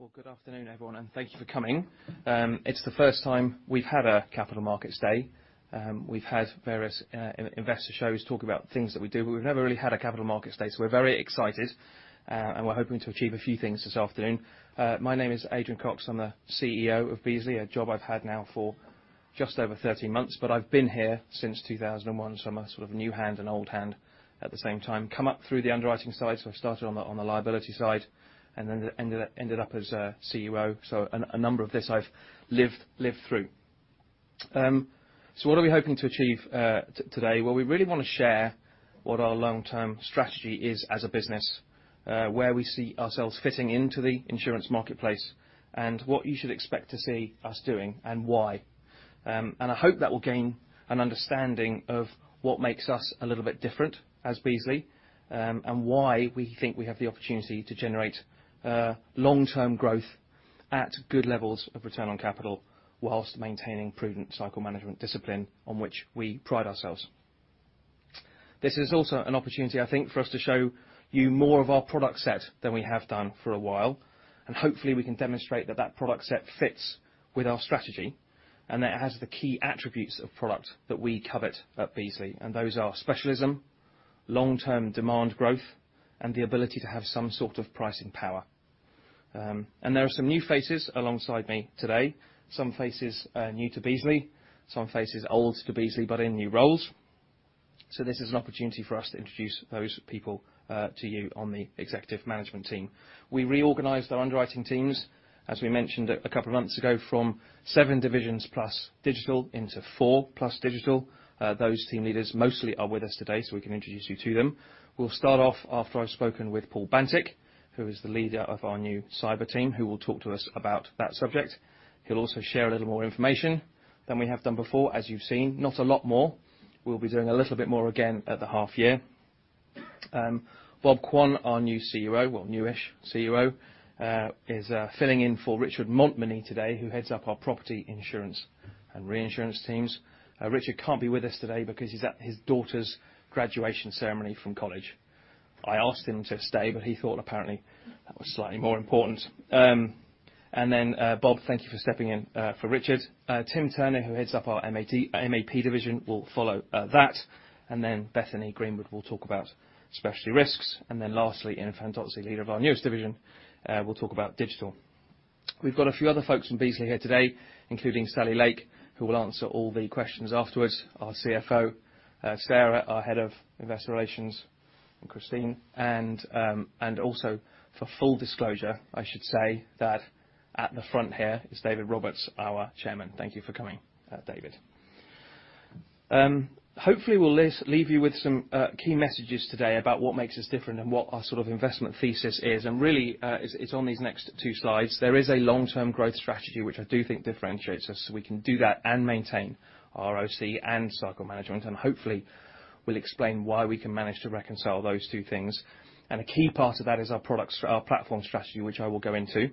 Well, good afternoon everyone and thank you for coming. It's the first time we've had a capital markets day. We've had various investor shows talk about things that we do but we've never really had a capital markets day. We're very excited and we're hoping to achieve a few things this afternoon. My name is Adrian Cox. I'm the CEO of Beazley, a job I've had now for just over 13 months but I've been here since 2001, so I'm a sort of new hand and old hand at the same time. Come up through the underwriting side, so I've started on the liability side and then ended up as CEO. So a number of this I've lived through. So what are we hoping to achieve today? Well, we really wanna share what our long-term strategy is as a business, where we see ourselves fitting into the insurance marketplace and what you should expect to see us doing and why. I hope that will gain an understanding of what makes us a little bit different as Beazley and why we think we have the opportunity to generate long-term growth at good levels of return on capital whilst maintaining prudent cycle management discipline on which we pride ourselves. This is also an opportunity, I think, for us to show you more of our product set than we have done for a while and hopefully we can demonstrate that that product set fits with our strategy and that it has the key attributes of product that we covet at Beazley Those are specialism, long-term demand growth and the ability to have some sort of pricing power. There are some new faces alongside me today. Some faces new to Beazley, some faces old to Beazley but in new roles. This is an opportunity for us to introduce those people to you on the executive management team. We reorganized our underwriting teams, as we mentioned a couple of months ago, from seven divisions plus digital into four plus digital. Those team leaders mostly are with us today, so we can introduce you to them. We'll start off after I've spoken with Paul Bantick, who is the leader of our new cyber team, who will talk to us about that subject. He'll also share a little more information than we have done before, as you've seen. Not a lot more. We'll be doing a little bit more again at the half year. Bob Quane, our new CEO, well, new-ish CEO, is filling in for Richard Montminy today, who heads up our property insurance and reinsurance teams. Richard can't be with us today because he's at his daughter's graduation ceremony from college. I asked him to stay but he thought apparently that was slightly more important. Bob, thank you for stepping in for Richard. Tim Turner, who heads up our MAP division, will follow that. Bethany Greenwood will talk about specialty risks. Lastly, Ian Fantozzi, leader of our newest division, will talk about digital. We've got a few other folks from Beazley here today, including Sally Lake, who will answer all the questions afterwards, our CFO, Sarah, our Head of Investor Relations and Christine. For full disclosure, I should say that at the front here is David Roberts, our Chairman. Thank you for coming, David. Hopefully, we'll leave you with some key messages today about what makes us different and what our sort of investment thesis is. Really, it's on these next two slides. There is a long-term growth strategy which I do think differentiates us, so we can do that and maintain our ROIC and cycle management. Hopefully, we'll explain why we can manage to reconcile those two things. A key part of that is our platform strategy, which I will go into.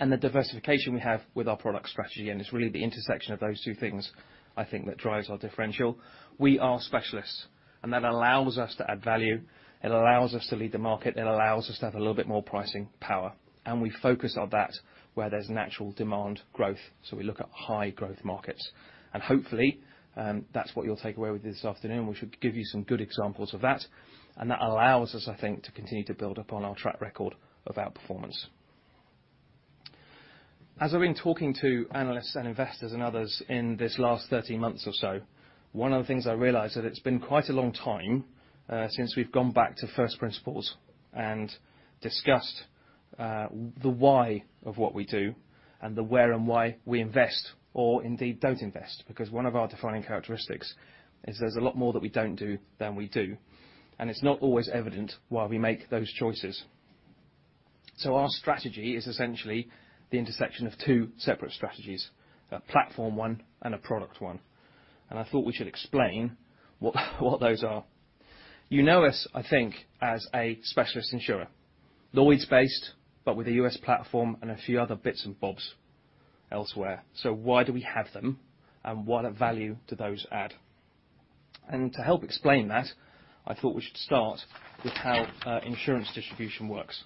The diversification we have with our product strategy and it's really the intersection of those two things I think that drives our differential. We are specialists and that allows us to add value, it allows us to lead the market, it allows us to have a little bit more pricing power. We focus on that where there's natural demand growth, so we look at high growth markets. Hopefully, that's what you'll take away with this afternoon. We should give you some good examples of that. That allows us, I think, to continue to build upon our track record of outperformance. As I've been talking to analysts and investors and others in this last 13 months or so, one of the things I realized that it's been quite a long time since we've gone back to first principles and discussed the why of what we do and the where and why we invest or indeed don't invest. Because one of our defining characteristics is there's a lot more that we don't do than we do and it's not always evident why we make those choices. Our strategy is essentially the intersection of two separate strategies, a platform one and a product one. I thought we should explain what those are. You know us, I think, as a specialist insurer. Lloyd's based but with a U.S. platform and a few other bits and bobs elsewhere. Why do we have them? What value do those add? To help explain that, I thought we should start with how insurance distribution works.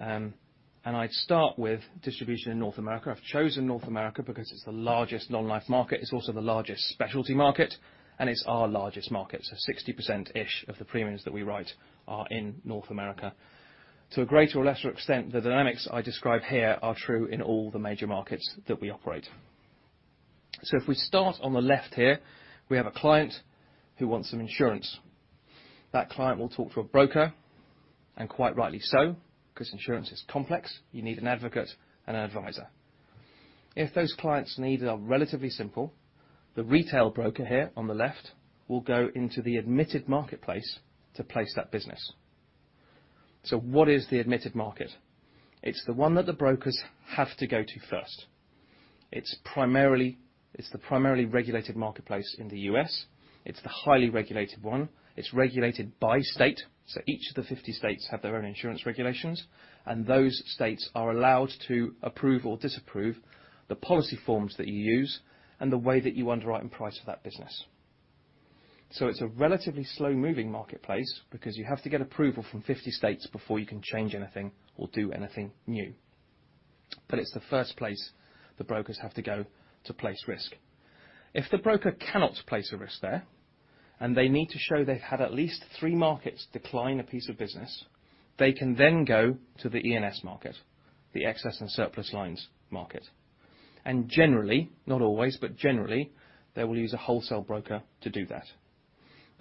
I'd start with distribution in North America. I've chosen North America because it's the largest long life market, it's also the largest specialty market and it's our largest market. 60%-ish of the premiums that we write are in North America. To a greater or lesser extent, the dynamics I describe here are true in all the major markets that we operate. If we start on the left here, we have a client who wants some insurance. That client will talk to a broker and quite rightly so, 'cause insurance is complex. You need an advocate and an advisor. If those clients' needs are relatively simple, the retail broker here on the left will go into the admitted marketplace to place that business. What is the admitted market? It's the one that the brokers have to go to first. It's the primarily regulated marketplace in the U.S. It's the highly regulated one. It's regulated by state, so each of the 50 states have their own insurance regulations and those states are allowed to approve or disapprove the policy forms that you use and the way that you underwrite and price for that business. It's a relatively slow-moving marketplace because you have to get approval from 50 states before you can change anything or do anything new. It's the first place the brokers have to go to place risk. If the broker cannot place a risk there and they need to show they've had at least three markets decline a piece of business, they can then go to the E&S market, the excess and surplus lines market. Generally, not always but generally, they will use a wholesale broker to do that.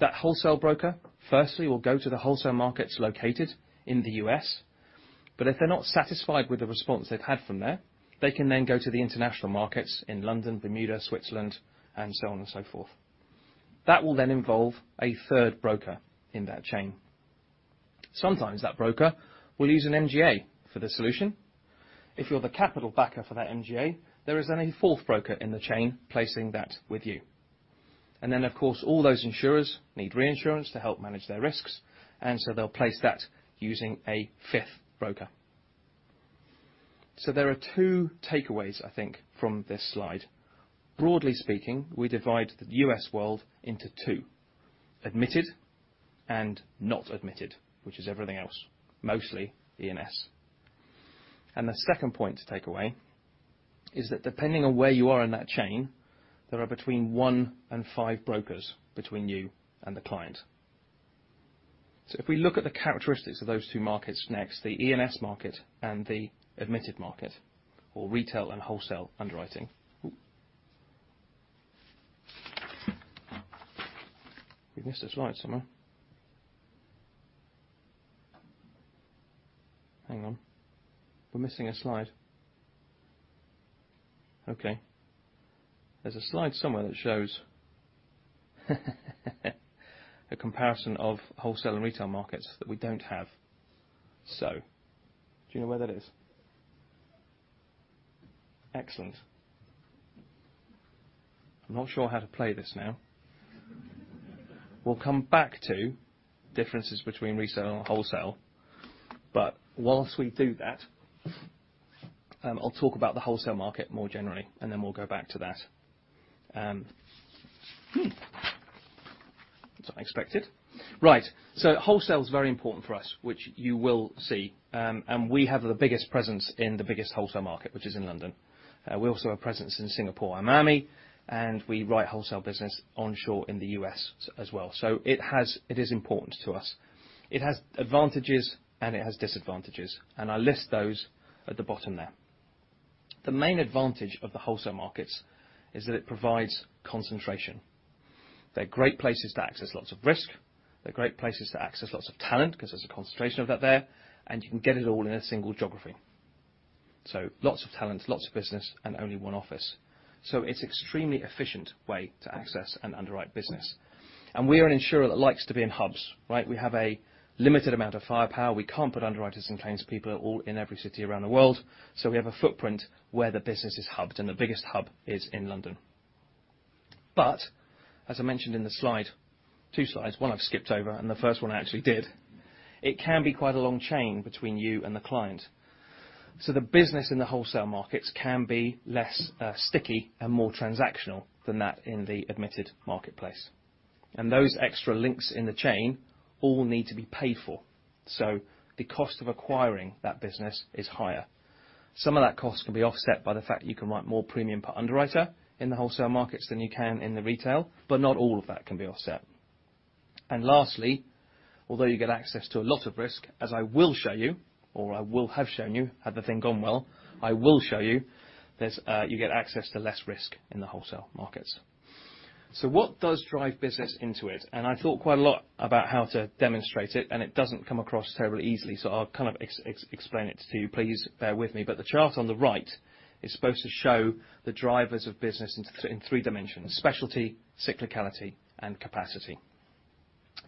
That wholesale broker firstly will go to the wholesale markets located in the U.S. but if they're not satisfied with the response they've had from there, they can then go to the international markets in London, Bermuda, Switzerland and so on and so forth. That will then involve a third broker in that chain. Sometimes that broker will use an MGA for the solution. If you're the capital backer for that MGA, there is only fourth broker in the chain placing that with you. Then of course, all those insurers need reinsurance to help manage their risks and so they'll place that using a fifth broker. There are two takeaways, I think, from this slide. Broadly speaking, we divide the U.S. world into two, admitted and not admitted, which is everything else, mostly E&S. The second point to take away is that depending on where you are in that chain, there are between one and five brokers between you and the client. If we look at the characteristics of those two markets next, the E&S market and the admitted market or retail and wholesale underwriting. We've missed a slide somewhere. Hang on. We're missing a slide. Okay. There's a slide somewhere that shows a comparison of wholesale and retail markets that we don't have. Do you know where that is? Excellent. I'm not sure how to play this now. We'll come back to differences between retail and wholesale but while we do that, I'll talk about the wholesale market more generally and then we'll go back to that. That's unexpected. Right. Wholesale is very important for us, which you will see. We have the biggest presence in the biggest wholesale market, which is in London. We also have presence in Singapore and Miami and we write wholesale business onshore in the U.S. as well. It is important to us. It has advantages and it has disadvantages and I list those at the bottom there. The main advantage of the wholesale markets is that it provides concentration. They're great places to access lots of risk, they're great places to access lots of talent 'cause there's a concentration of that there and you can get it all in a single geography. Lots of talent, lots of business and only one office. It's extremely efficient way to access and underwrite business. We are an insurer that likes to be in hubs, right? We have a limited amount of firepower. We can't put underwriters and claims people all in every city around the world. We have a footprint where the business is hubbed and the biggest hub is in London. As I mentioned in the slide, two slides, one I've skipped over and the first one I actually did, it can be quite a long chain between you and the client. The business in the wholesale markets can be less, sticky and more transactional than that in the admitted marketplace. Those extra links in the chain all need to be paid for. The cost of acquiring that business is higher. Some of that cost can be offset by the fact that you can write more premium per underwriter in the wholesale markets than you can in the retail but not all of that can be offset. Lastly, although you get access to a lot of risk, as I will show you or I will have shown you, had the thing gone well, I will show you, there's you get access to less risk in the wholesale markets. What does drive business into it? I thought quite a lot about how to demonstrate it and it doesn't come across terribly easily. I'll kind of explain it to you. Please bear with me. The chart on the right is supposed to show the drivers of business in three dimensions, specialty, cyclicality and capacity.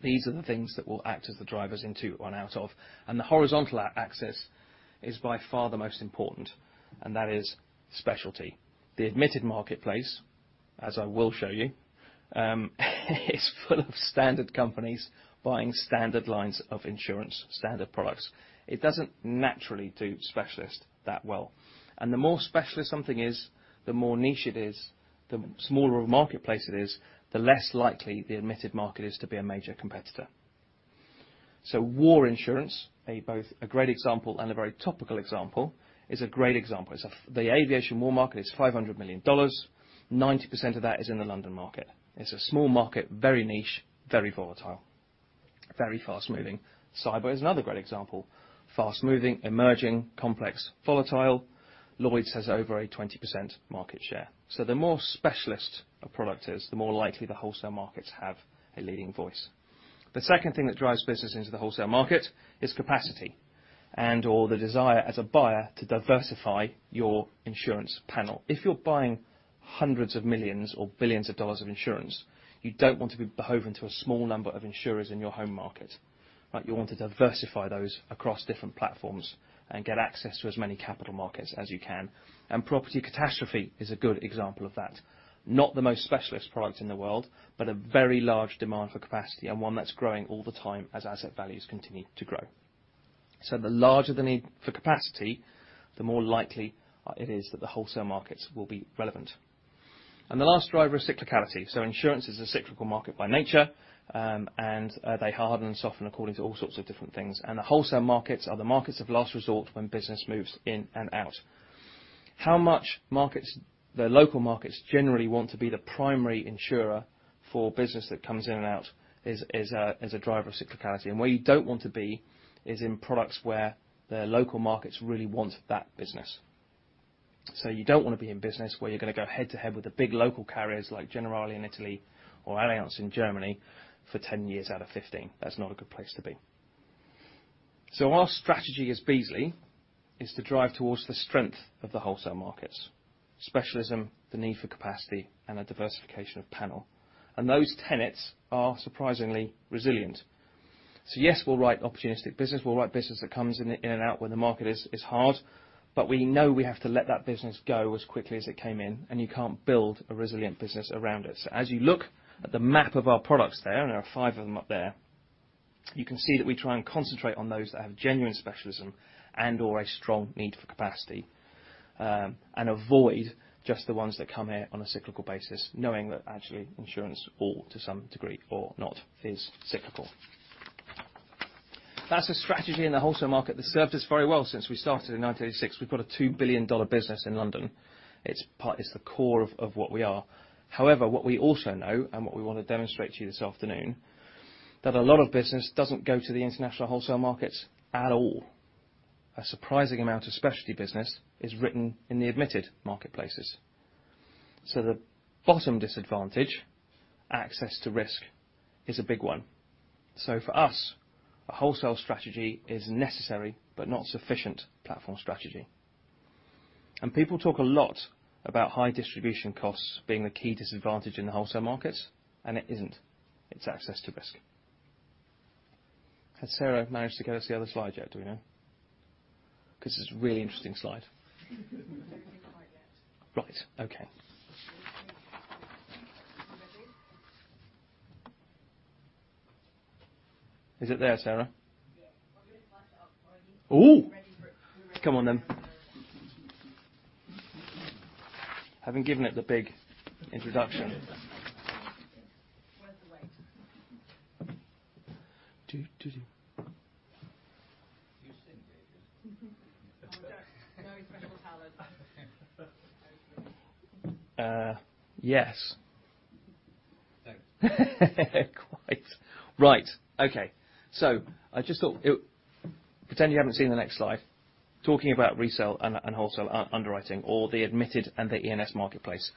These are the things that will act as the drivers into or out of. The horizontal axis is by far the most important and that is specialty. The admitted marketplace, as I will show you, is full of standard companies buying standard lines of insurance, standard products. It doesn't naturally do specialist that well. The more specialist something is, the more niche it is, the smaller of a marketplace it is, the less likely the admitted market is to be a major competitor. War insurance, a great example and a very topical example, is a great example. It's the aviation war market is $500 million, 90% of that is in the London market. It's a small market, very niche, very volatile, very fast-moving. Cyber is another great example. Fast-moving, emerging, complex, volatile. Lloyd's has over a 20% market share. The more specialist a product is, the more likely the wholesale markets have a leading voice. The second thing that drives business into the wholesale market is capacity and/or the desire as a buyer to diversify your insurance panel. If you're buying hundreds of millions or billions of dollars of insurance, you don't want to be beholden to a small number of insurers in your home market. Right? You want to diversify those across different platforms and get access to as many capital markets as you can. Property catastrophe is a good example of that. Not the most specialist product in the world but a very large demand for capacity and one that's growing all the time as asset values continue to grow. The larger the need for capacity, the more likely it is that the wholesale markets will be relevant. The last driver is cyclicality. Insurance is a cyclical market by nature, they harden and soften according to all sorts of different things. The wholesale markets are the markets of last resort when business moves in and out. The local markets generally want to be the primary insurer for business that comes in and out is a driver of cyclicality. Where you don't want to be is in products where the local markets really want that business. You don't wanna be in business where you're gonna go head to head with the big local carriers like Generali in Italy or Allianz in Germany for 10 years out of 15. That's not a good place to be. Our strategy as Beazley is to drive towards the strength of the wholesale markets, specialism, the need for capacity and a diversification of panel. Those tenets are surprisingly resilient. Yes, we'll write opportunistic business. We'll write business that comes in and out where the market is hard but we know we have to let that business go as quickly as it came in and you can't build a resilient business around it. As you look at the map of our products there and there are five of them up there, you can see that we try and concentrate on those that have genuine specialism and or a strong need for capacity and avoid just the ones that come here on a cyclical basis, knowing that actually insurance all to some degree or not is cyclical. That's a strategy in the wholesale market that's served us very well since we started in 1986. We've got a $2 billion business in London. It's the core of what we are. However, what we also know and what we wanna demonstrate to you this afternoon, that a lot of business doesn't go to the international wholesale markets at all. A surprising amount of specialty business is written in the admitted marketplaces. The bottom disadvantage, access to risk, is a big one. For us, a wholesale strategy is necessary but not sufficient platform strategy. People talk a lot about high distribution costs being the key disadvantage in the wholesale markets and it isn't. It's access to risk. Has Sarah managed to get us the other slide yet? Do we know? 'Cause it's a really interesting slide. Not yet. Right. Okay. Ready? Is it there, Sarah? Yeah. We're gonna find out. Ooh. We're ready for it. Come on then. Having given it the big introduction. Worth the wait. Very special talent. I just thought it. Pretend you haven't seen the next slide. Talking about retail and wholesale underwriting or the admitted and the E&S marketplace.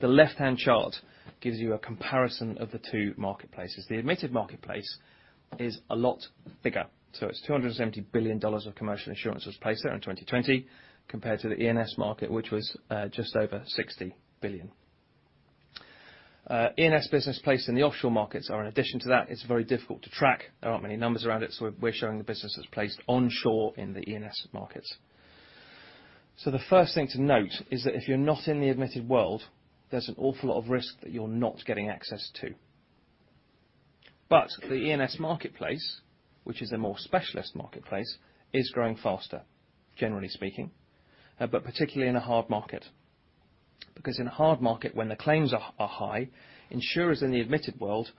The left-hand chart gives you a comparison of the two marketplaces. The admitted marketplace is a lot bigger. It's $270 billion of commercial insurance was placed there in 2020 compared to the E&S market, which was just over $60 billion. E&S business placed in the offshore markets are an addition to that. It's very difficult to track. There aren't many numbers around it, so we're showing the businesses placed onshore in the E&S markets. The first thing to note is that if you're not in the admitted world, there's an awful lot of risk that you're not getting access to. The E&S marketplace, which is a more specialist marketplace, is growing faster, generally speaking but particularly in a hard market. Because in a hard market, when the claims are high, insurers in the admitted world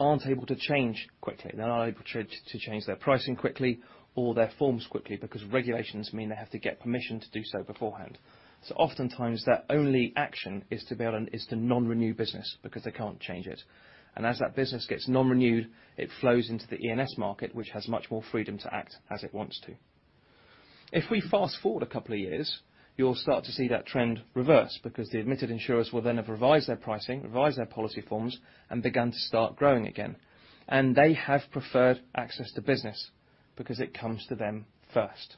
aren't able to change quickly. They're not able to change their pricing quickly or their forms quickly because regulations mean they have to get permission to do so beforehand. So oftentimes their only action is to non-renew business because they can't change it. As that business gets non-renewed, it flows into the E&S market, which has much more freedom to act as it wants to. If we fast-forward a couple of years, you'll start to see that trend reverse because the admitted insurers will then have revised their pricing, revised their policy forms and began to start growing again. They have preferred access to business because it comes to them first.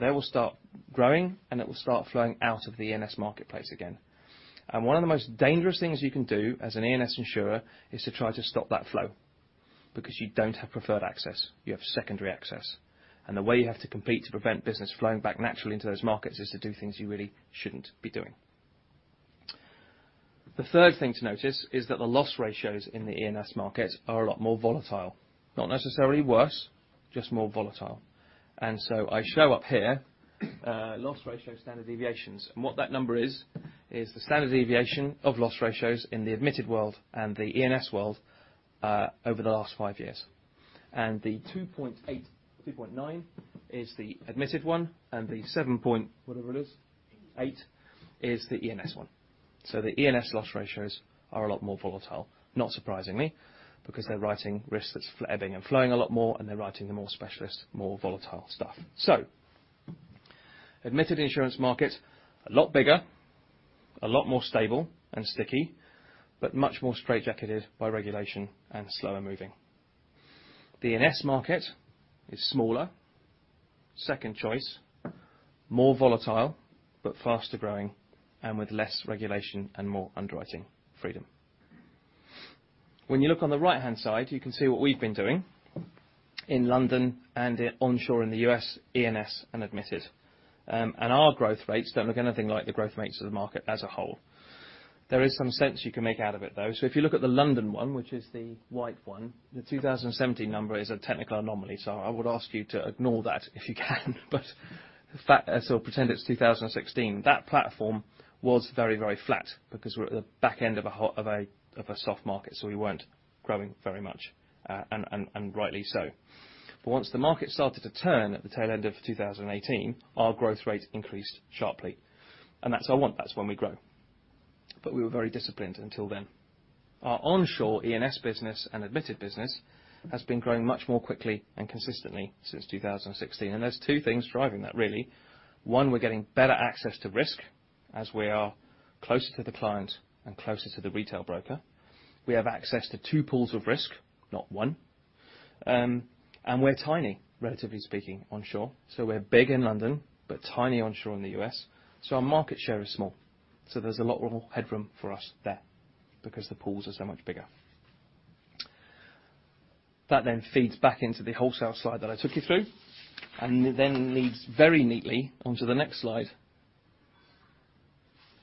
They will start growing and it will start flowing out of the E&S marketplace again. One of the most dangerous things you can do as an E&S insurer is to try to stop that flow because you don't have preferred access, you have secondary access. The way you have to compete to prevent business flowing back naturally into those markets is to do things you really shouldn't be doing. The third thing to notice is that the loss ratios in the E&S markets are a lot more volatile. Not necessarily worse, just more volatile. I show up here, loss ratio standard deviations. What that number is the standard deviation of loss ratios in the admitted world and the E&S world, over the last five years. 2.9 is the admitted one and the 7, whatever it is, 8 is the E&S one. The E&S loss ratios are a lot more volatile, not surprisingly, because they're writing risks that's ebbing and flowing a lot more and they're writing the more specialist, more volatile stuff. Admitted insurance market, a lot bigger, a lot more stable and sticky but much more straitjacketed by regulation and slower moving. The E&S market is smaller, second choice, more volatile but faster growing and with less regulation and more underwriting freedom. When you look on the right-hand side, you can see what we've been doing in London and in onshore in the U.S., E&S and admitted. Our growth rates don't look anything like the growth rates of the market as a whole. There is some sense you can make out of it though. If you look at the London one, which is the white one, the 2017 number is a technical anomaly, so I would ask you to ignore that if you can. Pretend it's 2016. That platform was very flat because we're at the back end of a soft market, so we weren't growing very much and rightly so. Once the market started to turn at the tail end of 2018, our growth rate increased sharply. That's what I want, that's when we grow. We were very disciplined until then. Our onshore E&S business and admitted business has been growing much more quickly and consistently since 2016 and there's two things driving that really. One, we're getting better access to risk, as we are closer to the client and closer to the retail broker. We have access to two pools of risk, not one. We're tiny, relatively speaking, onshore. We're big in London but tiny onshore in the U.S. Our market share is small. There's a lot more headroom for us there, because the pools are so much bigger. That then feeds back into the wholesale slide that I took you through and then leads very neatly onto the next slide,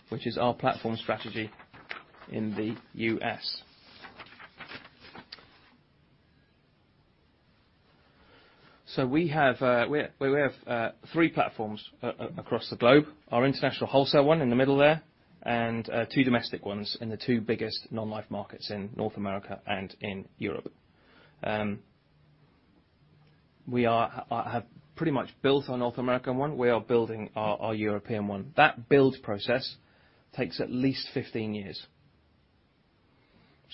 which is our platform strategy in the U.S. We have three platforms across the globe. Our international wholesale one in the middle there and two domestic ones in the two biggest non-life markets in North America and in Europe. We have pretty much built our North American one. We are building our European one. That build process takes at least 15 years.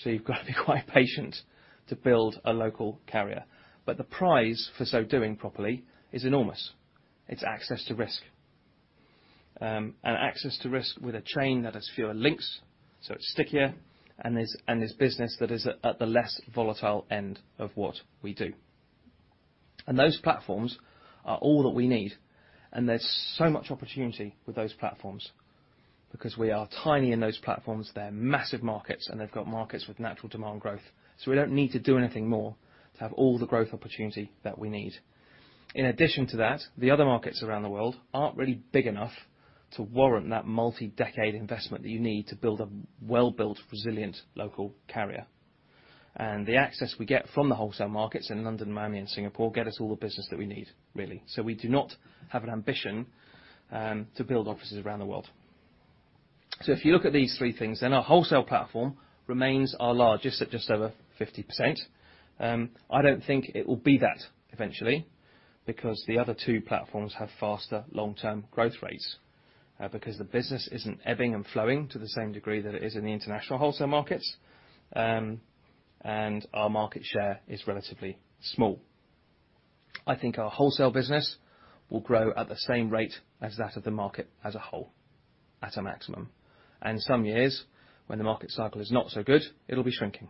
You've got to be quite patient to build a local carrier. The prize for so doing properly is enormous. It's access to risk. Access to risk with a chain that has fewer links, so it's stickier and there's business that is at the less volatile end of what we do. Those platforms are all that we need and there's so much opportunity with those platforms because we are tiny in those platforms. They're massive markets and they've got markets with natural demand growth. We don't need to do anything more to have all the growth opportunity that we need. In addition to that, the other markets around the world aren't really big enough to warrant that multi-decade investment that you need to build a well-built, resilient local carrier. The access we get from the wholesale markets in London, Miami and Singapore get us all the business that we need, really. We do not have an ambition to build offices around the world. If you look at these three things, then our wholesale platform remains our largest at just over 50%. I don't think it will be that eventually, because the other two platforms have faster long-term growth rates, because the business isn't ebbing and flowing to the same degree that it is in the international wholesale markets and our market share is relatively small. I think our wholesale business will grow at the same rate as that of the market as a whole, at a maximum. Some years, when the market cycle is not so good, it'll be shrinking.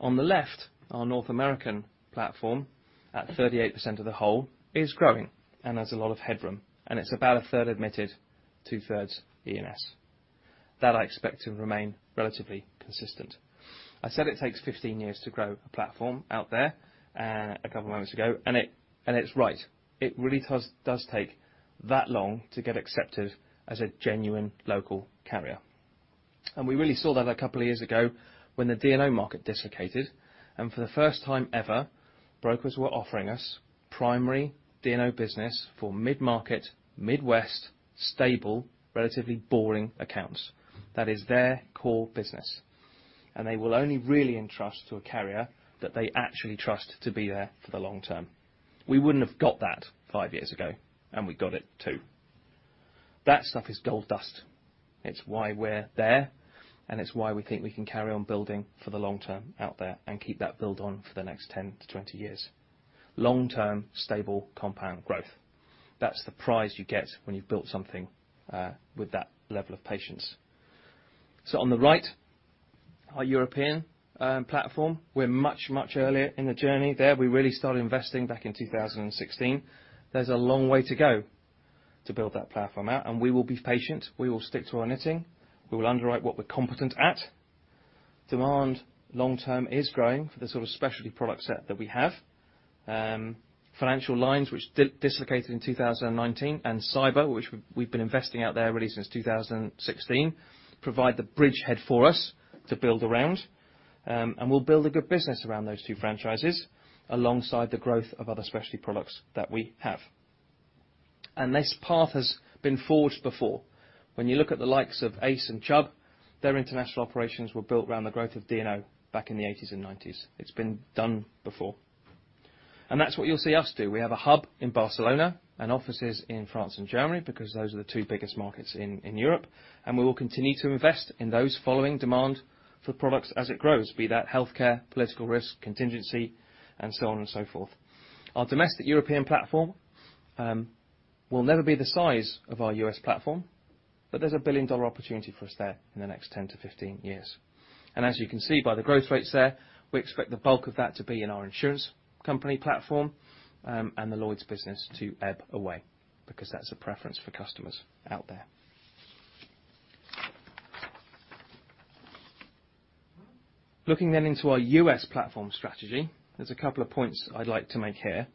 On the left, our North American platform at 38% of the whole is growing and has a lot of headroom. It's about a third admitted, two-thirds E&S. That I expect to remain relatively consistent. I said it takes 15 years to grow a platform out there, a couple of moments ago and it's right. It really does take that long to get accepted as a genuine local carrier. We really saw that a couple of years ago when the D&O market dislocated and for the first time ever, brokers were offering us primary D&O business for mid-market, Midwest, stable, relatively boring accounts. That is their core business. They will only really entrust to a carrier that they actually trust to be there for the long term. We wouldn't have got that five years ago and we got it too. That stuff is gold dust. It's why we're there and it's why we think we can carry on building for the long term out there and keep that build on for the next 10-20 years. Long-term, stable compound growth. That's the prize you get when you've built something with that level of patience. On the right, our European platform. We're much, much earlier in the journey there. We really started investing back in 2016. There's a long way to go to build that platform out and we will be patient. We will stick to our knitting. We will underwrite what we're competent at. Demand long term is growing for the sort of specialty product set that we have. Financial lines, which dislocated in 2019 and cyber, which we've been investing out there really since 2016, provide the bridgehead for us to build around. We'll build a good business around those two franchises alongside the growth of other specialty products that we have. This path has been forged before. When you look at the likes of ACE and Chubb, their international operations were built around the growth of D&O back in the 1980s and 1990s. It's been done before. That's what you'll see us do. We have a hub in Barcelona and offices in France and Germany because those are the two biggest markets in Europe and we will continue to invest in those following demand for products as it grows, be that healthcare, political risk, contingency and so on and so forth. Our domestic European platform will never be the size of our U.S. platform but there's a billion-dollar opportunity for us there in the next 10-15 years. As you can see by the growth rates there, we expect the bulk of that to be in our insurance company platform and the Lloyd's business to ebb away, because that's a preference for customers out there. Looking into our U.S. platform strategy, there's a couple of points I'd like to make here.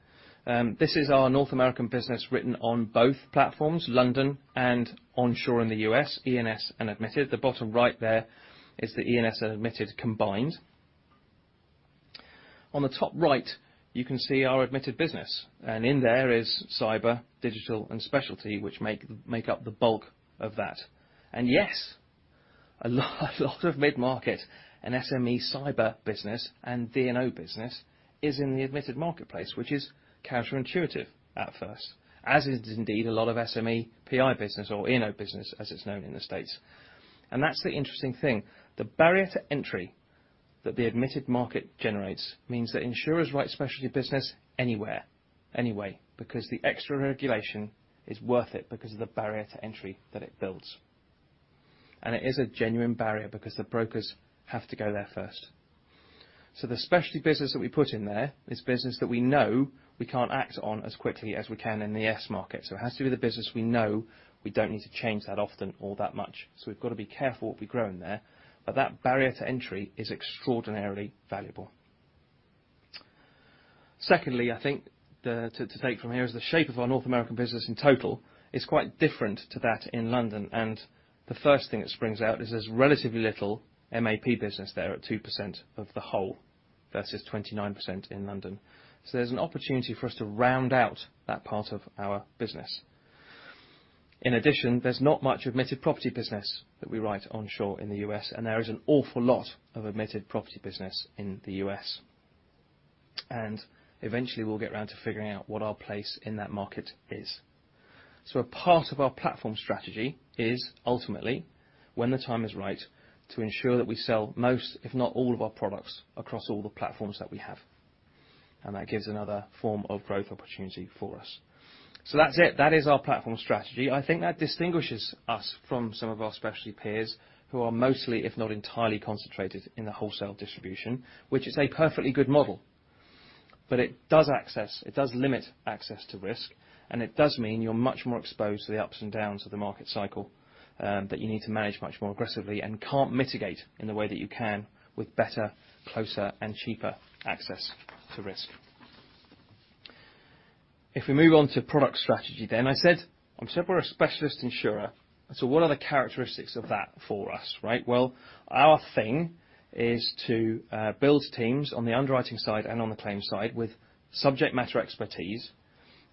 This is our North American business written on both platforms, London and onshore in the U.S., E&S and admitted. The bottom right there is the E&S and admitted combined. On the top right, you can see our admitted business and in there is cyber, digital and specialty, which make up the bulk of that. Yes, a lot of mid-market and SME cyber business and D&O business is in the admitted marketplace, which is counterintuitive at first, as is indeed a lot of SME PI business or E&O business as it's known in the States. That's the interesting thing. The barrier to entry that the admitted market generates means that insurers write specialty business anywhere, anyway, because the extra regulation is worth it because of the barrier to entry that it builds. It is a genuine barrier because the brokers have to go there first. The specialty business that we put in there is business that we know we can't act on as quickly as we can in the S market. It has to be the business we know we don't need to change that often or that much. We've got to be careful what we grow in there but that barrier to entry is extraordinarily valuable. Secondly, I think to take from here is the shape of our North American business in total is quite different to that in London. The first thing that springs out is there's relatively little MAP business there at 2% of the whole, versus 29% in London. There's an opportunity for us to round out that part of our business. In addition, there's not much admitted property business that we write onshore in the U.S. and there is an awful lot of admitted property business in the U.S. Eventually we'll get around to figuring out what our place in that market is. A part of our platform strategy is ultimately, when the time is right, to ensure that we sell most, if not all of our products across all the platforms that we have. That gives another form of growth opportunity for us. That's it. That is our platform strategy. I think that distinguishes us from some of our specialty peers who are mostly, if not entirely, concentrated in the wholesale distribution, which is a perfectly good model. It does limit access to risk and it does mean you're much more exposed to the ups and downs of the market cycle, that you need to manage much more aggressively and can't mitigate in the way that you can with better, closer and cheaper access to risk. If we move on to product strategy then, I said we're a specialist insurer, so what are the characteristics of that for us, right? Well, our thing is to build teams on the underwriting side and on the claims side with subject matter expertise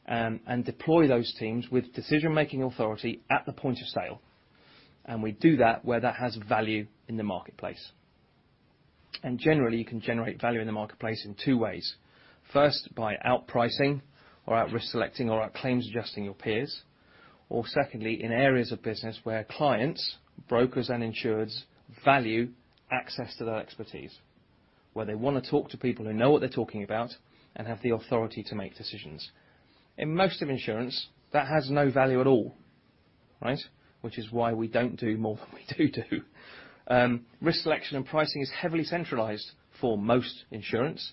and deploy those teams with decision-making authority at the point of sale. We do that where that has value in the marketplace. Generally, you can generate value in the marketplace in two ways. First, by outpricing or out-risk selecting or out-claims adjusting your peers. Secondly, in areas of business where clients, brokers and insurers value access to their expertise, where they wanna talk to people who know what they're talking about and have the authority to make decisions. In most of insurance, that has no value at all, right? Which is why we don't do more than we do. Risk selection and pricing is heavily centralized for most insurance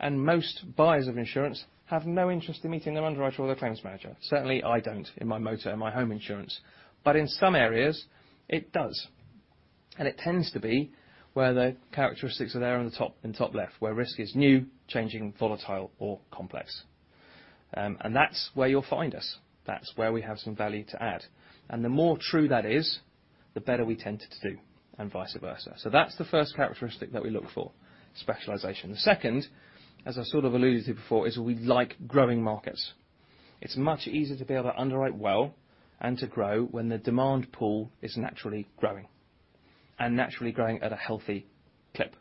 and most buyers of insurance have no interest in meeting their underwriter or their claims manager. Certainly, I don't in my motor or my home insurance. In some areas, it does. It tends to be where the characteristics are there on the top, in top left, where risk is new, changing, volatile or complex. That's where you'll find us. That's where we have some value to add. The more true that is, the better we tend to do and vice versa. That's the first characteristic that we look for, specialization. The second, as I sort of alluded to before, is we like growing markets. It's much easier to be able to underwrite well and to grow when the demand pool is naturally growing and naturally growing at a healthy clip.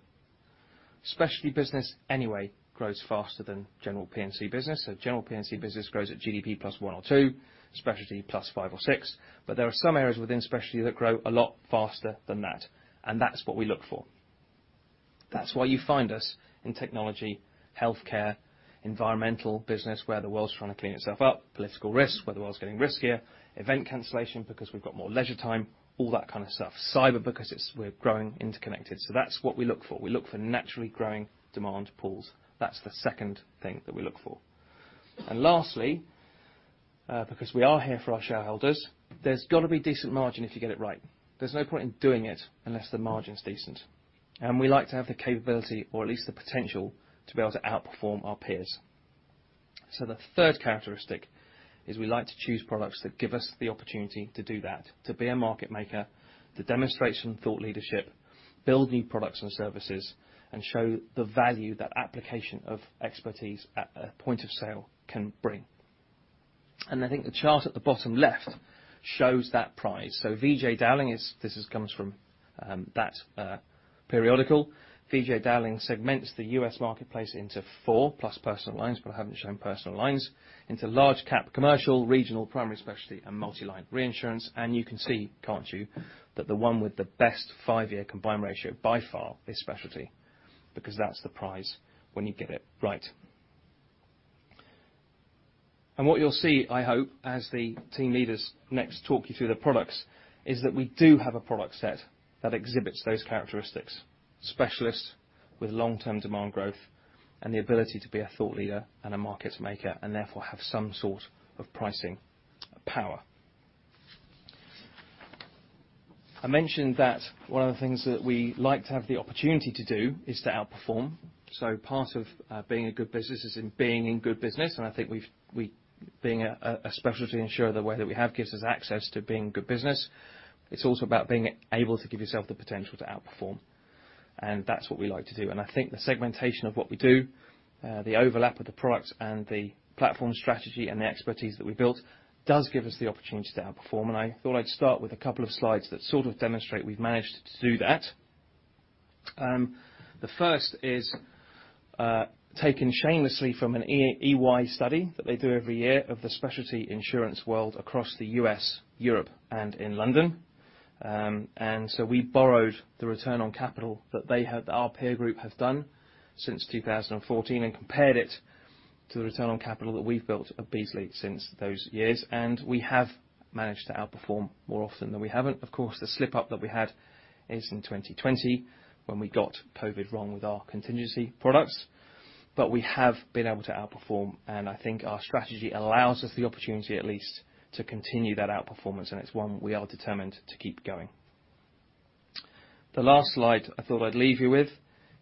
Specialty business anyway grows faster than general P&C business. General P&C business grows at GDP plus one or two, specialty plus five or six. There are some areas within specialty that grow a lot faster than that and that's what we look for. That's why you find us in technology, healthcare, environmental business, where the world's trying to clean itself up, political risk, where the world's getting riskier, event cancellation, because we've got more leisure time, all that kind of stuff. Cyber, because we're growing interconnected. That's what we look for. We look for naturally growing demand pools. That's the second thing that we look for. Lastly, because we are here for our shareholders, there's got to be decent margin if you get it right. There's no point in doing it unless the margin's decent. We like to have the capability or at least the potential to be able to outperform our peers. The third characteristic is we like to choose products that give us the opportunity to do that, to be a market maker, to demonstrate thought leadership, build new products and services and show the value that application of expertise at a point of sale can bring. I think the chart at the bottom left shows that prize. This comes from Dowling & Partners, that periodical. VJ Dowling segments the U.S. marketplace into four, plus personal lines but I haven't shown personal lines, into large cap commercial, regional, primary specialty and multi-line reinsurance. You can see, can't you, that the one with the best five-year combined ratio by far is specialty, because that's the prize when you get it right. What you'll see, I hope, as the team leaders next talk you through the products, is that we do have a product set that exhibits those characteristics, specialists with long-term demand growth and the ability to be a thought leader and a market maker and therefore have some sort of pricing power. I mentioned that one of the things that we like to have the opportunity to do is to outperform. Part of being a good business is in being in good business. I think being a specialty insurer the way that we have gives us access to being good business. It's also about being able to give yourself the potential to outperform and that's what we like to do. I think the segmentation of what we do, the overlap of the products and the platform strategy and the expertise that we built, does give us the opportunity to outperform. I thought I'd start with a couple of slides that sort of demonstrate we've managed to do that. The first is taken shamelessly from an EY study that they do every year of the specialty insurance world across the U.S., Europe and in London. We borrowed the return on capital that they had. Our peer group have done since 2014 and compared it to the return on capital that we've built at Beazley since those years. We have managed to outperform more often than we haven't. Of course, the slip up that we had is in 2020, when we got COVID wrong with our contingency products. We have been able to outperform and I think our strategy allows us the opportunity at least to continue that outperformance and it's one we are determined to keep going. The last slide I thought I'd leave you with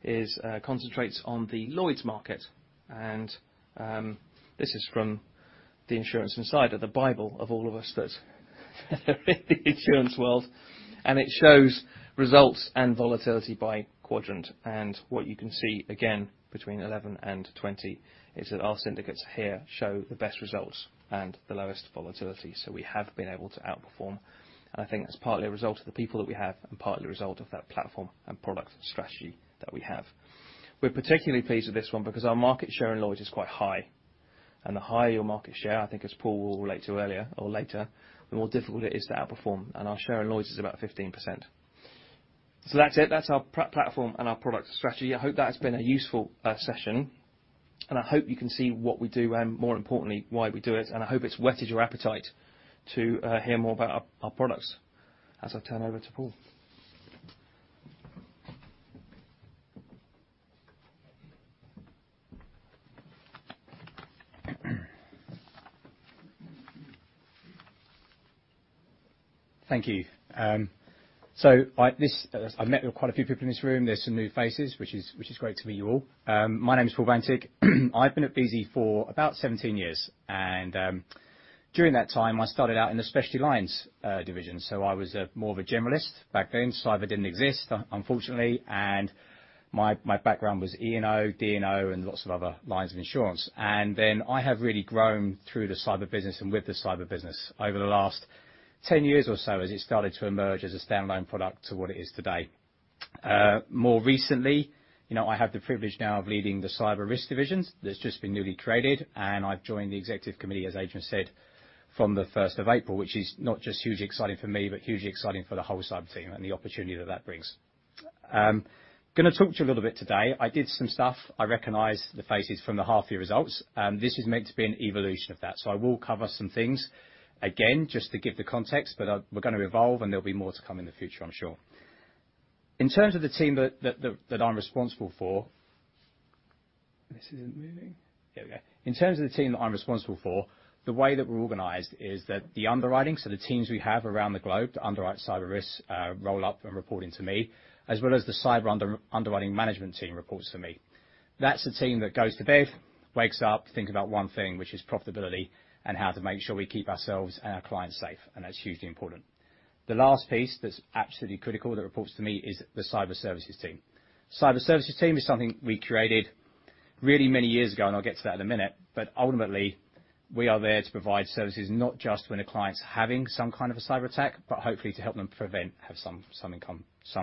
is concentrates on the Lloyd's market. This is from the Insurance Insider, the bible of all of us that are in the insurance world and it shows results and volatility by quadrant. What you can see, again, between 11 and 20, is that our syndicates here show the best results and the lowest volatility. We have been able to outperform. I think that's partly a result of the people that we have and partly a result of that platform and product strategy that we have. We're particularly pleased with this one because our market share in Lloyd's is quite high. The higher your market share, I think as Paul will relate to earlier or later, the more difficult it is to outperform. Our share in Lloyd's is about 15%. That's it. That's our platform and our product strategy. I hope that has been a useful session and I hope you can see what we do and more importantly, why we do it. I hope it's whetted your appetite to hear more about our products as I turn over to Paul. Thank you. Like this, as I've met with quite a few people in this room, there's some new faces, which is great to meet you all. My name is Paul Bantick. I've been at Beazley for about 17 years and during that time, I started out in the Specialty Lines division. I was more of a generalist back then. Cyber didn't exist, unfortunately and my background was E&O, D&O and lots of other lines of insurance. I have really grown through the cyber business and with the cyber business over the last 10 years or so as it started to emerge as a standalone product to what it is today. More recently, you know, I have the privilege now of leading the cyber risk division that's just been newly created and I've joined the executive committee, as Adrian said, from the first of April, which is not just hugely exciting for me but hugely exciting for the whole cyber team and the opportunity that that brings. Gonna talk to you a little bit today. I did some stuff. I recognize the faces from the half year results and this is meant to be an evolution of that. I will cover some things again, just to give the context but we're gonna evolve and there'll be more to come in the future, I'm sure. In terms of the team that I'm responsible for. This isn't moving. There we go. In terms of the team that I'm responsible for, the way that we're organized is that the underwriting, so the teams we have around the globe that underwrite cyber risks, roll up and reporting to me, as well as the cyber underwriting management team reports to me. That's the team that goes to bed, wakes up, thinks about one thing, which is profitability and how to make sure we keep ourselves and our clients safe and that's hugely important. The last piece that's absolutely critical that reports to me is the Cyber Services team. Cyber Services team is something we created really many years ago and I'll get to that in a minute. Ultimately, we are there to provide services not just when a client's having some kind of a cyber attack but hopefully to help them prevent some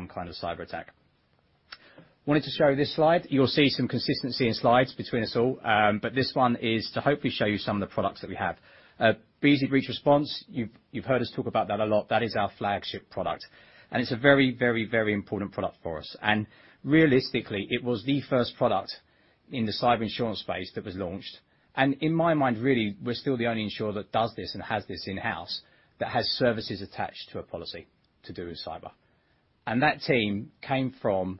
kind of cyber attack. Wanted to show you this slide. You'll see some consistency in slides between us all. This one is to hopefully show you some of the products that we have. Beazley Breach Response, you've heard us talk about that a lot. That is our flagship product and it's a very important product for us. Realistically, it was the first product in the cyber insurance space that was launched. In my mind, really, we're still the only insurer that does this and has this in-house that has services attached to a policy to do with cyber. That team came from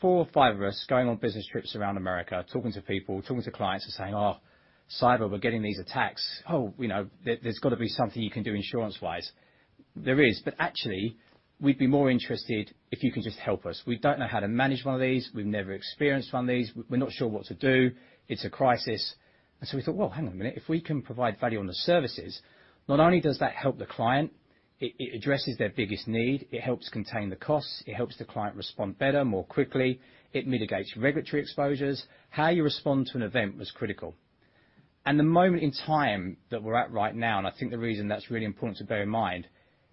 four or five of us going on business trips around America, talking to people, talking to clients and saying, "Oh, cyber, we're getting these attacks." "Oh, you know, there's got to be something you can do insurance-wise." "There is but actually, we'd be more interested if you can just help us. We don't know how to manage one of these. We've never experienced one of these. We're not sure what to do. It's a crisis." And so we thought, "Well, hang on a minute. If we can provide value on the services, not only does that help the client, it addresses their biggest need, it helps contain the costs, it helps the client respond better, more quickly, it mitigates regulatory exposures." How you respond to an event was critical. The moment in time that we're at right now and I think the reason that's really important to bear in mind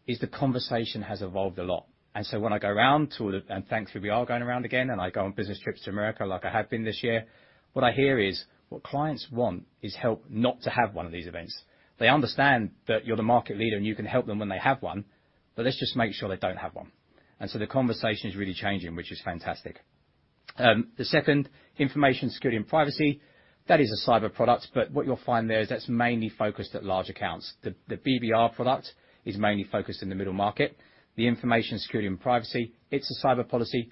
is the conversation has evolved a lot. When I go around and thankfully, we are going around again and I go on business trips to America like I have been this year. What I hear is, what clients want is help not to have one of these events. They understand that you're the market leader and you can help them when they have one but let's just make sure they don't have one. The conversation is really changing, which is fantastic. The second, information security and privacy, that is a cyber product but what you'll find there is that's mainly focused at large accounts. The BBR product is mainly focused in the middle market. The information security and privacy, it's a cyber policy,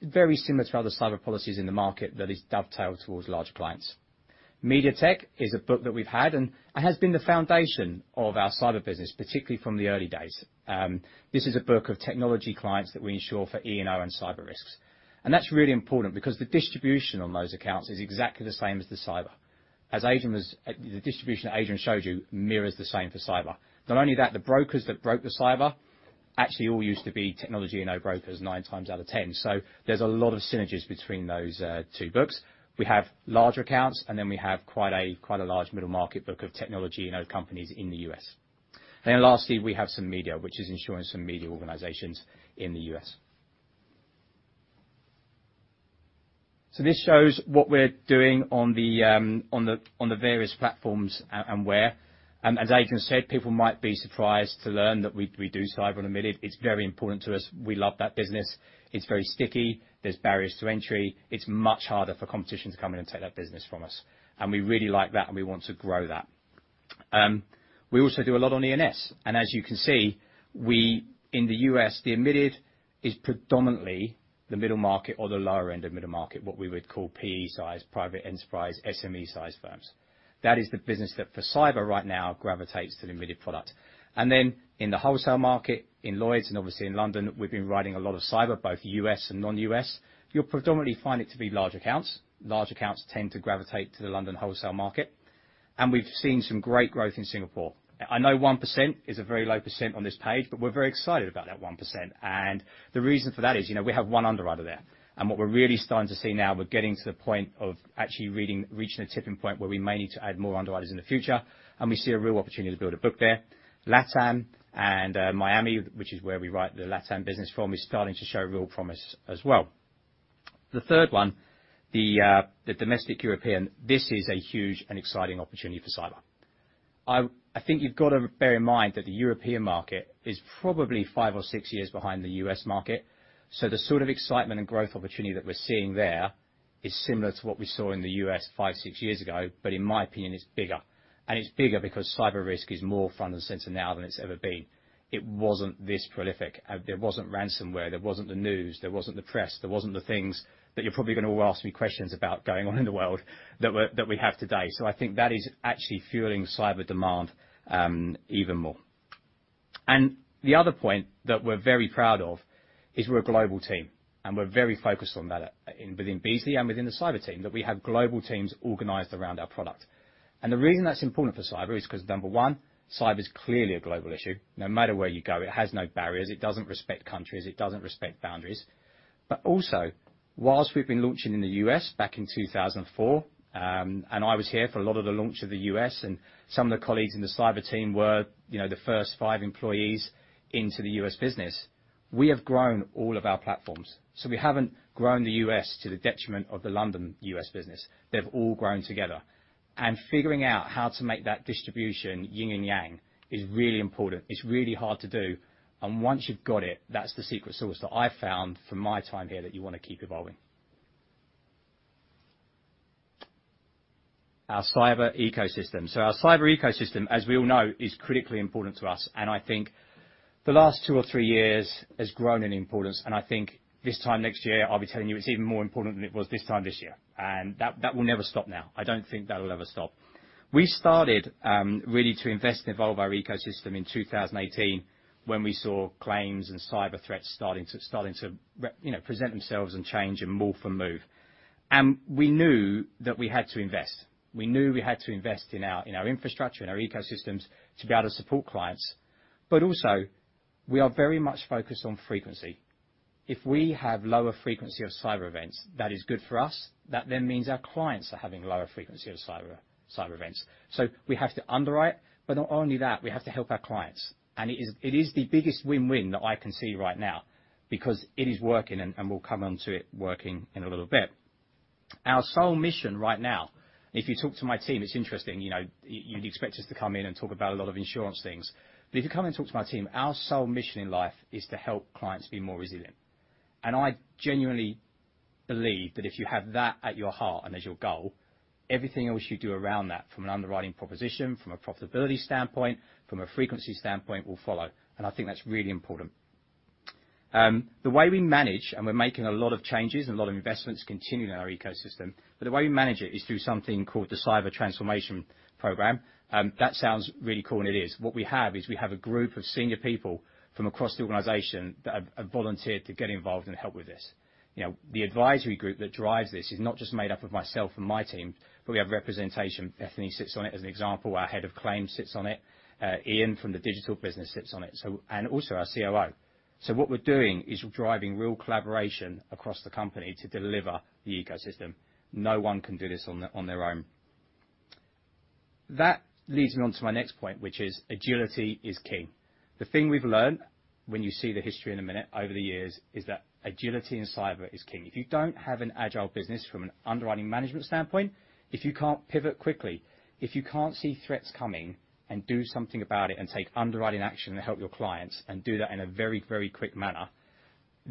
very similar to other cyber policies in the market that is dovetailed towards larger clients. MediaTech is a book that we've had and it has been the foundation of our cyber business, particularly from the early days. This is a book of technology clients that we insure for E&O and cyber risks. That's really important because the distribution on those accounts is exactly the same as the cyber. As Adrian showed you, the distribution mirrors the same for cyber. Not only that, the brokers that broke the cyber actually all used to be technology E&O brokers nine times out of ten. There's a lot of synergies between those two books. We have larger accounts and then we have quite a large middle market book of technology, you know, companies in the U.S. Lastly, we have some media, which is insuring some media organizations in the U.S. This shows what we're doing on the various platforms and where. As Adrian said, people might be surprised to learn that we do cyber on admitted. It's very important to us. We love that business. It's very sticky. There's barriers to entry. It's much harder for competition to come in and take that business from us and we really like that and we want to grow that. We also do a lot on E&S. As you can see, in the U.S., the admitted is predominantly the middle market or the lower end of middle market, what we would call PE size, private equity, SME size firms. That is the business that for cyber right now gravitates to the admitted product. Then in the wholesale market, in Lloyd's and obviously in London, we've been writing a lot of cyber, both U.S. and non-U.S. You'll predominantly find it to be large accounts. Large accounts tend to gravitate to the London wholesale market. We've seen some great growth in Singapore. I know 1% is a very low percent on this page but we're very excited about that 1%. The reason for that is, you know, we have one underwriter there. What we're really starting to see now, we're getting to the point of reaching a tipping point where we may need to add more underwriters in the future and we see a real opportunity to build a book there. LATAM and Miami, which is where we write the LATAM business from, is starting to show real promise as well. The third one, the domestic European, this is a huge and exciting opportunity for cyber. I think you've got to bear in mind that the European market is probably five or six years behind the U.S. market. The sort of excitement and growth opportunity that we're seeing there is similar to what we saw in the U.S. five, six years ago but in my opinion, it's bigger. It's bigger because cyber risk is more front and center now than it's ever been. It wasn't this prolific. There wasn't ransomware, there wasn't the news, there wasn't the press, there wasn't the things that you're probably gonna all ask me questions about going on in the world that we have today. I think that is actually fueling cyber demand, even more. The other point that we're very proud of is we're a global team and we're very focused on that within Beazley and within the cyber team, that we have global teams organized around our product. The reason that's important for cyber is 'cause number one, cyber is clearly a global issue. No matter where you go, it has no barriers, it doesn't respect countries, it doesn't respect boundaries. But also, while we've been launching in the U.S. back in 2004 and I was here for a lot of the launch of the U.S. and some of the colleagues in the cyber team were, you know, the first five employees into the U.S. business, we have grown all of our platforms. We haven't grown the U.S. to the detriment of the London-U.S. business. They've all grown together. Figuring out how to make that distribution yin and yang is really important. It's really hard to do. Once you've got it, that's the secret sauce that I found from my time here that you wanna keep evolving. Our cyber ecosystem. Our cyber ecosystem, as we all know, is critically important to us. I think the last two or three years has grown in importance. I think this time next year, I'll be telling you it's even more important than it was this time this year. That will never stop now. I don't think that'll ever stop. We started really to invest and evolve our ecosystem in 2018, when we saw claims and cyber threats starting to, you know, present themselves and change and morph and move. We knew that we had to invest. We knew we had to invest in our infrastructure, in our ecosystems to be able to support clients. Also, we are very much focused on frequency. If we have lower frequency of cyber events, that is good for us. That then means our clients are having lower frequency of cyber events. We have to underwrite. Not only that, we have to help our clients. It is the biggest win-win that I can see right now because it is working and we'll come on to it working in a little bit. Our sole mission right now, if you talk to my team, it's interesting, you know, you'd expect us to come in and talk about a lot of insurance things. If you come and talk to my team, our sole mission in life is to help clients be more resilient. I genuinely believe that if you have that at your heart and as your goal, everything else you do around that from an underwriting proposition, from a profitability standpoint, from a frequency standpoint will follow. I think that's really important. The way we manage and we're making a lot of changes and a lot of investments continuing in our ecosystem but the way we manage it is through something called the Cyber Transformation Program. That sounds really cool and it is. What we have is we have a group of senior people from across the organization that have volunteered to get involved and help with this. You know, the advisory group that drives this is not just made up of myself and my team but we have representation. Bethany sits on it as an example. Our head of claims sits on it. Ian from the digital business sits on it and also our COO. What we're doing is driving real collaboration across the company to deliver the ecosystem. No one can do this on their own. That leads me on to my next point, which is agility is king. The thing we've learned when you see the history in a minute over the years is that agility in cyber is king. If you don't have an agile business from an underwriting management standpoint, if you can't pivot quickly, if you can't see threats coming and do something about it and take underwriting action to help your clients and do that in a very, very quick manner,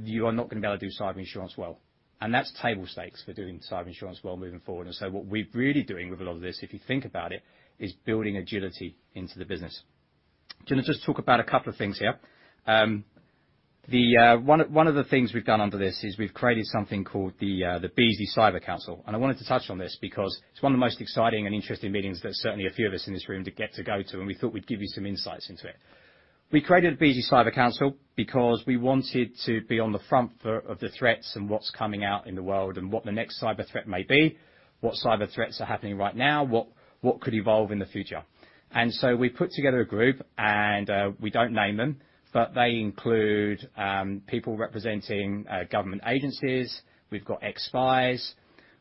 you are not gonna be able to do cyber insurance well. That's table stakes for doing cyber insurance well moving forward. What we're really doing with a lot of this, if you think about it, is building agility into the business. Gonna just talk about a couple of things here. The one of the things we've done under this is we've created something called the Beazley Cyber Council. I wanted to touch on this because it's one of the most exciting and interesting meetings that certainly a few of us in this room get to go to and we thought we'd give you some insights into it. We created Beazley Cyber Council because we wanted to be on the front of the threats and what's coming out in the world and what the next cyber threat may be, what cyber threats are happening right now, what could evolve in the future. We put together a group and we don't name them but they include people representing government agencies. We've got ex-spies.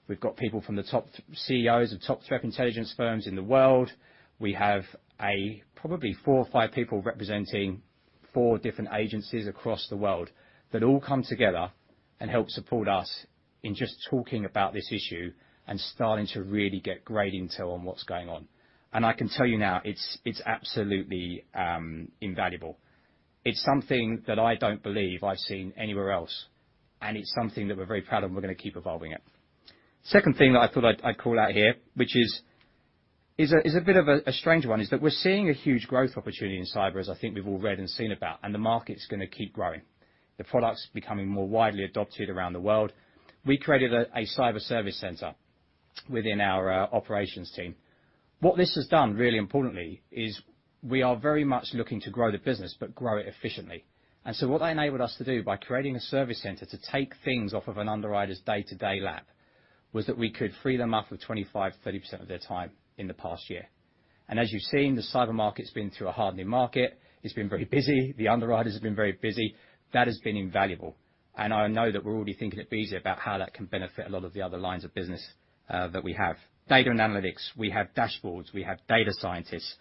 We've got people from the top CEOs of top threat intelligence firms in the world. We have probably four or five people representing four different agencies across the world that all come together and help support us in just talking about this issue and starting to really get great intel on what's going on. I can tell you now, it's absolutely invaluable. It's something that I don't believe I've seen anywhere else and it's something that we're very proud of and we're gonna keep evolving it. Second thing that I thought I'd call out here, which is a bit of a strange one, is that we're seeing a huge growth opportunity in cyber, as I think we've all read and seen about and the market's gonna keep growing. The product's becoming more widely adopted around the world. We created a cyber service center within our operations team. What this has done, really importantly, is we are very much looking to grow the business but grow it efficiently. What that enabled us to do by creating a service center to take things off of an underwriter's day-to-day lap was that we could free them up for 25-30% of their time in the past year. As you've seen, the cyber market's been through a hardening market. It's been very busy. The underwriters have been very busy. That has been invaluable. I know that we're already thinking at Beazley about how that can benefit a lot of the other lines of business that we have. Data and analytics. We have dashboards. We have data scientists.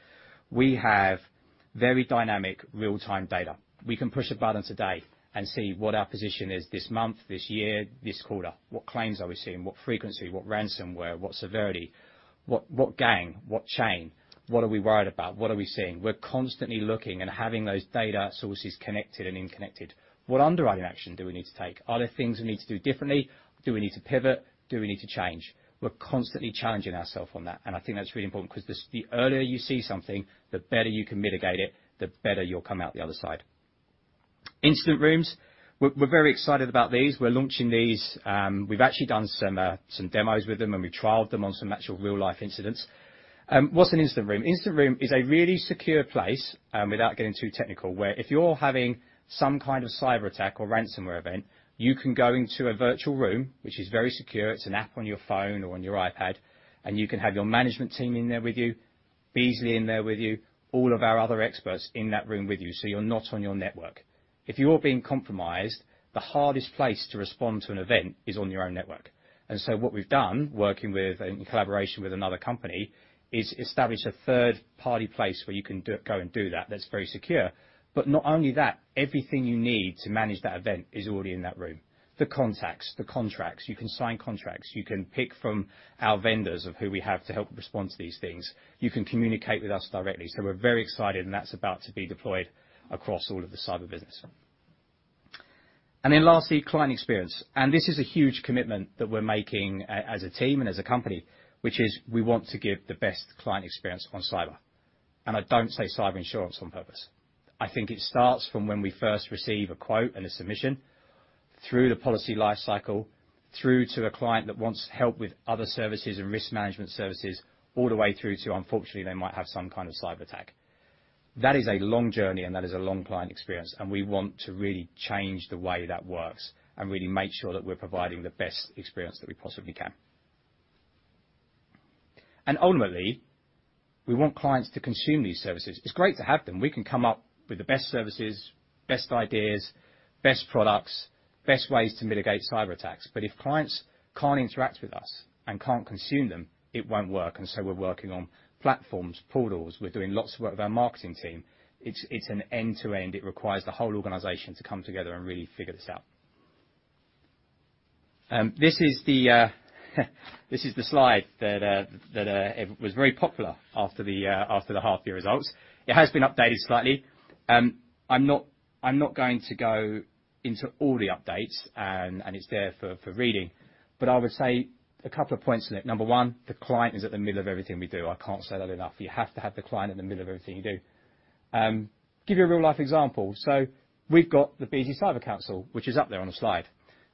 We have very dynamic real-time data. We can push a button today and see what our position is this month, this year, this quarter. What claims are we seeing? What frequency? What ransomware? What severity? What gang? What chain? What are we worried about? What are we seeing? We're constantly looking and having those data sources connected and interconnected. What underwriting action do we need to take? Are there things we need to do differently? Do we need to pivot? Do we need to change? We're constantly challenging ourselves on that and I think that's really important 'cause the sooner you see something, the better you can mitigate it, the better you'll come out the other side. Incident rooms. We're very excited about these. We're launching these. We've actually done some demos with them and we trialed them on some actual real-life incidents. What's an incident room? Incident room is a really secure place, without getting too technical, where if you're having some kind of cyberattack or ransomware event, you can go into a virtual room, which is very secure. It's an app on your phone or on your iPad and you can have your management team in there with you, Beazley in there with you, all of our other experts in that room with you, so you're not on your network. If you're being compromised, the hardest place to respond to an event is on your own network. What we've done, working with and in collaboration with another company, is establish a third-party place where you can go and do that that's very secure. Not only that, everything you need to manage that event is already in that room. The contacts, the contracts, you can sign contracts, you can pick from our vendors of who we have to help respond to these things. You can communicate with us directly. We're very excited and that's about to be deployed across all of the cyber business. Lastly, client experience. This is a huge commitment that we're making as a team and as a company, which is we want to give the best client experience on cyber. I don't say cyber insurance on purpose. I think it starts from when we first receive a quote and a submission through the policy life cycle, through to a client that wants help with other services and risk management services all the way through to, unfortunately, they might have some kind of cyberattack. That is a long journey and that is a long client experience and we want to really change the way that works and really make sure that we're providing the best experience that we possibly can. Ultimately, we want clients to consume these services. It's great to have them. We can come up with the best services, best ideas, best products, best ways to mitigate cyberattacks. If clients can't interact with us and can't consume them, it won't work. We're working on platforms, portals. We're doing lots of work with our marketing team. It's an end-to-end. It requires the whole organization to come together and really figure this out. This is the slide that it was very popular after the half-year results. It has been updated slightly. I'm not going to go into all the updates and it's there for reading but I would say a couple of points in it. Number one, the client is at the middle of everything we do. I can't say that enough. You have to have the client in the middle of everything you do. Give you a real-life example. We've got the Beazley Cyber Council, which is up there on the slide.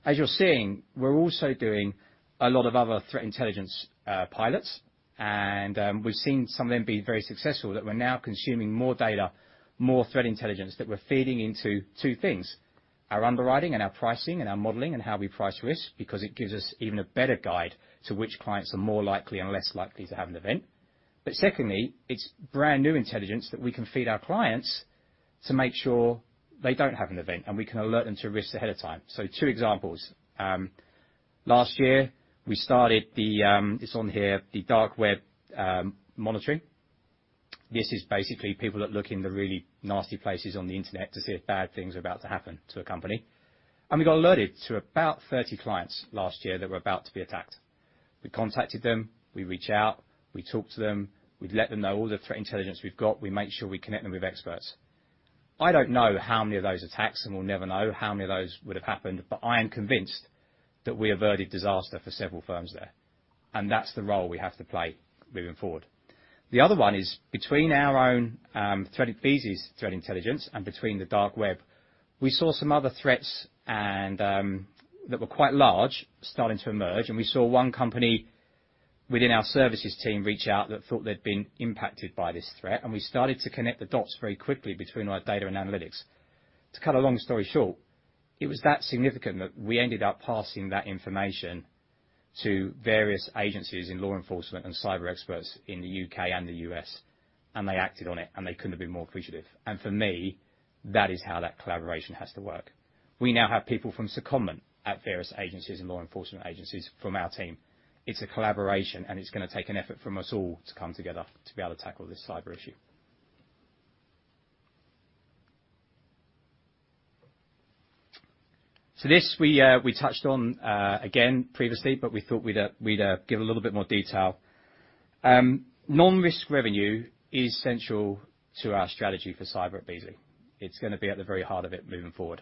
As you're seeing, we're also doing a lot of other threat intelligence, pilots and we've seen some of them be very successful that we're now consuming more data, more threat intelligence that we're feeding into two things. Our underwriting and our pricing and our modeling and how we price risk because it gives us even a better guide to which clients are more likely and less likely to have an event. Secondly, it's brand-new intelligence that we can feed our clients to make sure they don't have an event and we can alert them to risks ahead of time. Two examples. Last year, we started the, it's on here, the dark web, monitoring. This is basically people that look in the really nasty places on the internet to see if bad things are about to happen to a company. We got alerted to about 30 clients last year that were about to be attacked. We contacted them, we reach out, we talk to them, we let them know all the threat intelligence we've got, we make sure we connect them with experts. I don't know how many of those attacks and we'll never know how many of those would have happened but I am convinced that we averted disaster for several firms there. That's the role we have to play moving forward. The other one is between our own Beazley's threat intelligence and the dark web. We saw some other threats and that were quite large starting to emerge and we saw one company within our services team reach out that thought they'd been impacted by this threat and we started to connect the dots very quickly between our data and analytics. To cut a long story short, it was that significant that we ended up passing that information to various agencies in law enforcement and cyber experts in the U.K. and the U.S. and they acted on it and they couldn't have been more appreciative. For me, that is how that collaboration has to work. We now have people from secondment at various agencies and law enforcement agencies from our team. It's a collaboration and it's gonna take an effort from us all to come together to be able to tackle this cyber issue. We touched on it again previously but we thought we'd give a little bit more detail. Non-risk revenue is central to our strategy for cyber at Beazley. It's gonna be at the very heart of it moving forward.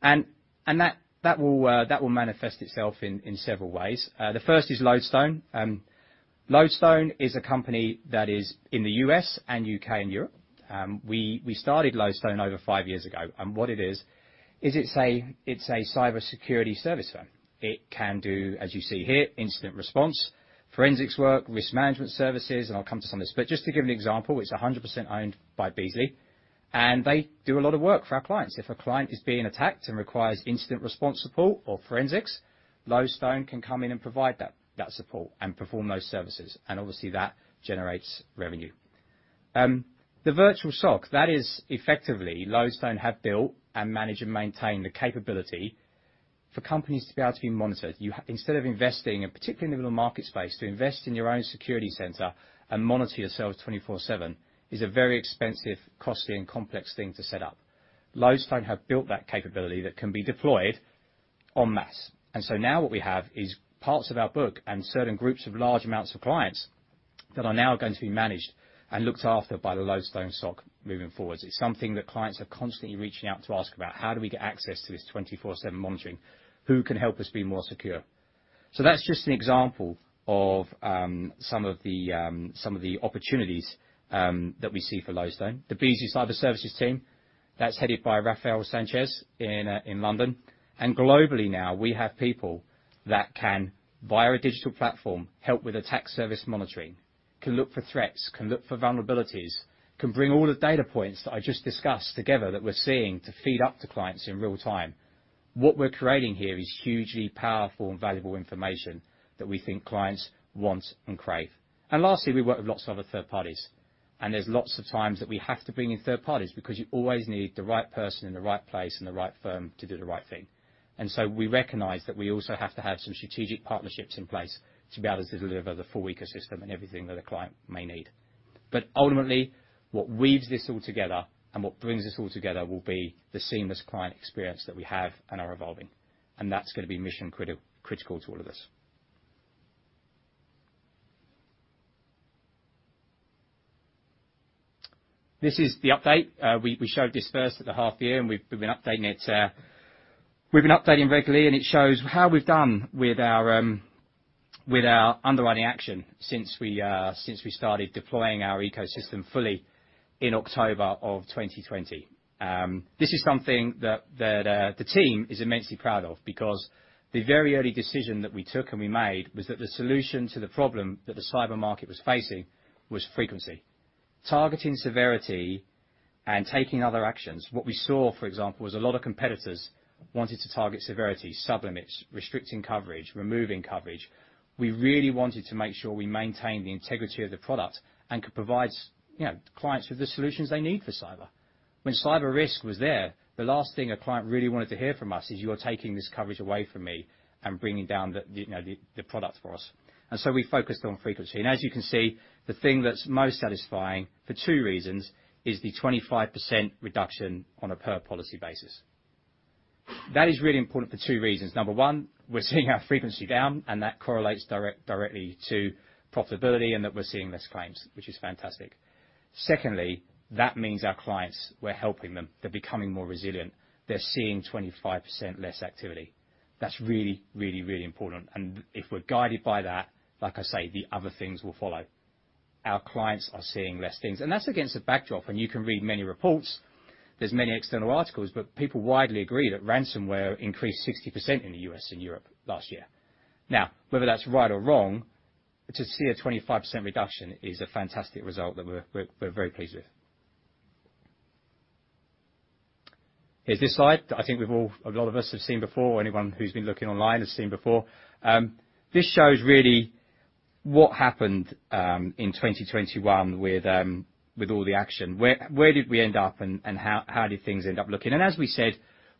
That will manifest itself in several ways. The first is Lodestone. Lodestone is a company that is in the U.S. and U.K. and Europe. We started Lodestone over five years ago and what it is, it's a cybersecurity service firm. It can do, as you see here, incident response, forensics work, risk management services and I'll come to some of this. But just to give an example, it's 100% owned by Beazley and they do a lot of work for our clients. If a client is being attacked and requires incident response support or forensics, Lodestone can come in and provide that support and perform those services and obviously that generates revenue. The virtual SOC, that is effectively Lodestone have built and manage and maintain the capability for companies to be able to be monitored. Instead of investing and particularly in the middle market space, to invest in your own security center and monitor yourselves 24/7 is a very expensive, costly and complex thing to set up. Lodestone have built that capability that can be deployed on mass. Now what we have is parts of our book and certain groups of large amounts of clients that are now going to be managed and looked after by the Lodestone SOC moving forward. It's something that clients are constantly reaching out to ask about. How do we get access to this 24/7 monitoring? Who can help us be more secure? That's just an example of some of the opportunities that we see for Lodestone. The Beazley Cyber Services team, that's headed by Rafael Sanchez in London. Globally now, we have people that can, via a digital platform, help with attack surface monitoring, can look for threats, can look for vulnerabilities, can bring all the data points that I just discussed together that we're seeing to feed up to clients in real time. What we're creating here is hugely powerful and valuable information that we think clients want and crave. Lastly, we work with lots of other third parties and there's lots of times that we have to bring in third parties because you always need the right person in the right place and the right firm to do the right thing. We recognize that we also have to have some strategic partnerships in place to be able to deliver the full ecosystem and everything that a client may need. Ultimately, what weaves this all together and what brings this all together will be the seamless client experience that we have and are evolving. That's gonna be mission critical to all of this. This is the update. We showed this first at the half year and we've been updating it. We've been updating regularly and it shows how we've done with our underwriting action since we started deploying our ecosystem fully in October of 2020. This is something that the team is immensely proud of because the very early decision that we took and we made was that the solution to the problem that the cyber market was facing was frequency. Targeting severity and taking other actions, what we saw for example, was a lot of competitors wanted to target severity, sub-limits, restricting coverage, removing coverage. We really wanted to make sure we maintained the integrity of the product and could provide, you know, clients with the solutions they need for cyber. When cyber risk was there, the last thing a client really wanted to hear from us is, "You're taking this coverage away from me and bringing down the, you know, the product for us." We focused on frequency. As you can see, the thing that's most satisfying for two reasons is the 25% reduction on a per policy basis. That is really important for two reasons. Number one, we're seeing our frequency down and that correlates directly to profitability and that we're seeing less claims, which is fantastic. Secondly, that means our clients, we're helping them. They're becoming more resilient. They're seeing 25% less activity. That's really important. If we're guided by that, like I say, the other things will follow. Our clients are seeing less things. That's against a backdrop and you can read many reports. There are many external articles but people widely agree that ransomware increased 60% in the U.S. and Europe last year. Now, whether that's right or wrong, to see a 25% reduction is a fantastic result that we're very pleased with. Here's this slide. I think a lot of us have seen before or anyone who's been looking online has seen before. This shows really what happened in 2021 with all the action. Where did we end up and how did things end up looking? As we said,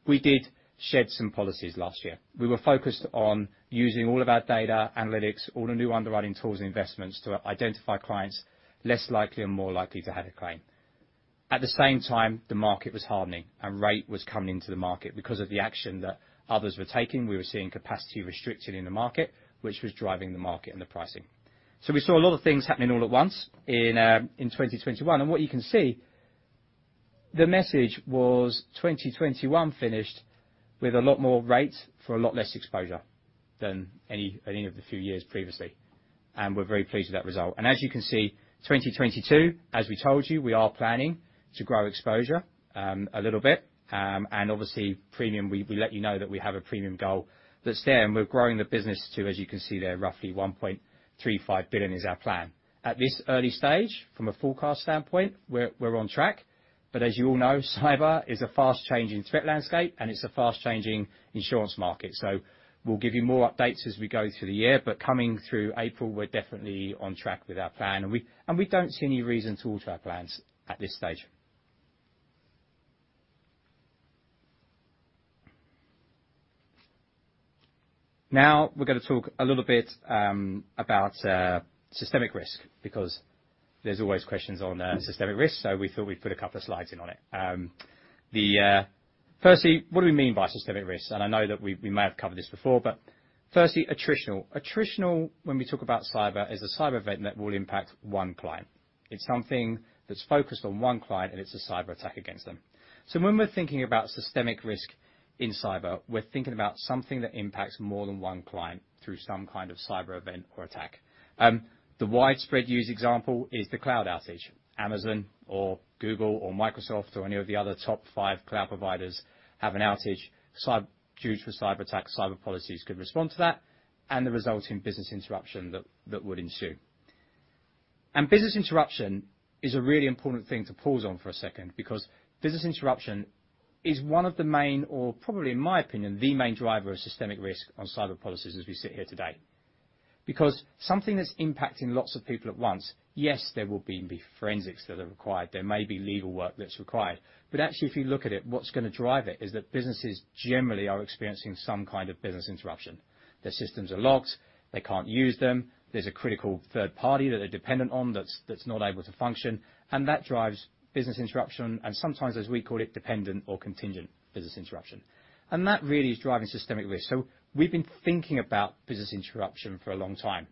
we did shed some policies last year. We were focused on using all of our data, analytics, all the new underwriting tools and investments to identify clients less likely and more likely to have a claim. At the same time, the market was hardening and rate was coming into the market. Because of the action that others were taking, we were seeing capacity restricted in the market, which was driving the market and the pricing. We saw a lot of things happening all at once in 2021 and what you can see. The message was 2021 finished with a lot more rate for a lot less exposure than any of the few years previously. We're very pleased with that result. As you can see, 2022, as we told you, we are planning to grow exposure a little bit. Obviously premium, we let you know that we have a premium goal that's there and we're growing the business to, as you can see there, roughly 1.35 billion is our plan. At this early stage, from a forecast standpoint, we're on track. As you all know, cyber is a fast-changing threat landscape and it's a fast-changing insurance market. We'll give you more updates as we go through the year but coming through April, we're definitely on track with our plan. We don't see any reason to alter our plans at this stage. Now we're gonna talk a little bit about systemic risk because there's always questions on systemic risk, so we thought we'd put a couple of slides in on it. Firstly, what do we mean by systemic risks? I know that we may have covered this before but firstly, attritional, when we talk about cyber, is a cyber event that will impact one client. It's something that's focused on one client and it's a cyberattack against them. When we're thinking about systemic risk in cyber, we're thinking about something that impacts more than one client through some kind of cyber event or attack. The widely used example is the cloud outage. Amazon or Google or Microsoft or any of the other top five cloud providers have an outage due to a cyberattack. Cyber policies could respond to that and the resulting business interruption that would ensue. Business interruption is a really important thing to pause on for a second because business interruption is one of the main or probably, in my opinion, the main driver of systemic risk on cyber policies as we sit here today. Because something that's impacting lots of people at once, yes, there will be forensics that are required, there may be legal work that's required but actually if you look at it, what's gonna drive it is that businesses generally are experiencing some kind of business interruption. Their systems are locked. They can't use them. There's a critical third party that they're dependent on that's not able to function and that drives business interruption and sometimes, as we call it, dependent or contingent business interruption. That really is driving systemic risk. We've been thinking about business interruption for a long time.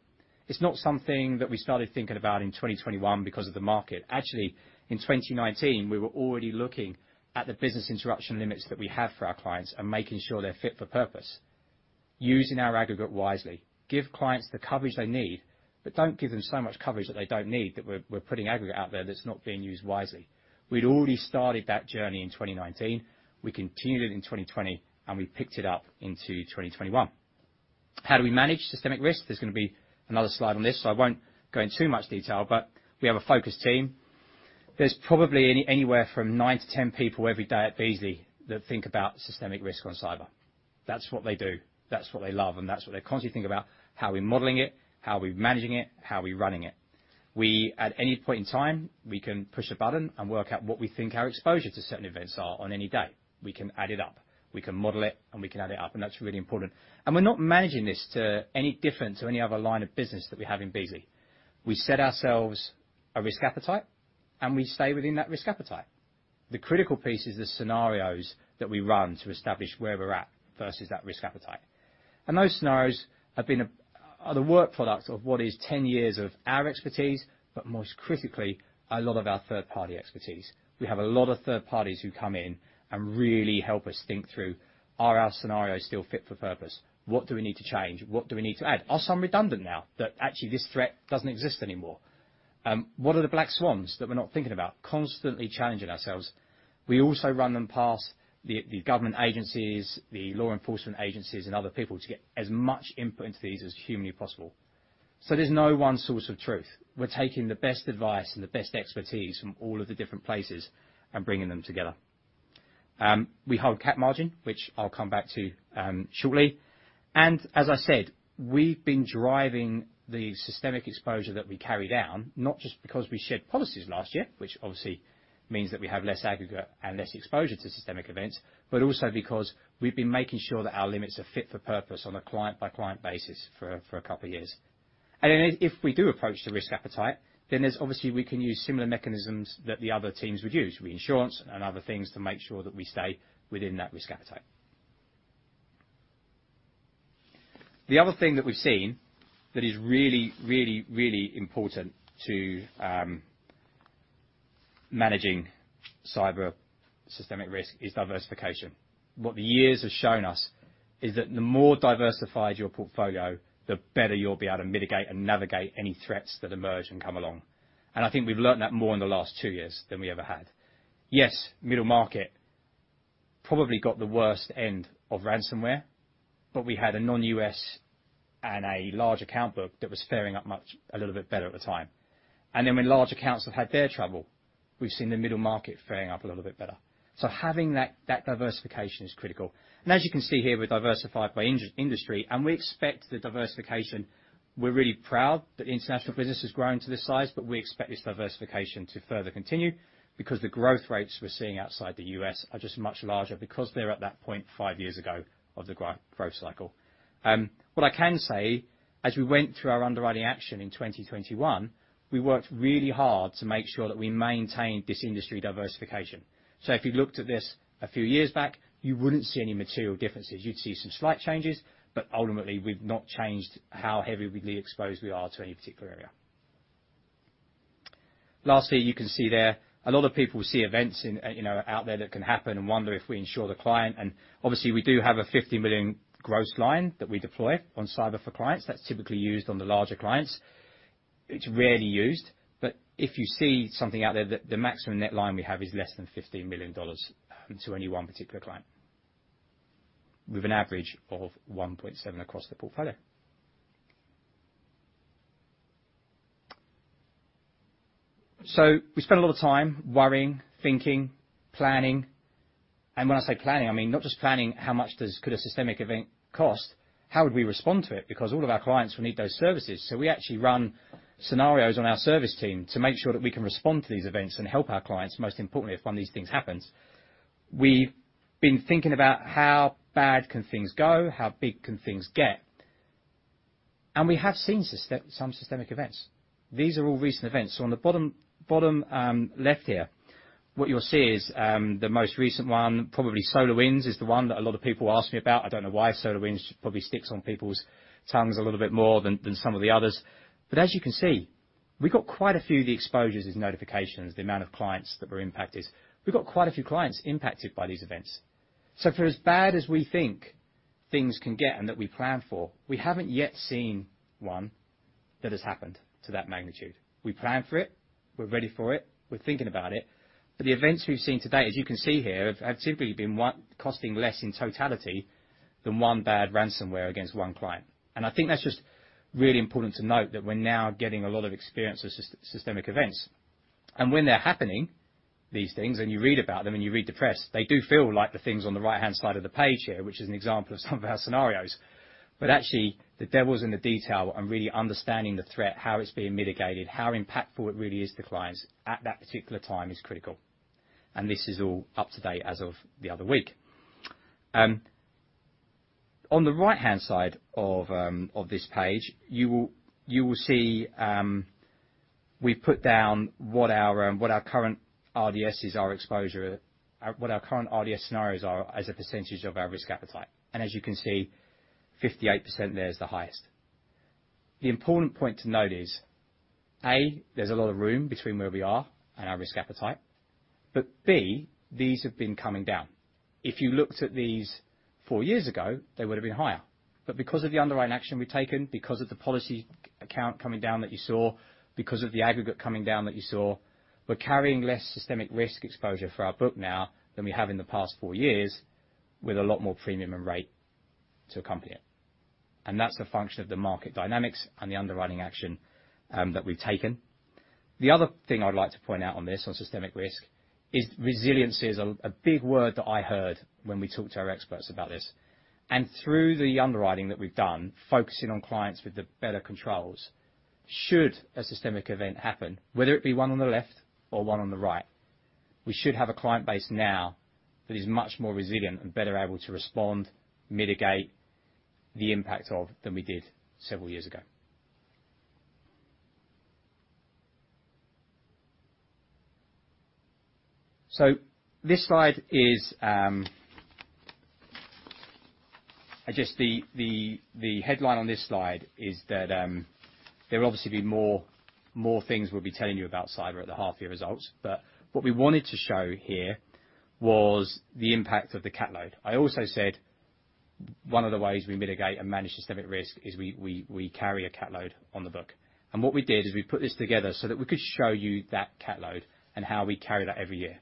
It's not something that we started thinking about in 2021 because of the market. Actually, in 2019, we were already looking at the business interruption limits that we have for our clients and making sure they're fit for purpose, using our aggregate wisely, give clients the coverage they need but don't give them so much coverage that they don't need, that we're putting aggregate out there that's not being used wisely. We'd already started that journey in 2019. We continued it in 2020 and we picked it up into 2021. How do we manage systemic risk? There's gonna be another slide on this, so I won't go in too much detail but we have a focus team. There's probably anywhere from nine to 10 people every day at Beazley that think about systemic risk on cyber. That's what they do. That's what they love and that's what they constantly think about, how we're modeling it, how we're managing it, how we're running it. We, at any point in time, we can push a button and work out what we think our exposure to certain events are on any day. We can add it up. We can model it and we can add it up and that's really important. We're not managing this to any different to any other line of business that we have in Beazley. We set ourselves a risk appetite and we stay within that risk appetite. The critical piece is the scenarios that we run to establish where we're at versus that risk appetite. Those scenarios are the work products of what is ten years of our expertise but most critically, a lot of our third-party expertise. We have a lot of third parties who come in and really help us think through, are our scenarios still fit for purpose? What do we need to change? What do we need to add? Are some redundant now that actually this threat doesn't exist anymore? What are the black swans that we're not thinking about? Constantly challenging ourselves. We also run them past the government agencies, the law enforcement agencies and other people to get as much input into these as humanly possible. There's no one source of truth. We're taking the best advice and the best expertise from all of the different places and bringing them together. We hold CAT margin, which I'll come back to, shortly. As I said, we've been driving the systemic exposure that we carry down, not just because we shed policies last year, which obviously means that we have less aggregate and less exposure to systemic events but also because we've been making sure that our limits are fit for purpose on a client-by-client basis for a couple of years. If we do approach the risk appetite, then there's obviously we can use similar mechanisms that the other teams would use, reinsurance and other things to make sure that we stay within that risk appetite. The other thing that we've seen that is really important to managing cyber systemic risk is diversification. What the years have shown us is that the more diversified your portfolio, the better you'll be able to mitigate and navigate any threats that emerge and come along. I think we've learned that more in the last two years than we ever had. Yes, middle market probably got the worst end of ransomware but we had a non-U.S. and a large account book that was faring a little bit better at the time. Then when large accounts have had their trouble, we've seen the middle market faring a little bit better. Having that diversification is critical. As you can see here, we're diversified by industry and we expect the diversification. We're really proud that the international business has grown to this size but we expect this diversification to further continue because the growth rates we're seeing outside the U.S. are just much larger because they're at that point five years ago of the growth cycle. What I can say, as we went through our underwriting action in 2021, we worked really hard to make sure that we maintained this industry diversification. If you looked at this a few years back, you wouldn't see any material differences. You'd see some slight changes but ultimately, we've not changed how heavily exposed we are to any particular area. Lastly, you can see there. A lot of people see events in, you know, out there that can happen and wonder if we insure the client. Obviously, we do have a $50 million gross line that we deploy on cyber for clients that's typically used on the larger clients. It's rarely used but if you see something out there that the maximum net line we have is less than $15 million to any one particular client with an average of 1.7 across the portfolio. We spend a lot of time worrying, thinking, planning. When I say planning, I mean, not just planning how much could a systemic event cost, how would we respond to it? Because all of our clients will need those services. We actually run scenarios on our service team to make sure that we can respond to these events and help our clients most importantly, if one of these things happens. We've been thinking about how bad can things go, how big can things get? We have seen systemic events. These are all recent events. On the bottom left here, what you'll see is the most recent one, probably SolarWinds is the one that a lot of people ask me about. I don't know why SolarWinds probably sticks on people's tongues a little bit more than some of the others. As you can see, we got quite a few of the exposures as notifications, the amount of clients that were impacted. We've got quite a few clients impacted by these events. For as bad as we think things can get and that we plan for, we haven't yet seen one that has happened to that magnitude. We plan for it. We're ready for it. We're thinking about it. The events we've seen today, as you can see here, have typically been one costing less in totality than one bad ransomware against one client. I think that's just really important to note that we're now getting a lot of experience with systemic events. When they're happening, these things and you read about them and you read the press, they do feel like the things on the right-hand side of the page here, which is an example of some of our scenarios. Actually the devil's in the detail and really understanding the threat, how it's being mitigated, how impactful it really is to clients at that particular time is critical. This is all up to date as of the other week. On the right-hand side of this page, you will see we've put down what our current RDS is, our exposure, what our current RDS scenarios are as a percentage of our risk appetite. As you can see, 58% there is the highest. The important point to note is, A, there's a lot of room between where we are and our risk appetite. B, these have been coming down. If you looked at these four years ago, they would have been higher. Because of the underwriting action we've taken, because of the policy account coming down that you saw, because of the aggregate coming down that you saw, we're carrying less systemic risk exposure for our book now than we have in the past four years with a lot more premium and rate to accompany it. That's a function of the market dynamics and the underwriting action that we've taken. The other thing I'd like to point out on this, on systemic risk, is resilience is a big word that I heard when we talked to our experts about this. Through the underwriting that we've done, focusing on clients with the better controls, should a systemic event happen, whether it be one on the left or one on the right, we should have a client base now that is much more resilient and better able to respond, mitigate the impact of than we did several years ago. This slide is, I guess the headline on this slide is that, there'll obviously be more things we'll be telling you about cyber at the half year results. What we wanted to show here was the impact of the cat load. I also said one of the ways we mitigate and manage systemic risk is we carry a cat load on the book. What we did is we put this together so that we could show you that cat load and how we carry that every year.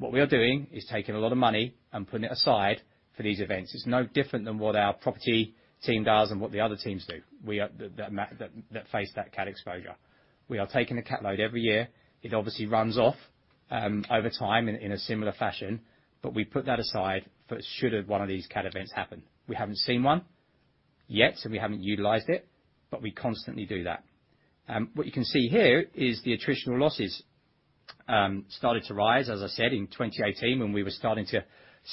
What we are doing is taking a lot of money and putting it aside for these events. It's no different than what our property team does and what the other teams do. We face that cat exposure. We are taking a cat load every year. It obviously runs off over time in a similar fashion but we put that aside in case one of these cat events should happen. We haven't seen one yet, so we haven't utilized it but we constantly do that. What you can see here is the attritional losses started to rise, as I said, in 2018 when we were starting to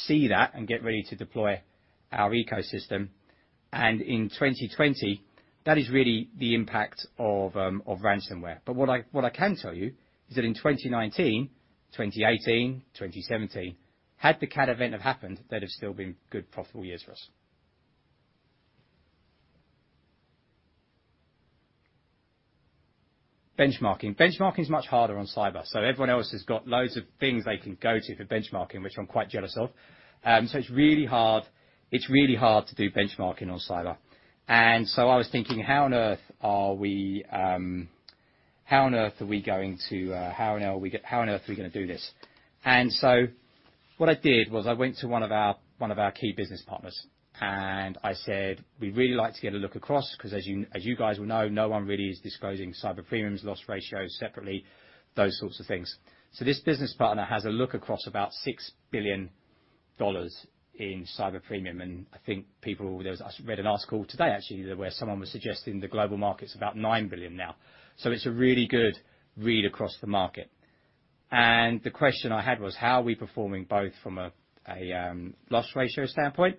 see that and get ready to deploy our ecosystem. In 2020, that is really the impact of ransomware. What I can tell you is that in 2019, 2018, 2017, had the CAT event have happened, that'd still been good profitable years for us. Benchmarking is much harder on cyber. Everyone else has got loads of things they can go to for benchmarking, which I'm quite jealous of. It's really hard to do benchmarking on cyber. I was thinking, how on earth are we going to do this? What I did was I went to one of our key business partners and I said, "We'd really like to get a look across." 'Cause as you guys will know, no one really is disclosing cyber premiums, loss ratios separately, those sorts of things. This business partner has a look across about $6 billion in cyber premium. I read an article today actually where someone was suggesting the global market's about $9 billion now. It's a really good read across the market. The question I had was, how are we performing both from a loss ratio standpoint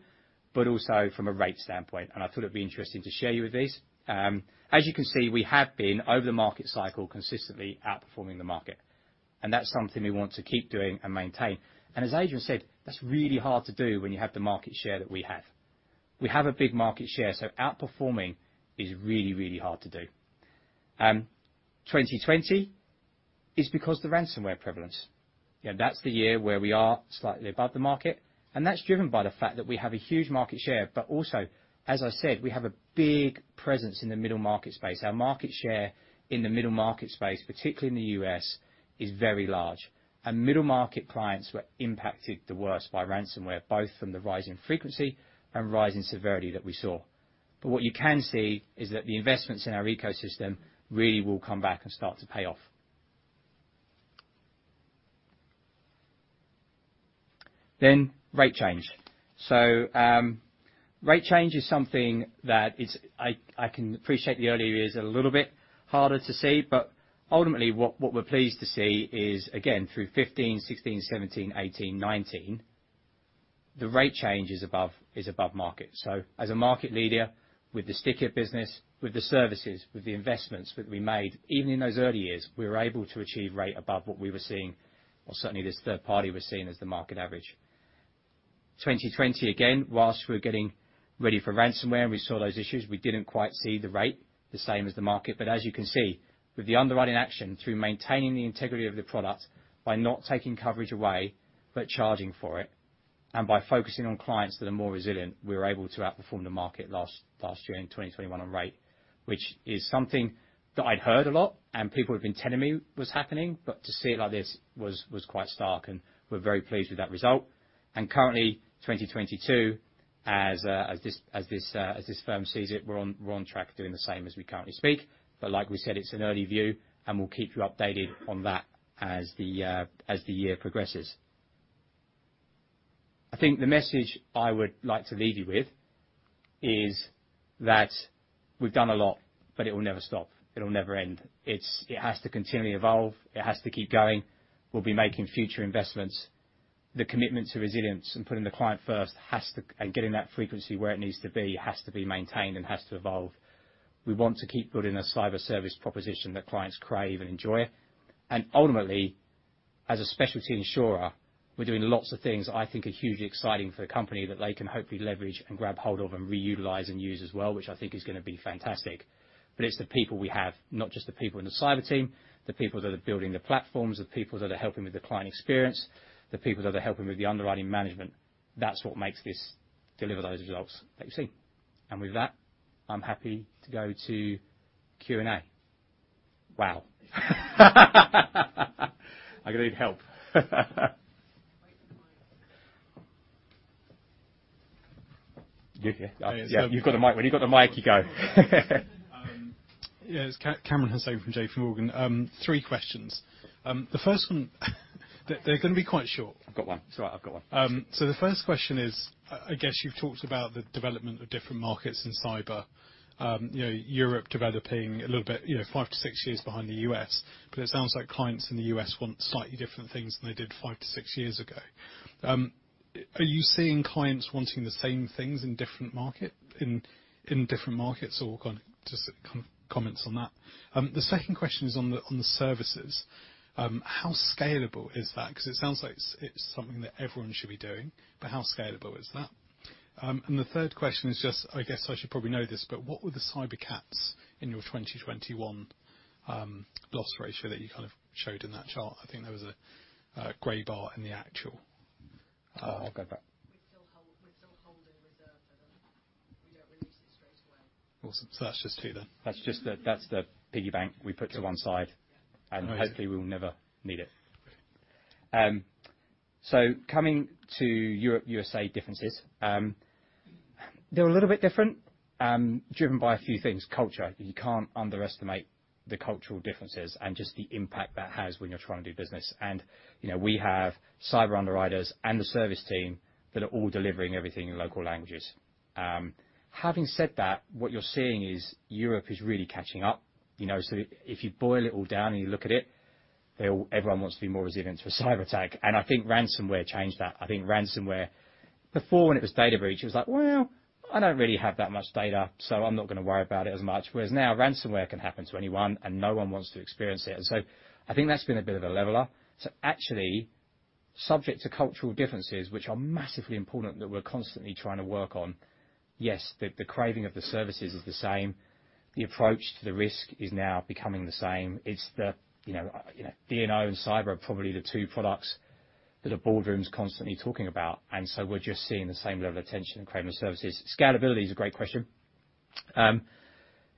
but also from a rate standpoint? I thought it'd be interesting to share these with you. As you can see, we have been over the market cycle consistently outperforming the market and that's something we want to keep doing and maintain. As Adrian said, that's really hard to do when you have the market share that we have. We have a big market share, so outperforming is really, really hard to do. 2020 is because the ransomware prevalence. Yeah, that's the year where we are slightly above the market and that's driven by the fact that we have a huge market share. Also, as I said, we have a big presence in the middle market space. Our market share in the middle market space, particularly in the U.S., is very large. Middle market clients were impacted the worst by ransomware, both from the rise in frequency and rise in severity that we saw. What you can see is that the investments in our ecosystem really will come back and start to pay off. Rate change. Rate change is something I can appreciate the early years are a little bit harder to see but ultimately what we're pleased to see is, again, through 15, 16, 17, 18, 19, the rate change is above market. As a market leader, with the stickier business, with the services, with the investments that we made, even in those early years, we were able to achieve rate above what we were seeing or certainly this third party was seeing as the market average. 2020, again, while we were getting ready for ransomware and we saw those issues, we didn't quite see the rate the same as the market. But as you can see, with the underwriting action through maintaining the integrity of the product by not taking coverage away but charging for it. By focusing on clients that are more resilient, we were able to outperform the market last year, in 2021 on rate. Which is something that I'd heard a lot and people have been telling me was happening but to see it like this was quite stark and we're very pleased with that result. Currently, 2022, as this firm sees it, we're on track doing the same as we currently speak. Like we said, it's an early view and we'll keep you updated on that as the year progresses. I think the message I would like to leave you with is that we've done a lot but it will never stop. It'll never end. It has to continually evolve. It has to keep going. We'll be making future investments. The commitment to resilience and putting the client first has to and getting that frequency where it needs to be, has to be maintained and has to evolve. We want to keep building a cyber service proposition that clients crave and enjoy. Ultimately, as a specialty insurer, we're doing lots of things I think are hugely exciting for the company that they can hopefully leverage and grab hold of and reutilize and use as well, which I think is gonna be fantastic. It's the people we have, not just the people in the cyber team, the people that are building the platforms, the people that are helping with the client experience, the people that are helping with the underwriting management. That's what makes this deliver those results that you see. With that, I'm happy to go to Q&A. Wow. I'm gonna need help. Wait for the mic. You're here. You've got the mic. When you've got the mic, you go. Yeah, it's Kamran Hossain from JPMorgan. Three questions. The first one. They're gonna be quite short. I've got one. It's all right, I've got one. The first question is, I guess you've talked about the development of different markets in cyber. You know, Europe developing a little bit, you know, five-six years behind the U.S. But it sounds like clients in the U.S. want slightly different things than they did five-six years ago. Are you seeing clients wanting the same things in different markets or kind of just comments on that? The second question is on the services. How scalable is that? 'Cause it sounds like it's something that everyone should be doing but how scalable is that? The third question is just, I guess I should probably know this but what were the cyber caps in your 2021 loss ratio that you kind of showed in that chart? I think there was a gray bar in the actual. I'll get that. We still hold a reserve for them. We don't release it straight away. Awesome. That's just two then. That's the piggy bank we put to one side. Hopefully we'll never need it. Coming to Europe, USA differences. They're a little bit different, driven by a few things, culture. You can't underestimate the cultural differences and just the impact that has when you're trying to do business. You know, we have cyber underwriters and the service team that are all delivering everything in local languages. Having said that, what you're seeing is Europe is really catching up, you know. If you boil it all down and you look at it, everyone wants to be more resilient to a cyberattack. I think ransomware changed that. Before when it was data breach, it was like, "Well, I don't really have that much data, so I'm not gonna worry about it as much." Whereas now ransomware can happen to anyone and no one wants to experience it. I think that's been a bit of a leveler. Actually, subject to cultural differences, which are massively important that we're constantly trying to work on, yes, the craving of the services is the same. The approach to the risk is now becoming the same. It's, you know, D&O and cyber are probably the two products that the boardroom's constantly talking about and we're just seeing the same level of attention and craving services. Scalability is a great question. We've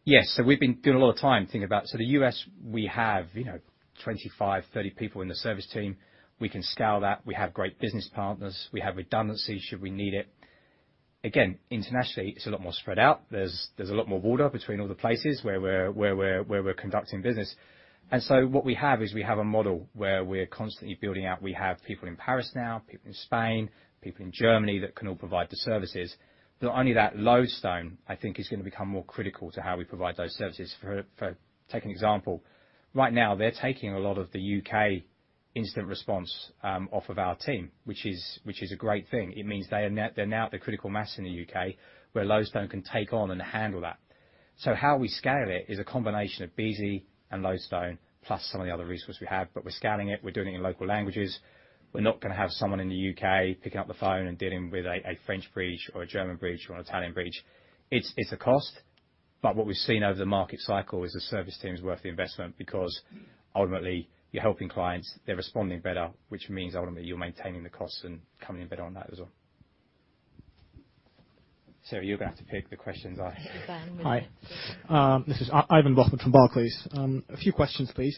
been spending a lot of time thinking about. The U.S., we have, you know, 25-30 people in the service team. We can scale that. We have great business partners. We have redundancy should we need it. Again, internationally, it's a lot more spread out.. There's a lot more water between all the places where we're conducting business. What we have is a model where we're constantly building out. We have people in Paris now, people in Spain, people in Germany that can all provide the services. Not only that, Lodestone, I think is gonna become more critical to how we provide those services. Take an example. Right now, they're taking a lot of the U.K. instant response off of our team, which is a great thing. It means they're now at the critical mass in the U.K., where Lodestone can take on and handle that. How we scale it is a combination of Beazley and Lodestone, plus some of the other resources we have. We're scaling it. We're doing it in local languages. We're not gonna have someone in the U.K. picking up the phone and dealing with a French breach or a German breach or an Italian breach. It's a cost but what we've seen over the market cycle is the service team is worth the investment because ultimately you're helping clients, they're responding better, which means ultimately you're maintaining the costs and coming in better on that as well. Sarah, you're gonna have to pick the questions. Hi. This is Ivan Bokhmat from Barclays. A few questions, please.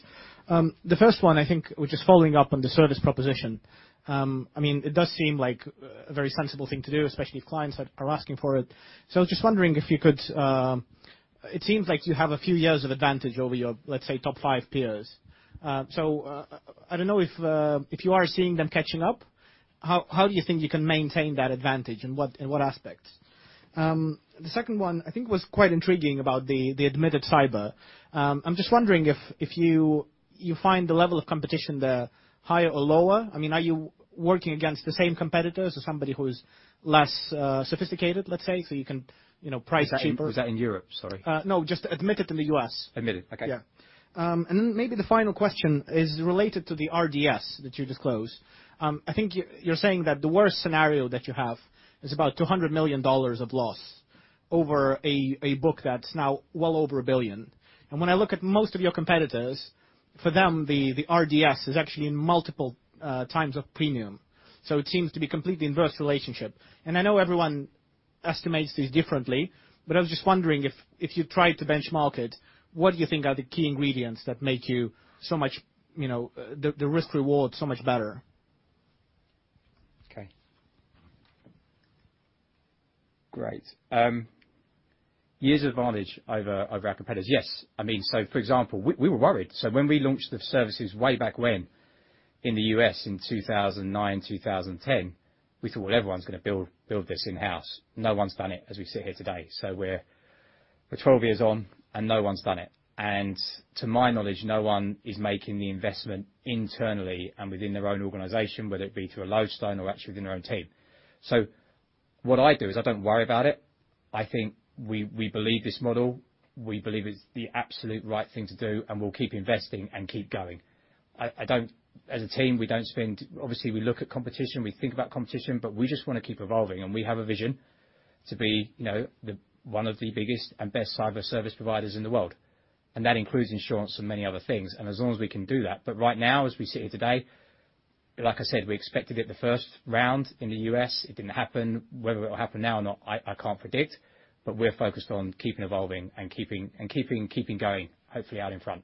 The first one I think, which is following up on the service proposition, I mean, it does seem like a very sensible thing to do, especially if clients are asking for it. I was just wondering if you could. It seems like you have a few years of advantage over your, let's say, top five peers. I don't know if you are seeing them catching up, how do you think you can maintain that advantage and in what aspects? The second one I think was quite intriguing about the admitted cyber. I'm just wondering if you find the level of competition there higher or lower. I mean, are you working against the same competitors or somebody who is less, sophisticated, let's say, so you can, you know, price cheaper? Was that in Europe? Sorry. No, just admitted in the U.S. Admitted. Okay. Yeah and maybe the final question is related to the RDS that you disclosed. I think you're saying that the worst scenario that you have is about $200 million of loss over a book that's now well over $1 billion. When I look at most of your competitors, for them, the RDS is actually in multiple times of premium. It seems to be completely inverse relationship. I know everyone estimates this differently but I was just wondering if you've tried to benchmark it, what do you think are the key ingredients that make you so much, you know, the risk reward so much better? Okay. Great. Years advantage over our competitors. Yes. I mean, for example, we were worried. When we launched the services way back when in the U.S. in 2009, 2010, we thought, "Well, everyone's gonna build this in-house." No one's done it as we sit here today. We're twelve years on and no one's done it. To my knowledge, no one is making the investment internally and within their own organization, whether it be through a Lodestone or actually within their own team. What I do is I don't worry about it. I think we believe this model. We believe it's the absolute right thing to do and we'll keep investing and keep going. I don't. As a team, we don't spend. Obviously, we look at competition, we think about competition but we just wanna keep evolving and we have a vision to be, you know, the one of the biggest and best cyber service providers in the world. That includes insurance and many other things. As long as we can do that. Right now, as we sit here today, like I said, we expected it the first round in the U.S. It didn't happen. Whether it'll happen now or not, I can't predict but we're focused on keeping evolving and keeping going, hopefully out in front.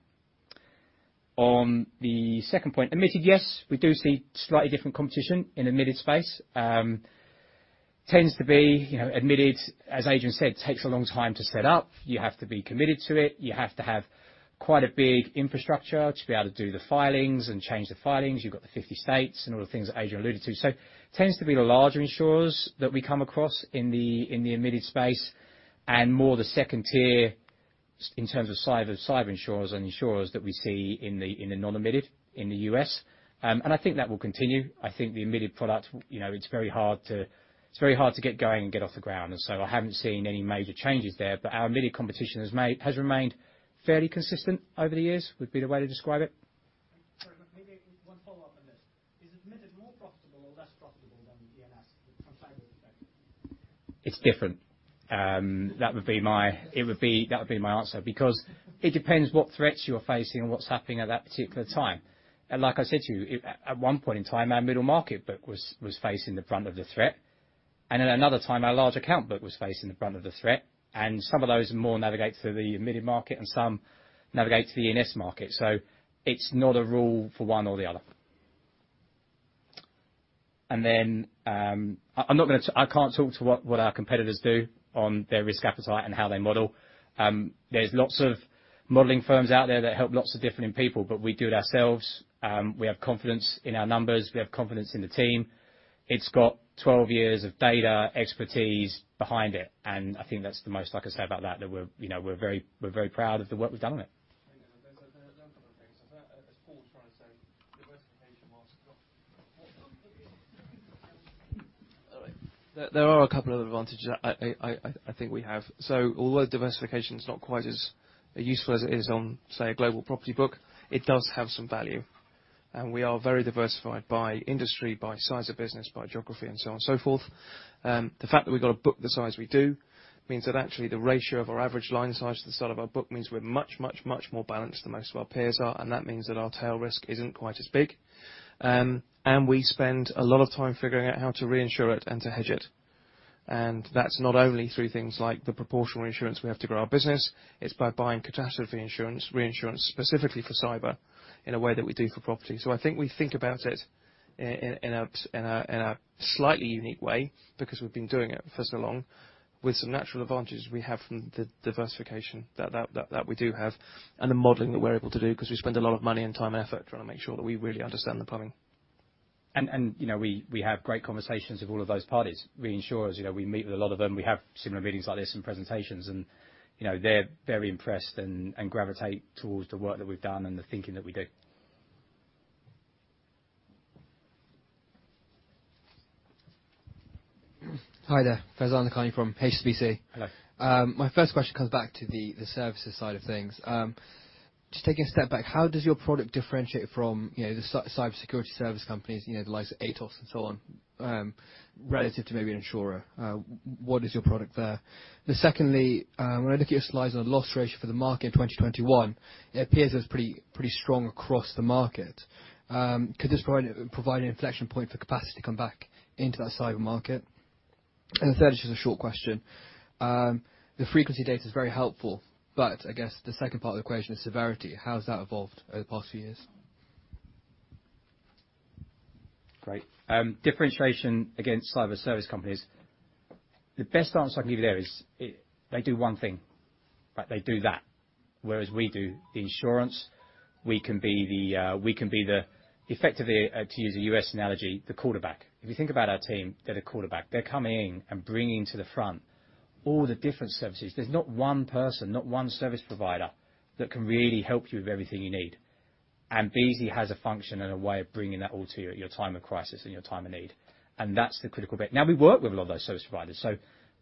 On the second point, admitted, yes, we do see slightly different competition in admitted space. Tends to be, you know, admitted, as Adrian said, takes a long time to set up. You have to be committed to it. You have to have quite a big infrastructure to be able to do the filings and change the filings. You've got the 50 states and all the things that Adrian alluded to. Tends to be the larger insurers that we come across in the admitted space and more the second tier in terms of cyber insurers and insurers that we see in the non-admitted in the U.S. I think that will continue. I think the admitted product, you know, it's very hard to get going and get off the ground. I haven't seen any major changes there. Our admitted competition has remained fairly consistent over the years, would be the way to describe it. Sorry but maybe one follow-up on this. Is admitted more profitable or less profitable than E&S from cyber perspective? It's different. That would be my answer because it depends what threats you're facing and what's happening at that particular time. Like I said to you, at one point in time, our middle market book was facing the brunt of the threat. At another time, our large account book was facing the brunt of the threat. Some of those migrate to the admitted market and some migrate to the E&S market. It's not a rule for one or the other. I'm not gonna. I can't talk to what our competitors do on their risk appetite and how they model. There's lots of modeling firms out there that help lots of different people but we do it ourselves. We have confidence in our numbers. We have confidence in the team. It's got 12 years of data expertise behind it and I think that's the most I can say about that we're, you know, we're very proud of the work we've done on it. Thank you. There are a couple other things. It's that, as Paul was trying to say, diversification was not. Sorry. There are a couple other advantages I think we have. Although diversification is not quite as useful as it is on, say, a global property book, it does have some value. We are very diversified by industry, by size of business, by geography and so on and so forth. The fact that we've got a book the size we do means that actually the ratio of our average line size to the size of our book means we're much more balanced than most of our peers are and that means that our tail risk isn't quite as big. We spend a lot of time figuring out how to reinsure it and to hedge it. That's not only through things like the proportional insurance we have to grow our business, it's by buying catastrophe insurance, reinsurance specifically for cyber in a way that we do for property. I think we think about it in a slightly unique way because we've been doing it for so long with some natural advantages we have from the diversification that we do have and the modeling that we're able to do because we spend a lot of money and time and effort trying to make sure that we really understand the plumbing. You know, we have great conversations with all of those parties. Reinsurers, you know, we meet with a lot of them. We have similar meetings like this and presentations and, you know, they're very impressed and gravitate towards the work that we've done and the thinking that we do. Hi there. Faizan Lakhani from HSBC. Hello. My first question comes back to the services side of things. Just taking a step back, how does your product differentiate from, you know, the cybersecurity service companies, you know, the likes of Atos and so on, relative to maybe an insurer? What is your product there? Secondly, when I look at your slides on the loss ratio for the market in 2021, it appears it's pretty strong across the market. Could this provide an inflection point for capacity to come back into that cyber market? The third is just a short question. The frequency data is very helpful but I guess the second part of the equation is severity. How has that evolved over the past few years? Great. Differentiation against cyber service companies. The best answer I can give you there is they do one thing, right? They do that, whereas we do the insurance. We can be the effectively, to use a U.S. analogy, the quarterback. If you think about our team, they're the quarterback. They're coming in and bringing to the front all the different services. There's not one person, not one service provider that can really help you with everything you need. Beazley has a function and a way of bringing that all to you at your time of crisis and your time of need. That's the critical bit. Now we work with a lot of those service providers, so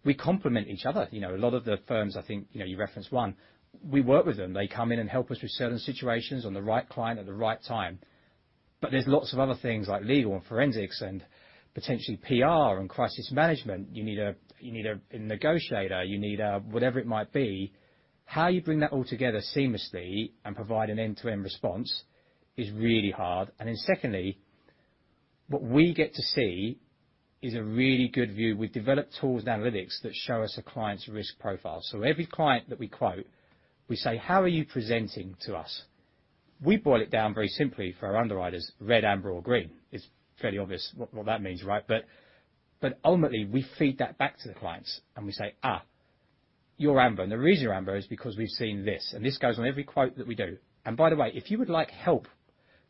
we complement each other. You know a lot of the firms I think, you know, you referenced one, we work with them. They come in and help us with certain situations on the right client at the right time. There's lots of other things like legal and forensics and potentially PR and crisis management. You need a, you need a negotiator. You need a whatever it might be. How you bring that all together seamlessly and provide an end-to-end response is really hard. Secondly, what we get to see is a really good view. We've developed tools and analytics that show us a client's risk profile. Every client that we quote, we say, "How are you presenting to us?" We boil it down very simply for our underwriters, red, amber or green. It's fairly obvious what that means, right? Ultimately, we feed that back to the clients and we say, "Ah, you're amber. The reason you're amber is because we've seen this and this goes on every quote that we do. By the way, if you would like help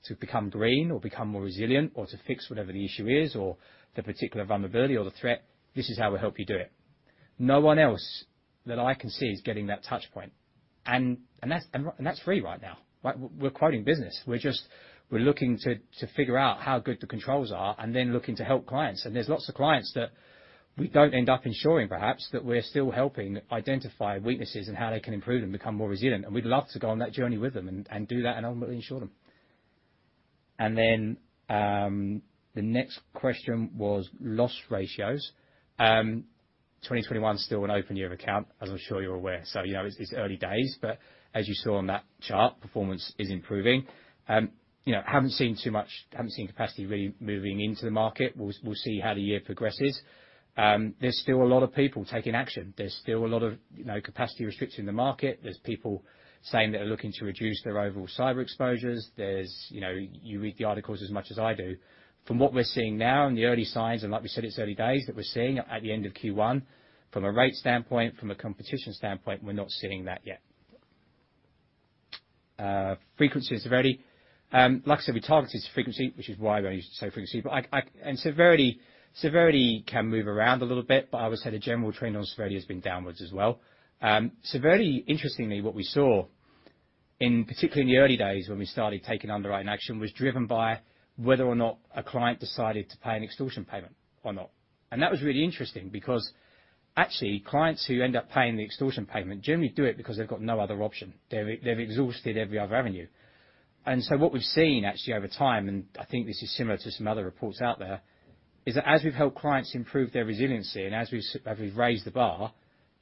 to become green or become more resilient or to fix whatever the issue is or the particular vulnerability or the threat, this is how we'll help you do it. No one else that I can see is getting that touch point and that's free right now, right? We're quoting business. We're just looking to figure out how good the controls are and then looking to help clients. There's lots of clients that we don't end up insuring, perhaps, that we're still helping identify weaknesses and how they can improve and become more resilient. We'd love to go on that journey with them and do that and ultimately insure them. The next question was loss ratios. 2021 is still an open year of account, as I'm sure you're aware. You know, it's early days but as you saw on that chart, performance is improving. You know, haven't seen too much, haven't seen capacity really moving into the market. We'll see how the year progresses. There's still a lot of people taking action. There's still a lot of, you know, capacity restriction in the market. There's people saying they're looking to reduce their overall cyber exposures. You know, you read the articles as much as I do. From what we're seeing now in the early signs and like we said, it's early days that we're seeing at the end of Q1 from a rate standpoint, from a competition standpoint, we're not seeing that yet. Frequency and severity. Like I said, we targeted frequency, which is why we're used to say frequency but and severity can move around a little bit but I would say the general trend on severity has been downward as well. Severity, interestingly, what we saw in, particularly in the early days when we started taking underwriting action, was driven by whether or not a client decided to pay an extortion payment or not. That was really interesting because actually clients who end up paying the extortion payment generally do it because they've got no other option. They've exhausted every other avenue. What we've seen actually over time and I think this is similar to some other reports out there, is that as we've helped clients improve their resiliency and as we've raised the bar,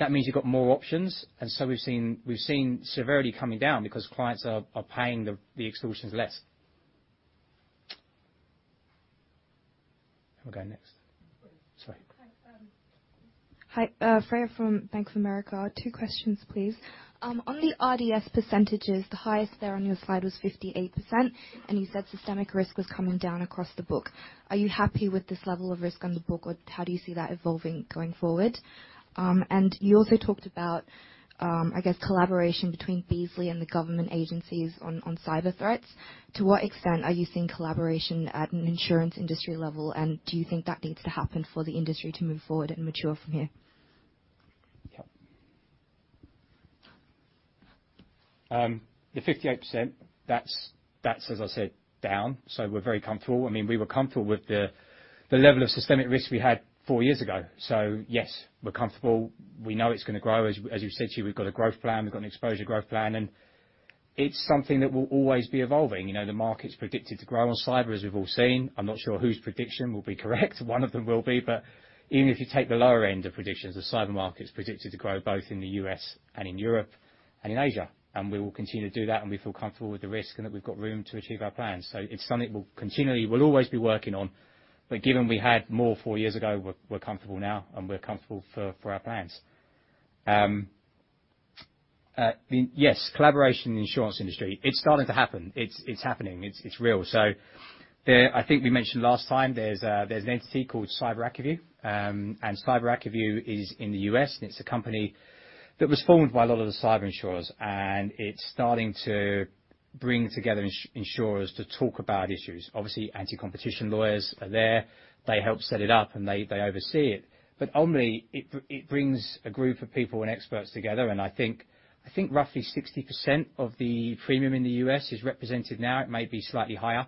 that means you've got more options. We've seen severity coming down because clients are paying the extortions less. Here we go. Next. Great. Sorry. Thanks. Hi, Freya from Bank of America. Two questions, please. On the RDS percentages, the highest there on your slide was 58% and you said systemic risk was coming down across the book. Are you happy with this level of risk on the book or how do you see that evolving going forward? You also talked about, I guess collaboration between Beazley and the government agencies on cyber threats. To what extent are you seeing collaboration at an insurance industry level and do you think that needs to happen for the industry to move forward and mature from here? Yeah. The 58%, that's as I said, down. We're very comfortable. I mean, we were comfortable with the level of systemic risk we had four years ago. Yes, we're comfortable. We know it's gonna grow. As we've said to you, we've got a growth plan, we've got an exposure growth plan and it's something that will always be evolving. You know, the market's predicted to grow on cyber, as we've all seen. I'm not sure whose prediction will be correct. One of them will be. Even if you take the lower end of predictions, the cyber market is predicted to grow both in the U.S. and in Europe and in Asia. We will continue to do that and we feel comfortable with the risk and that we've got room to achieve our plans. It's something we'll continually. We'll always be working on. Given we had more four years ago, we're comfortable now and we're comfortable for our plans. Yes, collaboration in the insurance industry. It's starting to happen. It's happening. It's real. I think we mentioned last time there's an entity called CyberAcuView. CyberAcuView is in the U.S. and it's a company that was formed by a lot of the cyber insurers and it's starting to bring together insurers to talk about issues. Obviously, anti-competition lawyers are there. They helped set it up and they oversee it. It brings a group of people and experts together and I think roughly 60% of the premium in the U.S. is represented now. It may be slightly higher.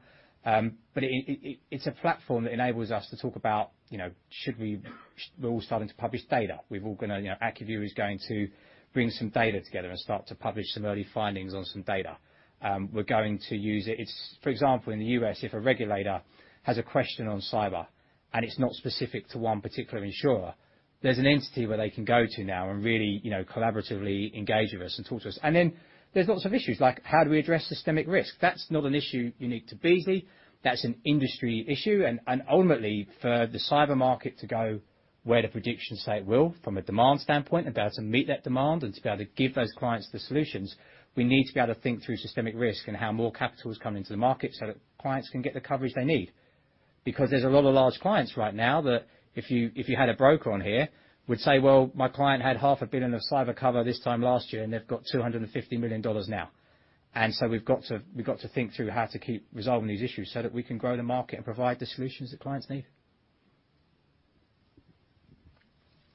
It's a platform that enables us to talk about, you know, we're all starting to publish data. We're all gonna, you know, CyberAcuView is going to bring some data together and start to publish some early findings on some data. We're going to use it. It's for example, in the US, if a regulator has a question on cyber and it's not specific to one particular insurer, there's an entity where they can go to now and really, you know, collaboratively engage with us and talk to us. There's lots of issues, like how do we address systemic risk? That's not an issue unique to Beazley. That's an industry issue. Ultimately for the cyber market to go where the predictions say it will from a demand standpoint and be able to meet that demand and to be able to give those clients the solutions. We need to be able to think through systemic risk and how more capital is coming to the market so that clients can get the coverage they need. Because there's a lot of large clients right now that if you had a broker on here, would say, "Well, my client had $ half a billion of cyber cover this time last year and they've got $250 million now." We've got to think through how to keep resolving these issues so that we can grow the market and provide the solutions that clients need.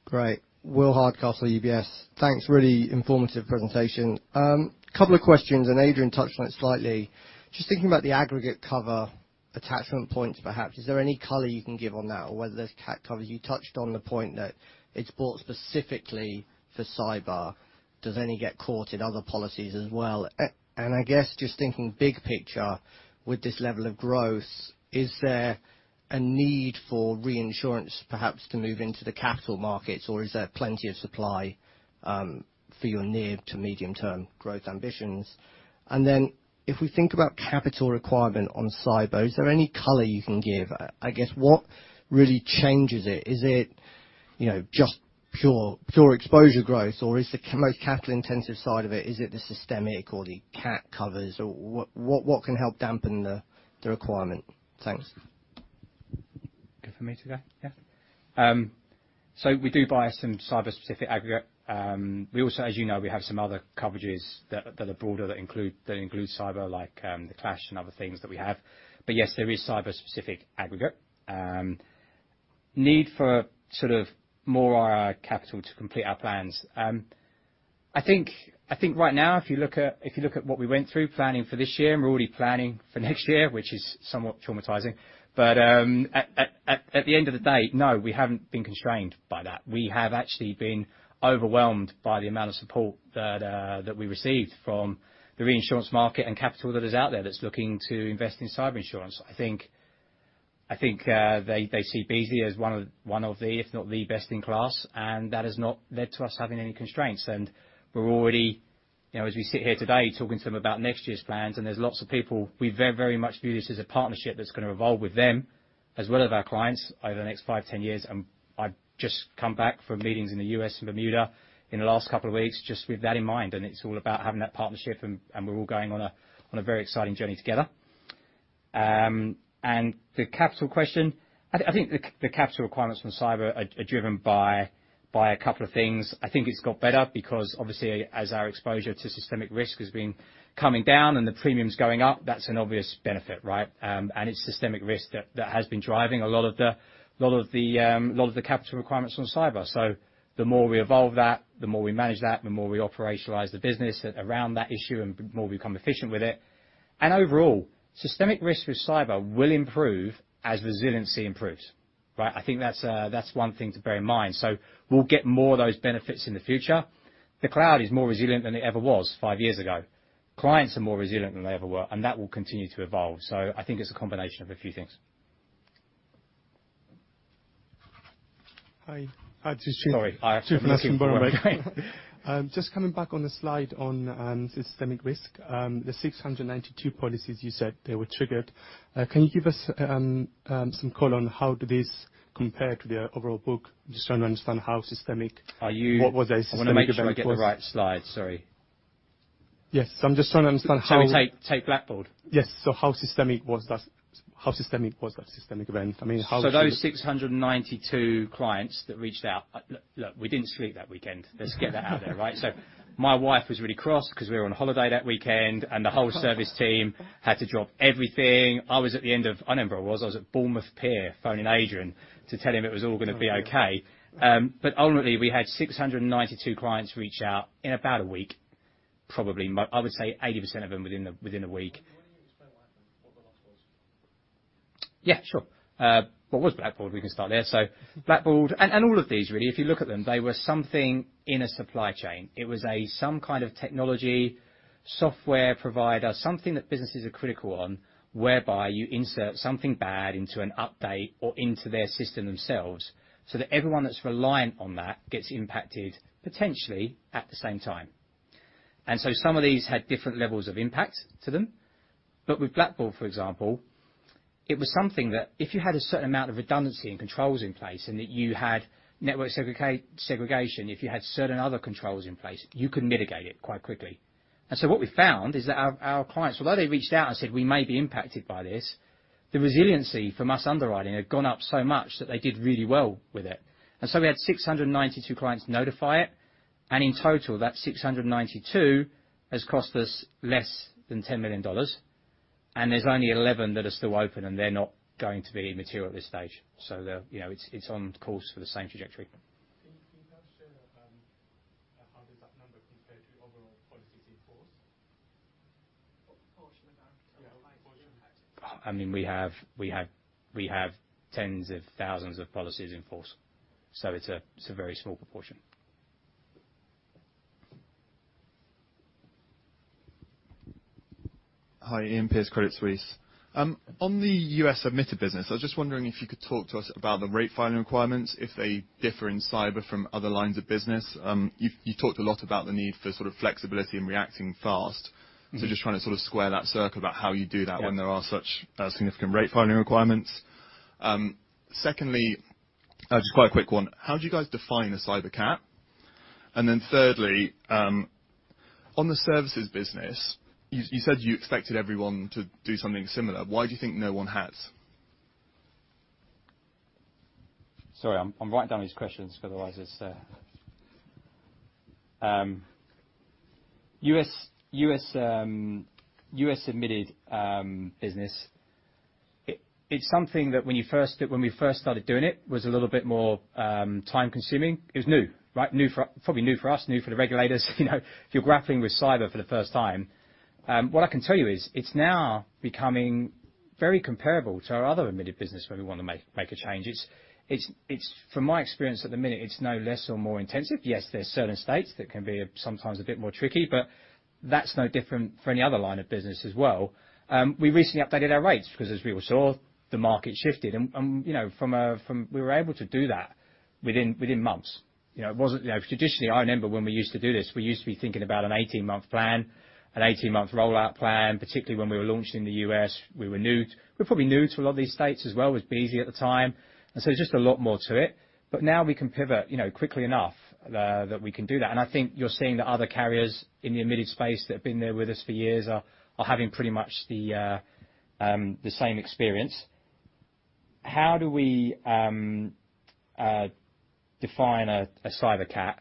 Great. Will Hardcastle, UBS. Thanks. Really informative presentation. Couple of questions and Adrian touched on it slightly. Just thinking about the aggregate cover attachment points, perhaps, is there any color you can give on that or whether there's CAT coverage? You touched on the point that it's bought specifically for cyber. Does any get caught in other policies as well? I guess just thinking big picture with this level of growth, is there a need for reinsurance perhaps to move into the capital markets or is there plenty of supply for your near to medium-term growth ambitions? If we think about capital requirement on cyber, is there any color you can give? I guess what really changes it? Is it, you know, just pure exposure growth or is the most capital intensive side of it, is it the systemic or the CAT covers or what can help dampen the requirement? Thanks. Good for me to go? Yeah. We do buy some cyber specific aggregate. We also, as you know, we have some other coverages that are broader, that include cyber, like, the clash and other things that we have. Yes, there is cyber specific aggregate. Need for sort of more capital to complete our plans. I think right now if you look at what we went through planning for this year and we're already planning for next year, which is somewhat traumatizing, at the end of the day, no, we haven't been constrained by that. We have actually been overwhelmed by the amount of support that we received from the reinsurance market and capital that is out there that's looking to invest in cyber insurance. I think they see Beazley as one of the, if not the best in class and that has not led to us having any constraints. We're already, you know, as we sit here today talking to them about next year's plans and there's lots of people. We very much view this as a partnership that's gonna evolve with them as well as our clients over the next 5, 10 years. I've just come back from meetings in the US and Bermuda in the last couple of weeks just with that in mind and it's all about having that partnership and we're all going on a very exciting journey together. The capital question, I think the capital requirements from cyber are driven by a couple of things. I think it's got better because obviously as our exposure to systemic risk has been coming down and the premium's going up, that's an obvious benefit, right? It's systemic risk that has been driving a lot of the capital requirements on cyber. The more we evolve that, the more we manage that, the more we operationalize the business around that issue and more we become efficient with it. Overall, systemic risk with cyber will improve as resiliency improves, right? I think that's one thing to bear in mind. We'll get more of those benefits in the future. The cloud is more resilient than it ever was five years ago. Clients are more resilient than they ever were and that will continue to evolve. I think it's a combination of a few things. Hi. Sorry. Just coming back on the slide on systemic risk, the 692 policies you said they were triggered, can you give us some color on how do these compare to the overall book? Just trying to understand how systemic, what was the systemic event? I wanna make sure I get the right slide. Sorry. Yes. I'm just trying to understand how. Shall we take Blackbaud? Yes. How systemic was that systemic event? Those 692 clients that reached out. Look, we didn't sleep that weekend. Let's get that out there, right? My wife was really cross 'cause we were on holiday that weekend and the whole service team had to drop everything. I remember where I was. I was at Bournemouth Pier, phoning Adrian to tell him it was all gonna be okay. But ultimately, we had 692 clients reach out in about a week. Probably I would say 80% of them within a week. Can you explain what happened, what the loss was? Yeah, sure. What was Blackbaud? We can start there. Blackbaud. All of these really, if you look at them, they were something in a supply chain. It was a some kind of technology software provider, something that businesses are critical on, whereby you insert something bad into an update or into their system themselves so that everyone that's reliant on that gets impacted potentially at the same time. Some of these had different levels of impact to them. With Blackbaud, for example, it was something that if you had a certain amount of redundancy and controls in place and that you had network segregation, if you had certain other controls in place, you could mitigate it quite quickly. What we found is that our clients, although they reached out and said, "We may be impacted by this," the resiliency from us underwriting had gone up so much that they did really well with it. We had 692 clients notify it and in total, that 692 has cost us less than $10 million. There's only 11 that are still open and they're not going to be material at this stage. You know, it's on course for the same trajectory. Can you just share how does that number compare to the overall policies in force? What proportion of our total policies in place? Yeah, proportion. I mean, we have tens of thousands of policies in force, so it's a very small proportion. Hi. Iain Pearce, Credit Suisse. On the U.S. admitted business, I was just wondering if you could talk to us about the rate filing requirements, if they differ in cyber from other lines of business. You talked a lot about the need for sort of flexibility and reacting fast. Just trying to sort of square that circle about how you do that when there are such significant rate filing requirements. Secondly, just quite a quick one. How do you guys define a cyber cat? Then thirdly, on the services business, you said you expected everyone to do something similar. Why do you think no one has? Sorry, I'm writing down these questions because otherwise it's U.S. admitted business. It's something that when we first started doing it, was a little bit more time consuming. It was new, right? Probably new for us, new for the regulators, you know, if you're grappling with cyber for the first time. What I can tell you is it's now becoming very comparable to our other admitted business where we want to make a change. It's from my experience at the minute, it's no less or more intensive. Yes, there's certain states that can be sometimes a bit more tricky but that's no different from any other line of business as well. We recently updated our rates because as we all saw, the market shifted and, you know, we were able to do that within months. You know, traditionally, I remember when we used to do this, we used to be thinking about an 18-month plan, an 18-month rollout plan, particularly when we were launching in the U.S. We were new. We're probably new to a lot of these states as well with Beazley at the time and so just a lot more to it. But now we can pivot, you know, quickly enough that we can do that. I think you're seeing the other carriers in the admitted space that have been there with us for years are having pretty much the same experience. How do we define a cyber cat?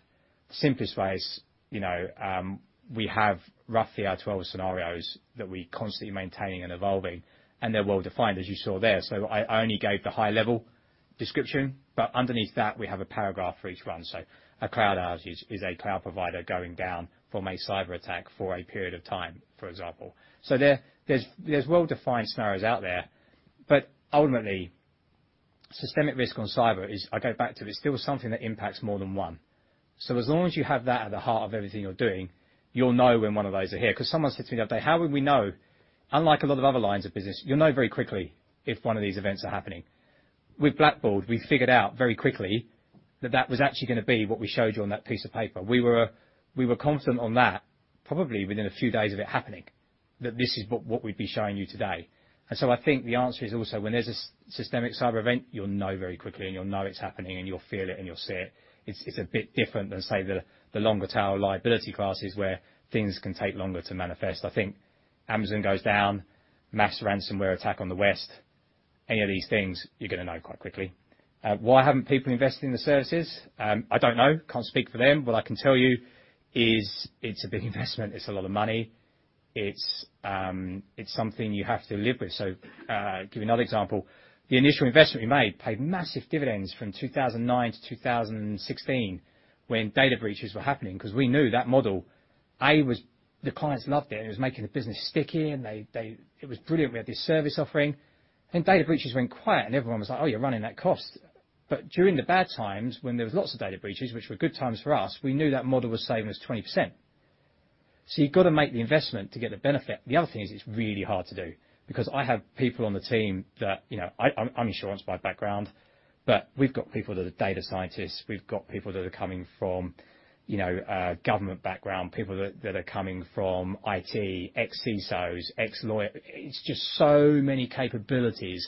Simplest way is, you know, we have roughly 12 scenarios that we constantly maintaining and evolving and they're well-defined, as you saw there. I only gave the high level description but underneath that we have a paragraph for each one. A cloud outage is a cloud provider going down from a cyberattack for a period of time, for example. There are well-defined scenarios out there but ultimately, systemic risk on cyber is. I go back to, it's still something that impacts more than one. As long as you have that at the heart of everything you're doing, you'll know when one of those are here. 'Cause someone said to me the other day, "How would we know?" Unlike a lot of other lines of business, you'll know very quickly if one of these events are happening. With Blackbaud, we figured out very quickly that that was actually gonna be what we showed you on that piece of paper. We were confident on that probably within a few days of it happening, that this is what we'd be showing you today. I think the answer is also when there's a systemic cyber event, you'll know very quickly and you'll know it's happening and you'll feel it and you'll see it. It's a bit different than, say, the longer tail liability classes where things can take longer to manifest. I think Amazon goes down, mass ransomware attack on the West, any of these things, you're gonna know quite quickly. Why haven't people invested in the services? I don't know. Can't speak for them. What I can tell you is it's a big investment. It's a lot of money. It's something you have to live with. Give you another example. The initial investment we made paid massive dividends from 2009 to 2016 when data breaches were happening, 'cause we knew that model. The clients loved it and it was making the business sticky and it was brilliant. We had this service offering. Then data breaches went quiet and everyone was like, "Oh, you're running that cost." During the bad times when there was lots of data breaches, which were good times for us, we knew that model was saving us 20%. You've got to make the investment to get the benefit. The other thing is it's really hard to do because I have people on the team that you know. I'm in insurance by background but we've got people that are data scientists. We've got people that are coming from, you know, a government background, people that are coming from IT, ex-CSOs, ex-lawyer. It's just so many capabilities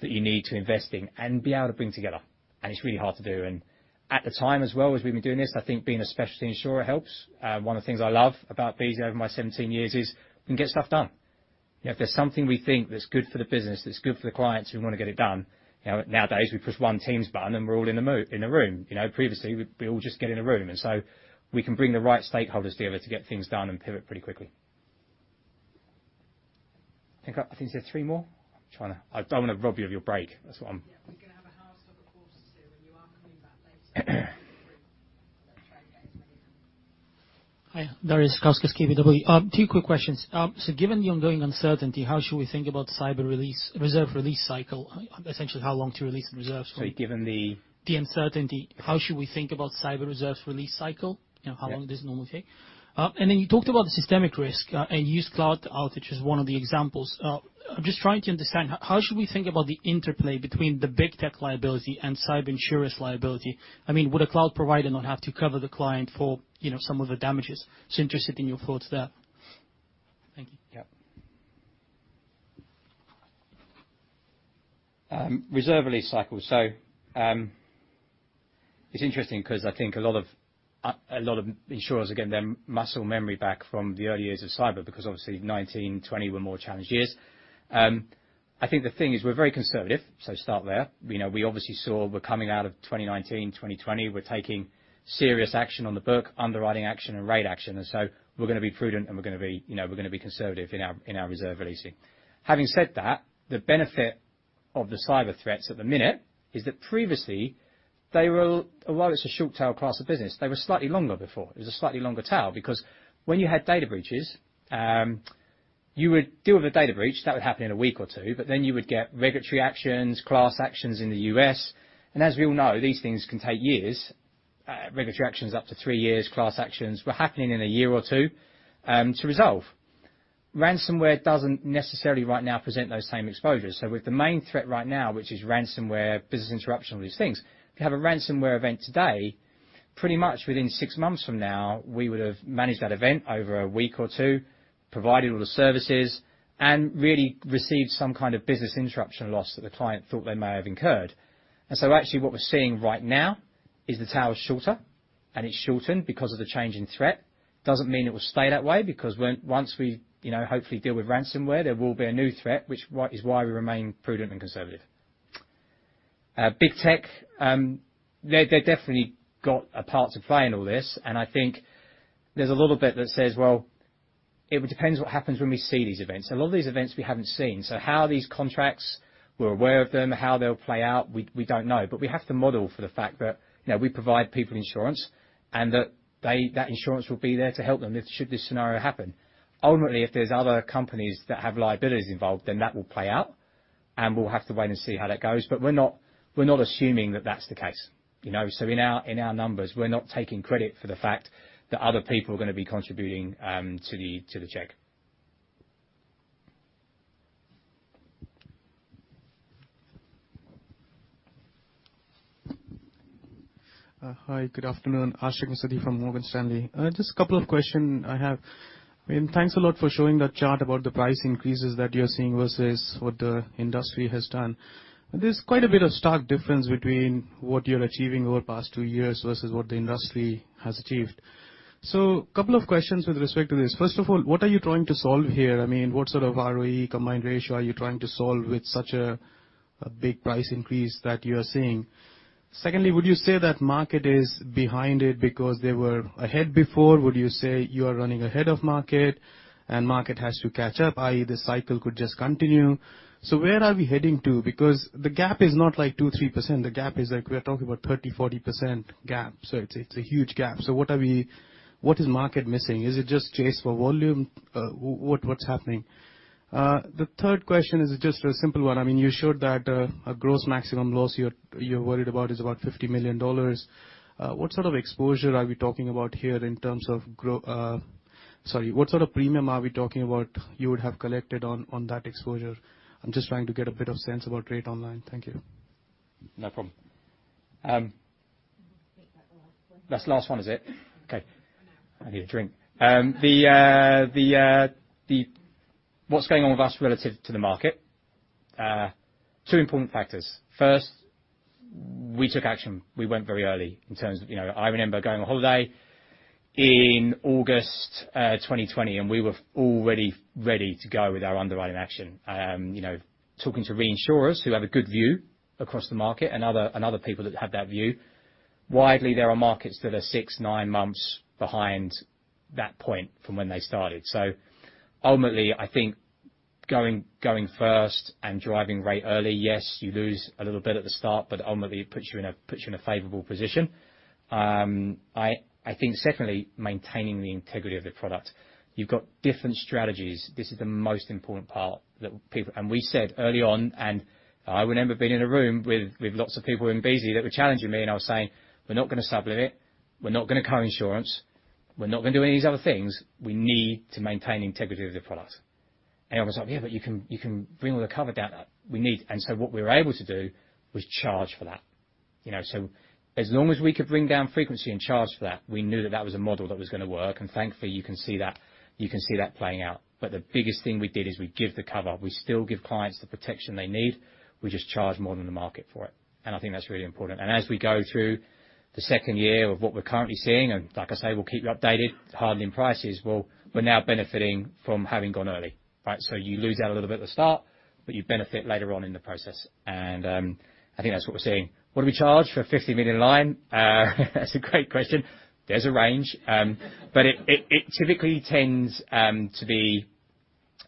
that you need to invest in and be able to bring together and it's really hard to do. At the time as well as we've been doing this, I think being a specialty insurer helps. One of the things I love about Beazley over my 17 years is we can get stuff done. You know, if there's something we think that's good for the business, that's good for the clients and we wanna get it done, you know, nowadays we push one Teams button and we're all in the room. You know, previously we'd all just get in a room. We can bring the right stakeholders together to get things done and pivot pretty quickly. I think you said three more. I don't wanna rob you of your break. That's what I'm. Yeah. We're gonna have a half-hour break, so when you are coming back later try and get as many questions in. Hi. Darius Satkauskas, KBW. Two quick questions. Given the ongoing uncertainty, how should we think about cyber reserve release cycle? Essentially, how long to release the reserves for? Sorry, given the? The uncertainty, how should we think about cyber reserves release cycle? You know, how long does it normally take? Then you talked about the systemic risk and used cloud outage as one of the examples. I'm just trying to understand how should we think about the interplay between the big tech liability and cyber insurer's liability? I mean, would a cloud provider not have to cover the client for, you know, some of the damages? Interested in your thoughts there. Thank you. Yeah. Reserve release cycle. It's interesting 'cause I think a lot of insurers are getting their muscle memory back from the early years of cyber because obviously 2019, 2020 were more challenged years. I think the thing is we're very conservative, so start there. You know, we obviously saw we're coming out of 2019, 2020. We're taking serious action on the book, underwriting action and rate action. We're gonna be prudent and we're gonna be, you know, we're gonna be conservative in our, in our reserve releasing. Having said that, the benefit of the cyber threats at the minute is that previously they were well, it's a short tail class of business, they were slightly longer before. It was a slightly longer tail, because when you had data breaches, you would deal with a data breach, that would happen in a week or two but then you would get regulatory actions, class actions in the U.S. As we all know, these things can take years. Regulatory action is up to three years. Class actions were happening in a year or two, to resolve. Ransomware doesn't necessarily right now present those same exposures. With the main threat right now, which is ransomware, business interruption, all these things. If you have a ransomware event today, pretty much within 6 months from now, we would have managed that event over a week or two, provided all the services and really received some kind of business interruption loss that the client thought they may have incurred. Actually what we're seeing right now is the tail is shorter and it's shortened because of the change in threat. Doesn't mean it will stay that way, because once we, you know, hopefully deal with ransomware, there will be a new threat, which is why we remain prudent and conservative. Big tech, they definitely got a part to play in all this and I think there's a little bit that says, well, it depends what happens when we see these events. A lot of these events we haven't seen. How these contracts, we're aware of them, how they'll play out, we don't know. We have to model for the fact that, you know, we provide people insurance and that insurance will be there to help them if should this scenario happen. Ultimately, if there's other companies that have liabilities involved, then that will play out and we'll have to wait and see how that goes. We're not assuming that that's the case, you know. In our numbers, we're not taking credit for the fact that other people are gonna be contributing to the check. Hi, good afternoon. Ashik Musaddi from Morgan Stanley. Just a couple of question I have. I mean, thanks a lot for showing the chart about the price increases that you're seeing versus what the industry has done. There's quite a bit of stark difference between what you're achieving over the past two years versus what the industry has achieved. Couple of questions with respect to this. First of all, what are you trying to solve here? I mean, what sort of ROE combined ratio are you trying to solve with such a big price increase that you are seeing? Secondly, would you say that market is behind it because they were ahead before? Would you say you are running ahead of market and market has to catch up, i.e., the cycle could just continue? Where are we heading to? Because the gap is not like 2-3%. The gap is like we are talking about 30-40% gap. It's a huge gap. What are we what is the market missing? Is it just chase for volume? What's happening? The third question is just a simple one. I mean, you showed that a gross maximum loss you're worried about is about $50 million. What sort of exposure are we talking about here in terms of what sort of premium are we talking about you would have collected on that exposure? I'm just trying to get a bit of sense about rate on line. Thank you. No problem. I think that's the last one. That's the last one, is it? Yes. Okay. I need a drink. What's going on with us relative to the market, two important factors. First, we took action. We went very early in terms of you know, I remember going on holiday in August 2020 and we were already ready to go with our underwriting action. You know, talking to reinsurers who have a good view across the market and other people that have that view. Widely, there are markets that are six, nine months behind that point from when they started. Ultimately, I think going first and driving rate early, yes, you lose a little bit at the start but ultimately, it puts you in a favorable position. I think secondly, maintaining the integrity of the product. You've got different strategies. This is the most important part that people. We said early on and I remember being in a room with lots of people in Beazley that were challenging me and I was saying, "We're not gonna sub limit, we're not gonna co-insurance, we're not gonna do any of these other things. We need to maintain integrity of the product." Everyone's like, "Yeah but you can bring all the cover down that we need." What we were able to do was charge for that. You know, so as long as we could bring down frequency and charge for that, we knew that that was a model that was gonna work. Thankfully, you can see that, you can see that playing out. The biggest thing we did is we give the cover. We still give clients the protection they need. We just charge more than the market for it and I think that's really important. As we go through the second year of what we're currently seeing and like I say, we'll keep you updated, hardening prices, well, we're now benefiting from having gone early, right? You lose out a little bit at the start but you benefit later on in the process. I think that's what we're seeing. What do we charge for a $50 million line? That's a great question. There's a range. But it typically tends to be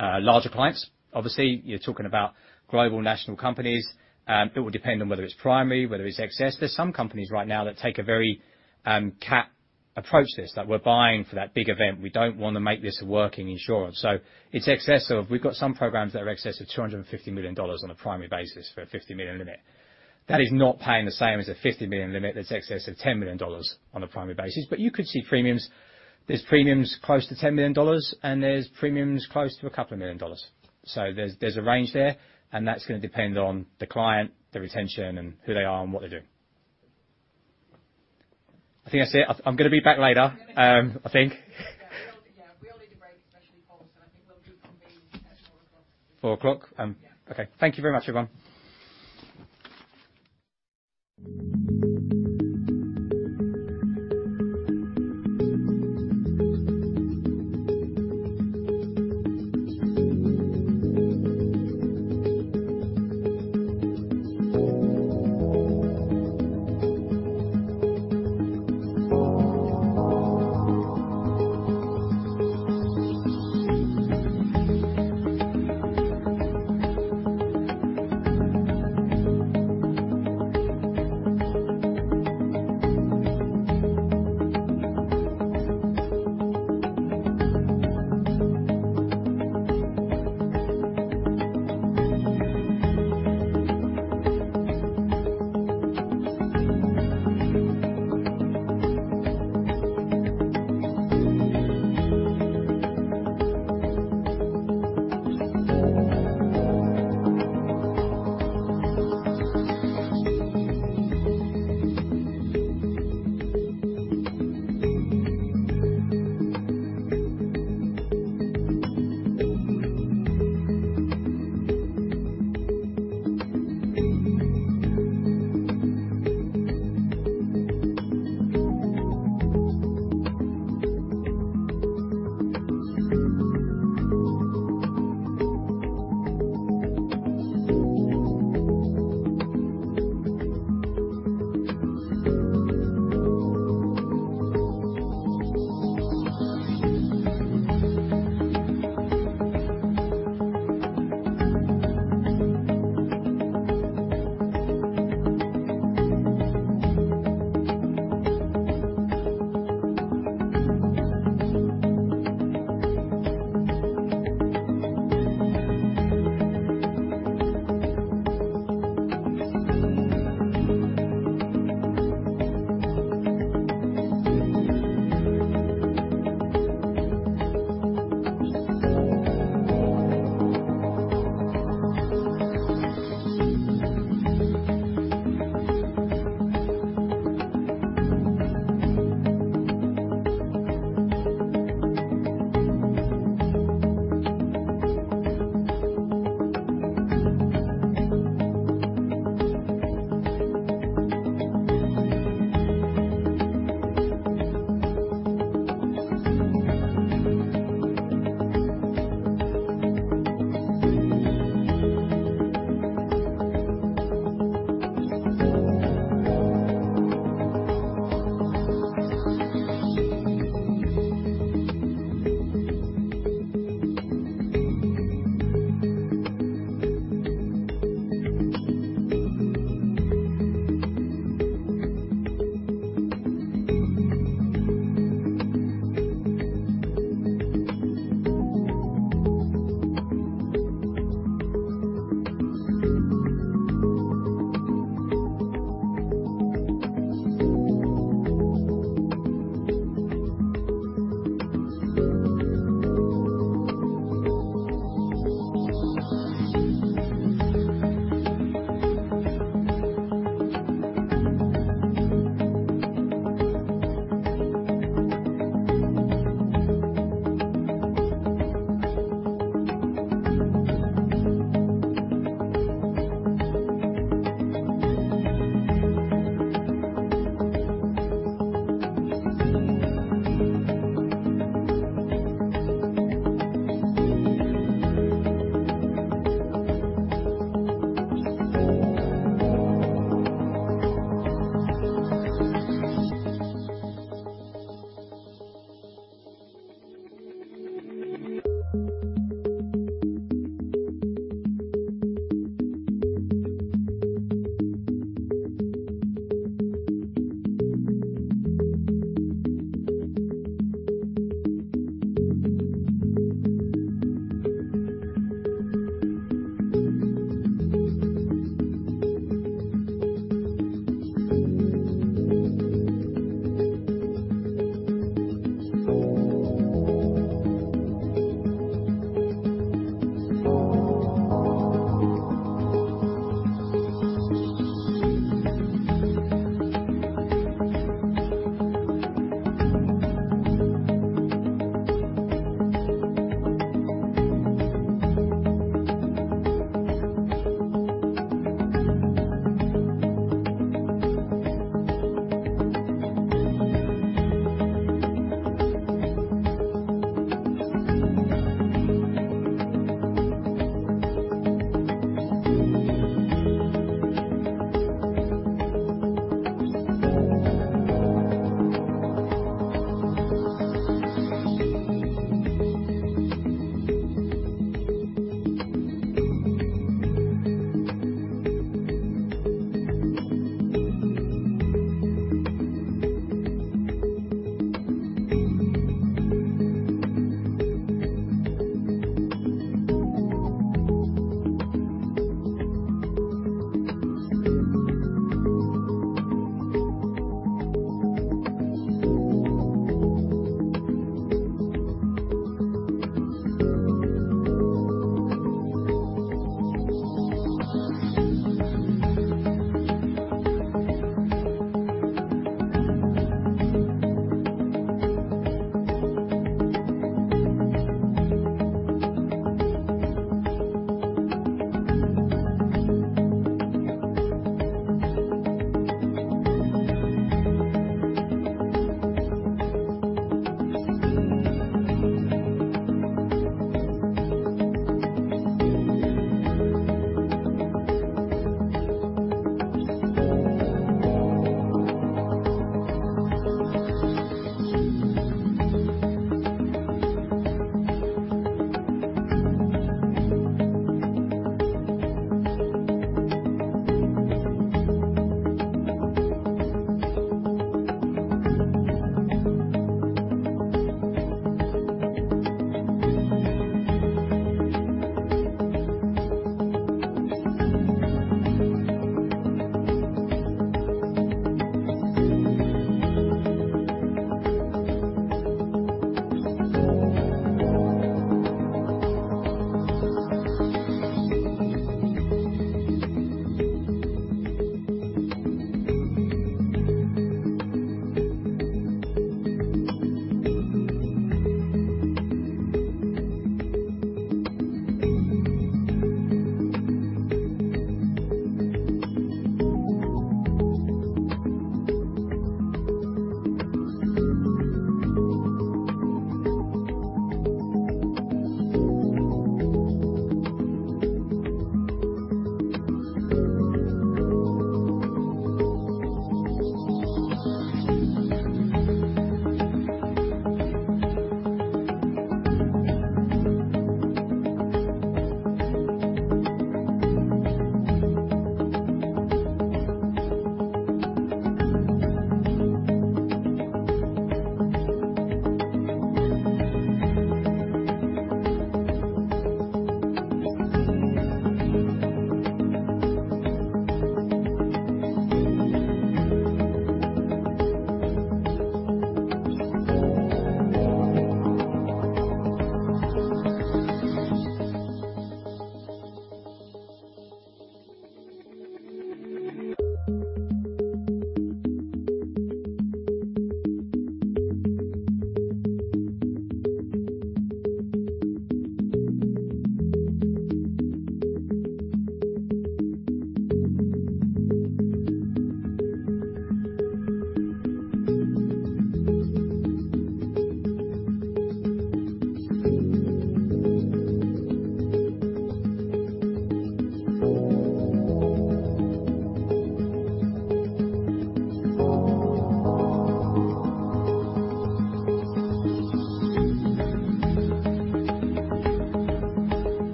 larger clients. Obviously, you're talking about global national companies. It will depend on whether it's primary, whether it's excess. There's some companies right now that take a very capped approach this, that we're buying for that big event. We don't wanna make this a working insurance. It's excess of we've got some programs that are excess of $250 million on a primary basis for a $50 million limit. That is not paying the same as a $50 million limit that's excess of $10 million on a primary basis. You could see premiums, there's premiums close to $10 million and there's premiums close to a couple of million dollars. There's a range there and that's gonna depend on the client, the retention and who they are and what they're doing. I think that's it. I'm gonna be back later. I think. Yeah. We all need a break, especially Paul. I think we'll reconvene at 4:00 P.M. Four o'clock? Yeah. Okay. Thank you very much, everyone. Hello, everyone.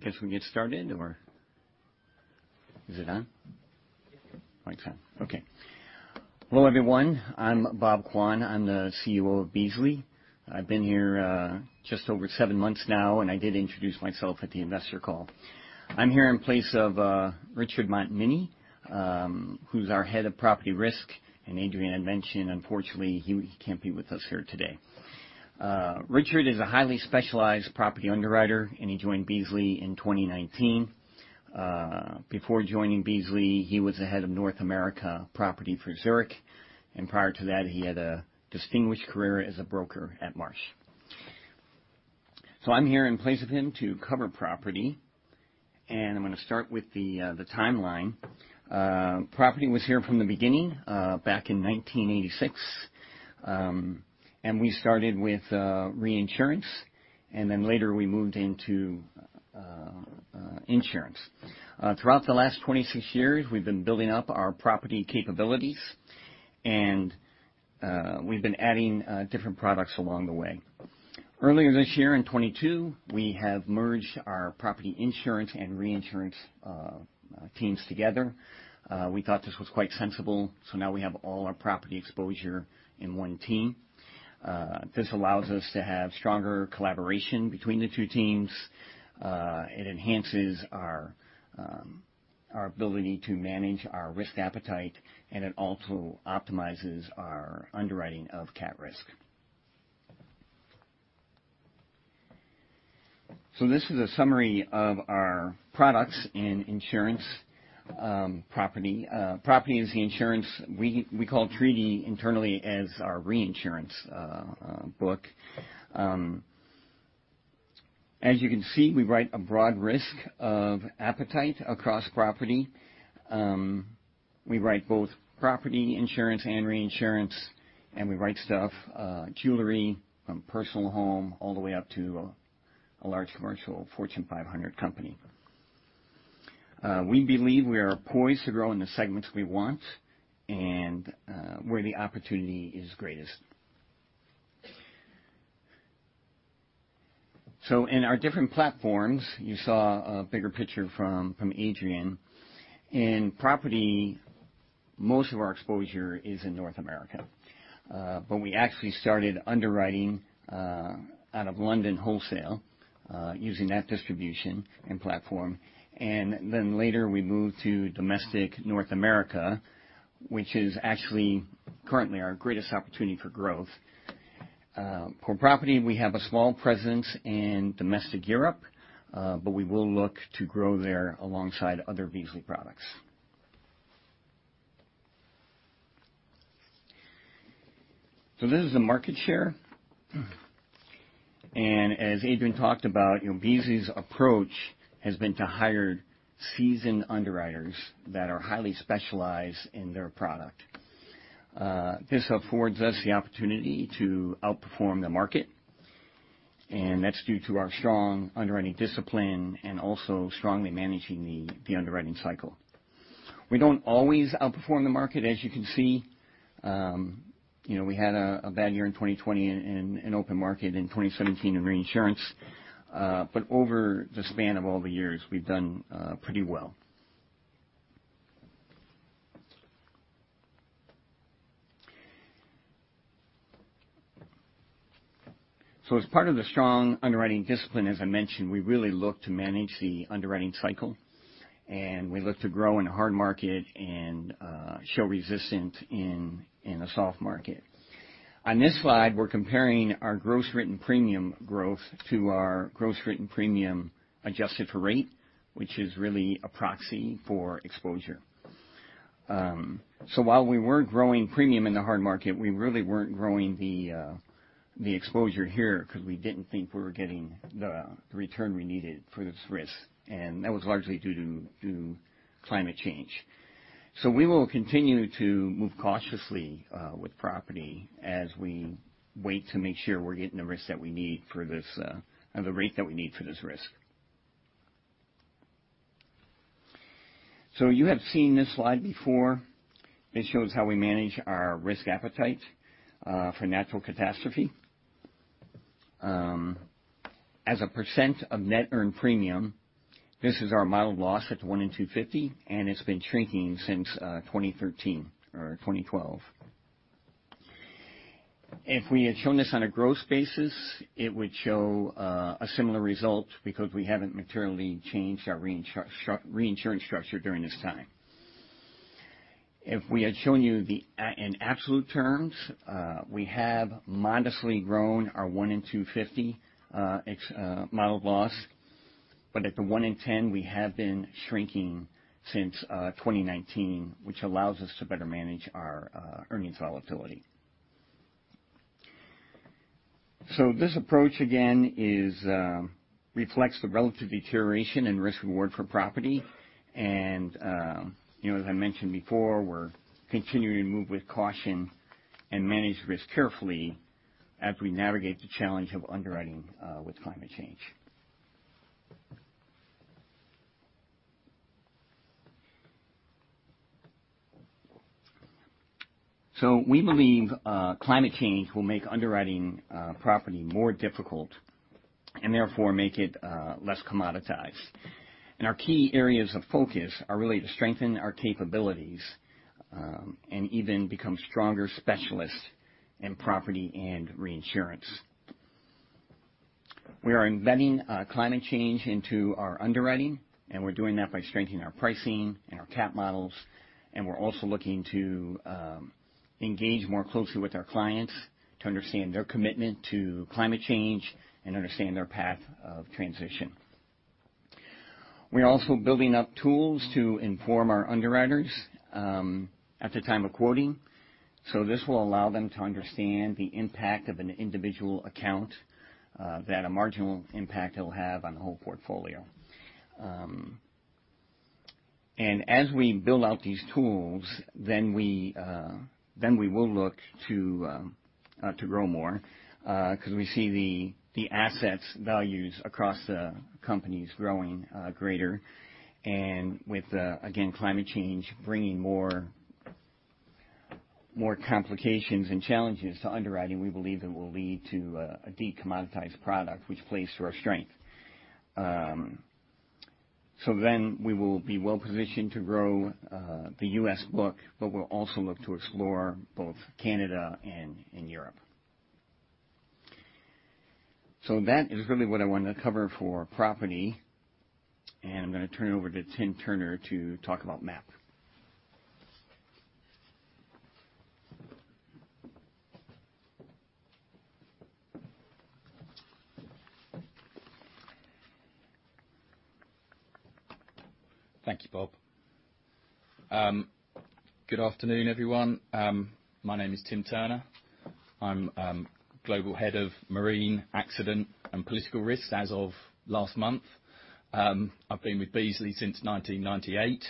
I guess we get started or is it on? Yes, sir. Mic's on. Okay. Hello, everyone. I'm Bob Quane. I'm the CUO of Beazley. I've been here just over seven months now and I did introduce myself at the investor call. I'm here in place of Richard Montminy, who's our head of property risk and Adrian had mentioned, unfortunately, he can't be with us here today. Richard is a highly specialized property underwriter and he joined Beazley in 2019. Before joining Beazley, he was the head of North America property for Zurich. Prior to that, he had a distinguished career as a broker at Marsh. I'm here in place of him to cover property and I'm gonna start with the timeline. Property was here from the beginning back in 1986. We started with reinsurance and then later we moved into insurance. Throughout the last 26 years, we've been building up our property capabilities and we've been adding different products along the way. Earlier this year in 2022, we have merged our property insurance and reinsurance teams together. We thought this was quite sensible, so now we have all our property exposure in one team. This allows us to have stronger collaboration between the two teams. It enhances our ability to manage our risk appetite and it also optimizes our underwriting of CAT risk. This is a summary of our products in insurance, property. Property is the insurance we call treaty internally as our reinsurance book. As you can see, we write a broad risk of appetite across property. We write both property insurance and reinsurance and we write stuff, jewelry, personal home, all the way up to a large commercial Fortune 500 company. We believe we are poised to grow in the segments we want and where the opportunity is greatest. In our different platforms, you saw a bigger picture from Adrian. In property, most of our exposure is in North America but we actually started underwriting out of London wholesale, using that distribution and platform. Later we moved to domestic North America, which is actually currently our greatest opportunity for growth. For property, we have a small presence in domestic Europe but we will look to grow there alongside other Beazley products. This is the market share. As Adrian talked about, you know, Beazley's approach has been to hire seasoned underwriters that are highly specialized in their product. This affords us the opportunity to outperform the market and that's due to our strong underwriting discipline and also strongly managing the underwriting cycle. We don't always outperform the market, as you can see. You know, we had a bad year in 2020 and an open market in 2017 in reinsurance. Over the span of all the years, we've done pretty well. As part of the strong underwriting discipline, as I mentioned, we really look to manage the underwriting cycle and we look to grow in a hard market and show resistance in a soft market. On this slide, we're comparing our gross written premium growth to our gross written premium adjusted for rate, which is really a proxy for exposure. While we were growing premium in the hard market, we really weren't growing the exposure here because we didn't think we were getting the return we needed for this risk. That was largely due to climate change. We will continue to move cautiously with property as we wait to make sure we're getting the rate that we need for this risk. You have seen this slide before. This shows how we manage our risk appetite for natural catastrophe. As a % of net earned premium, this is our mild loss at 1 in 250 and it's been shrinking since 2013 or 2012. If we had shown this on a gross basis, it would show a similar result because we haven't materially changed our reinsurance structure during this time. If we had shown you in absolute terms, we have modestly grown our 1 in 250 ex mild loss. But at the 1 in 10, we have been shrinking since 2019, which allows us to better manage our earnings volatility. This approach, again, reflects the relative deterioration and risk reward for property. You know, as I mentioned before, we're continuing to move with caution and manage risk carefully as we navigate the challenge of underwriting with climate change. We believe climate change will make underwriting property more difficult and therefore make it less commoditized. Our key areas of focus are really to strengthen our capabilities and even become stronger specialists in property and reinsurance. We are embedding climate change into our underwriting and we're doing that by strengthening our pricing and our cat models. We're also looking to engage more closely with our clients to understand their commitment to climate change and understand their path of transition. We're also building up tools to inform our underwriters at the time of quoting. This will allow them to understand the impact of an individual account that a marginal impact it'll have on the whole portfolio. As we build out these tools, we will look to grow more, 'cause we see the asset values across the companies growing greater. With again, climate change bringing more complications and challenges to underwriting, we believe it will lead to a de-commoditized product which plays to our strength. We will be well positioned to grow the U.S. book but we'll also look to explore both Canada and Europe. That is really what I wanted to cover for property and I'm gonna turn it over to Tim Turner to talk about MAP. Thank you, Bob. Good afternoon, everyone. My name is Tim Turner. I'm Global Head of Marine, Accident and Political Risk as of last month. I've been with Beazley since 1998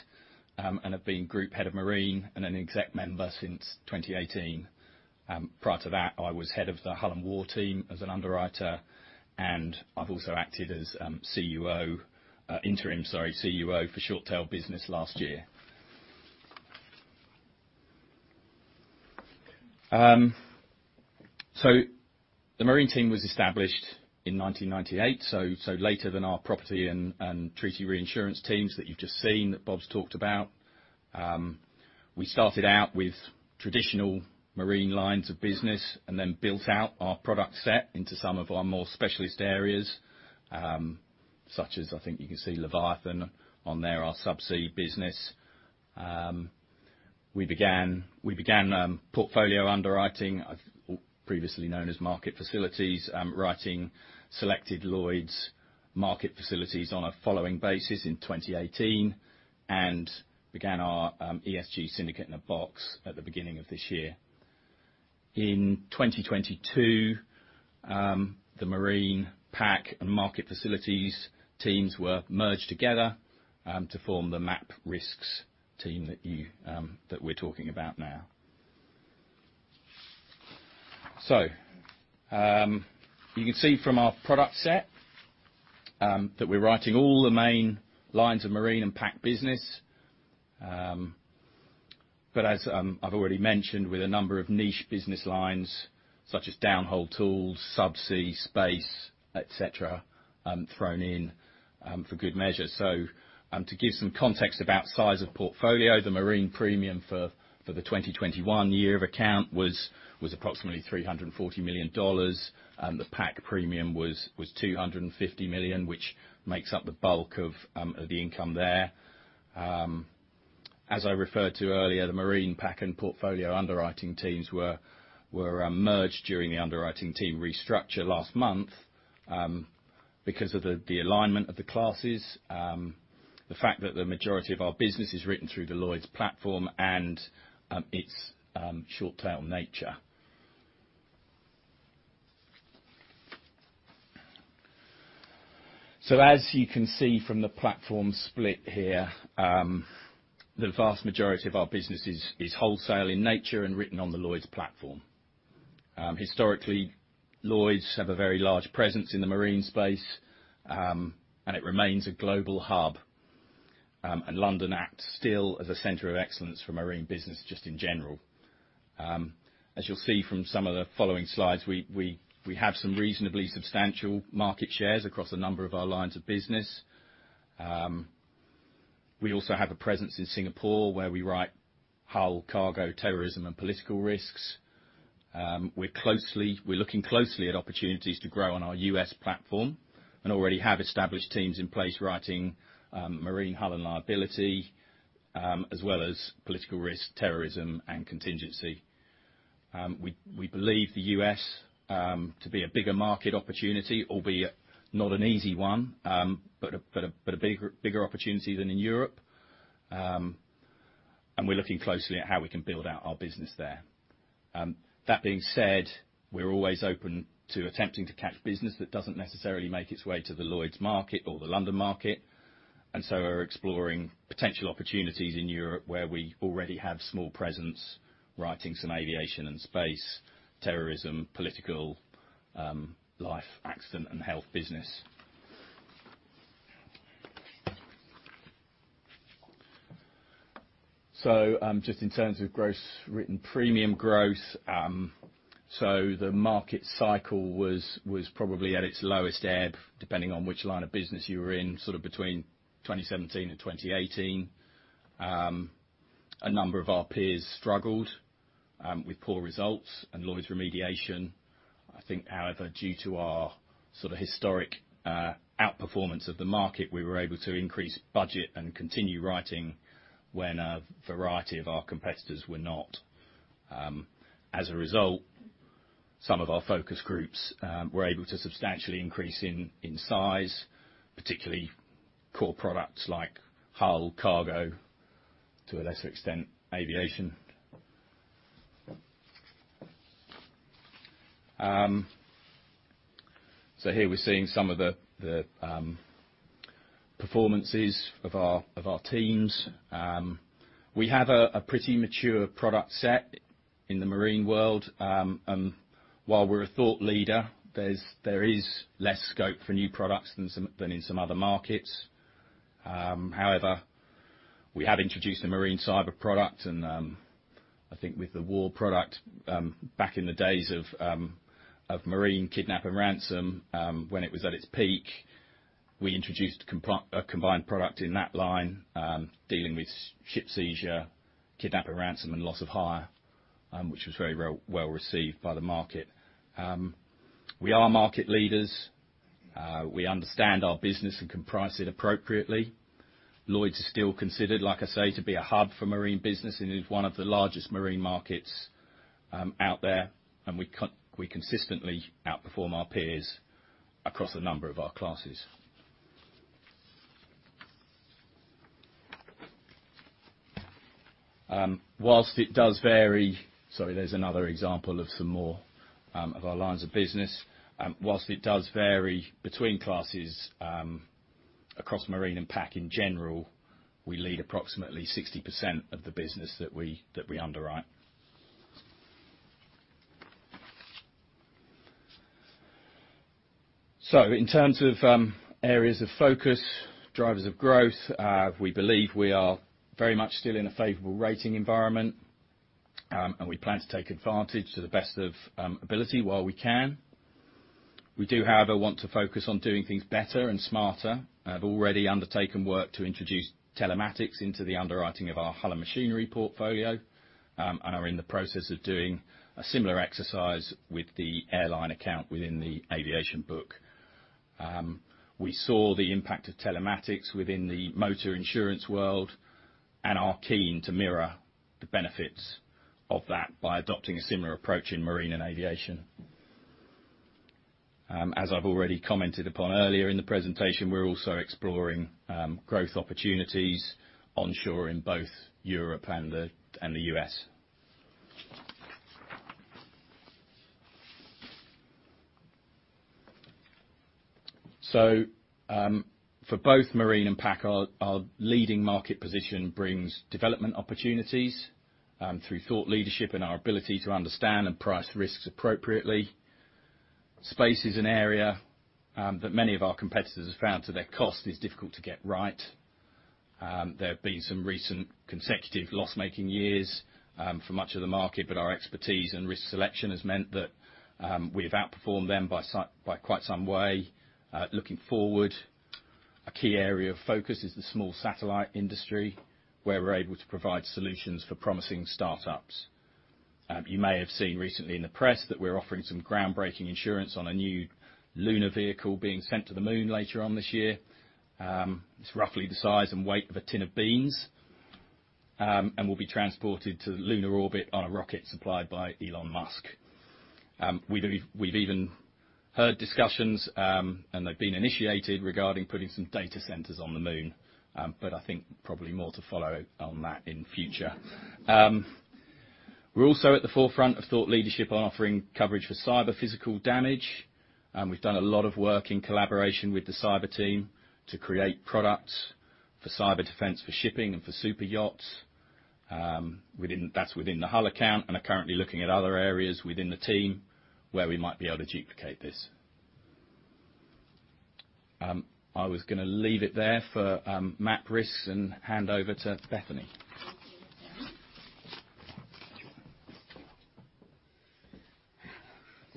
and have been Group Head of Marine and an exec member since 2018. Prior to that, I was head of the Hull & War team as an underwriter and I've also acted as CUO, interim CUO for Short Tail business last year. The Marine team was established in 1998, later than our property and treaty reinsurance teams that you've just seen, that Bob's talked about. We started out with traditional marine lines of business and then built out our product set into some of our more specialist areas, such as I think you can see Leviathan on there, our subsea business. We began portfolio underwriting, previously known as market facilities, writing selected Lloyd's market facilities on a following basis in 2018 and began our ESG syndicate-in-a-box at the beginning of this year. In 2022, the Marine, P&C and market facilities teams were merged together to form the MAP Risks team that we're talking about now. You can see from our product set that we're writing all the main lines of marine and P&C business. As I've already mentioned, with a number of niche business lines, such as downhole tools, subsea, space, et cetera, thrown in for good measure. To give some context about size of portfolio, the marine premium for the 2021 year of account was approximately $340 million and the P&C premium was $250 million, which makes up the bulk of the income there. As I referred to earlier, the marine P&C and portfolio underwriting teams were merged during the underwriting team restructure last month, because of the alignment of the classes, the fact that the majority of our business is written through the Lloyd's platform and its short tail nature. As you can see from the platform split here, the vast majority of our business is wholesale in nature and written on the Lloyd's platform. Historically, Lloyd's have a very large presence in the marine space and it remains a global hub and London acts still as a center of excellence for marine business just in general. As you'll see from some of the following slides, we have some reasonably substantial market shares across a number of our lines of business. We also have a presence in Singapore, where we write hull, cargo, terrorism and political risks. We're looking closely at opportunities to grow on our U.S. platform and already have established teams in place writing marine hull and liability, as well as political risk, terrorism and contingency. We believe the U.S. to be a bigger market opportunity, albeit not an easy one but a bigger opportunity than in Europe and we're looking closely at how we can build out our business there. That being said, we're always open to attempting to catch business that doesn't necessarily make its way to the Lloyd's market or the London market and so are exploring potential opportunities in Europe where we already have a small presence, writing some aviation and space, terrorism, political, life, accident and health business. Just in terms of gross written premium growth, so the market cycle was probably at its lowest ebb, depending on which line of business you were in, sort of between 2017 and 2018. A number of our peers struggled with poor results and Lloyd's remediation. I think, however, due to our sort of historic outperformance of the market, we were able to increase budget and continue writing when a variety of our competitors were not. As a result, some of our focus groups were able to substantially increase in size, particularly core products like hull, cargo, to a lesser extent, aviation. Here we're seeing some of the performances of our teams. We have a pretty mature product set in the marine world. While we're a thought leader, there is less scope for new products than in some other markets. However, we have introduced a marine cyber product and, I think with the WAR product, back in the days of marine kidnap and ransom, when it was at its peak, we introduced a combined product in that line, dealing with ship seizure, kidnap and ransom and loss of hire, which was very well received by the market. We are market leaders. We understand our business and can price it appropriately. Lloyd's is still considered, like I say, to be a hub for marine business and is one of the largest marine markets, out there and we consistently outperform our peers across a number of our classes. While it does vary. Sorry, there's another example of some more of our lines of business. While it does vary between classes, across marine and P&C in general, we lead approximately 60% of the business that we underwrite. In terms of areas of focus, drivers of growth, we believe we are very much still in a favorable rating environment and we plan to take advantage to the best of ability while we can. We do, however, want to focus on doing things better and smarter, have already undertaken work to introduce telematics into the underwriting of our hull and machinery portfolio and are in the process of doing a similar exercise with the airline account within the aviation book. We saw the impact of telematics within the motor insurance world and are keen to mirror the benefits of that by adopting a similar approach in marine and aviation. As I've already commented upon earlier in the presentation, we're also exploring growth opportunities onshore in both Europe and the U.S. For both marine and PAC, our leading market position brings development opportunities through thought leadership and our ability to understand and price risks appropriately. Space is an area that many of our competitors have found to their cost is difficult to get right. There have been some recent consecutive loss-making years for much of the market but our expertise and risk selection has meant that we've outperformed them by quite some way. Looking forward, a key area of focus is the small satellite industry, where we're able to provide solutions for promising startups. You may have seen recently in the press that we're offering some groundbreaking insurance on a new lunar vehicle being sent to the moon later on this year. It's roughly the size and weight of a tin of beans and will be transported to lunar orbit on a rocket supplied by Elon Musk. We've even heard discussions and they've been initiated regarding putting some data centers on the moon. I think probably more to follow on that in future. We're also at the forefront of thought leadership on offering coverage for cyber physical damage. We've done a lot of work in collaboration with the cyber team to create products for cyber defense, for shipping and for super yachts. That's within the hull account and we are currently looking at other areas within the team where we might be able to duplicate this. I was gonna leave it there for MAP risks and hand over to Bethany.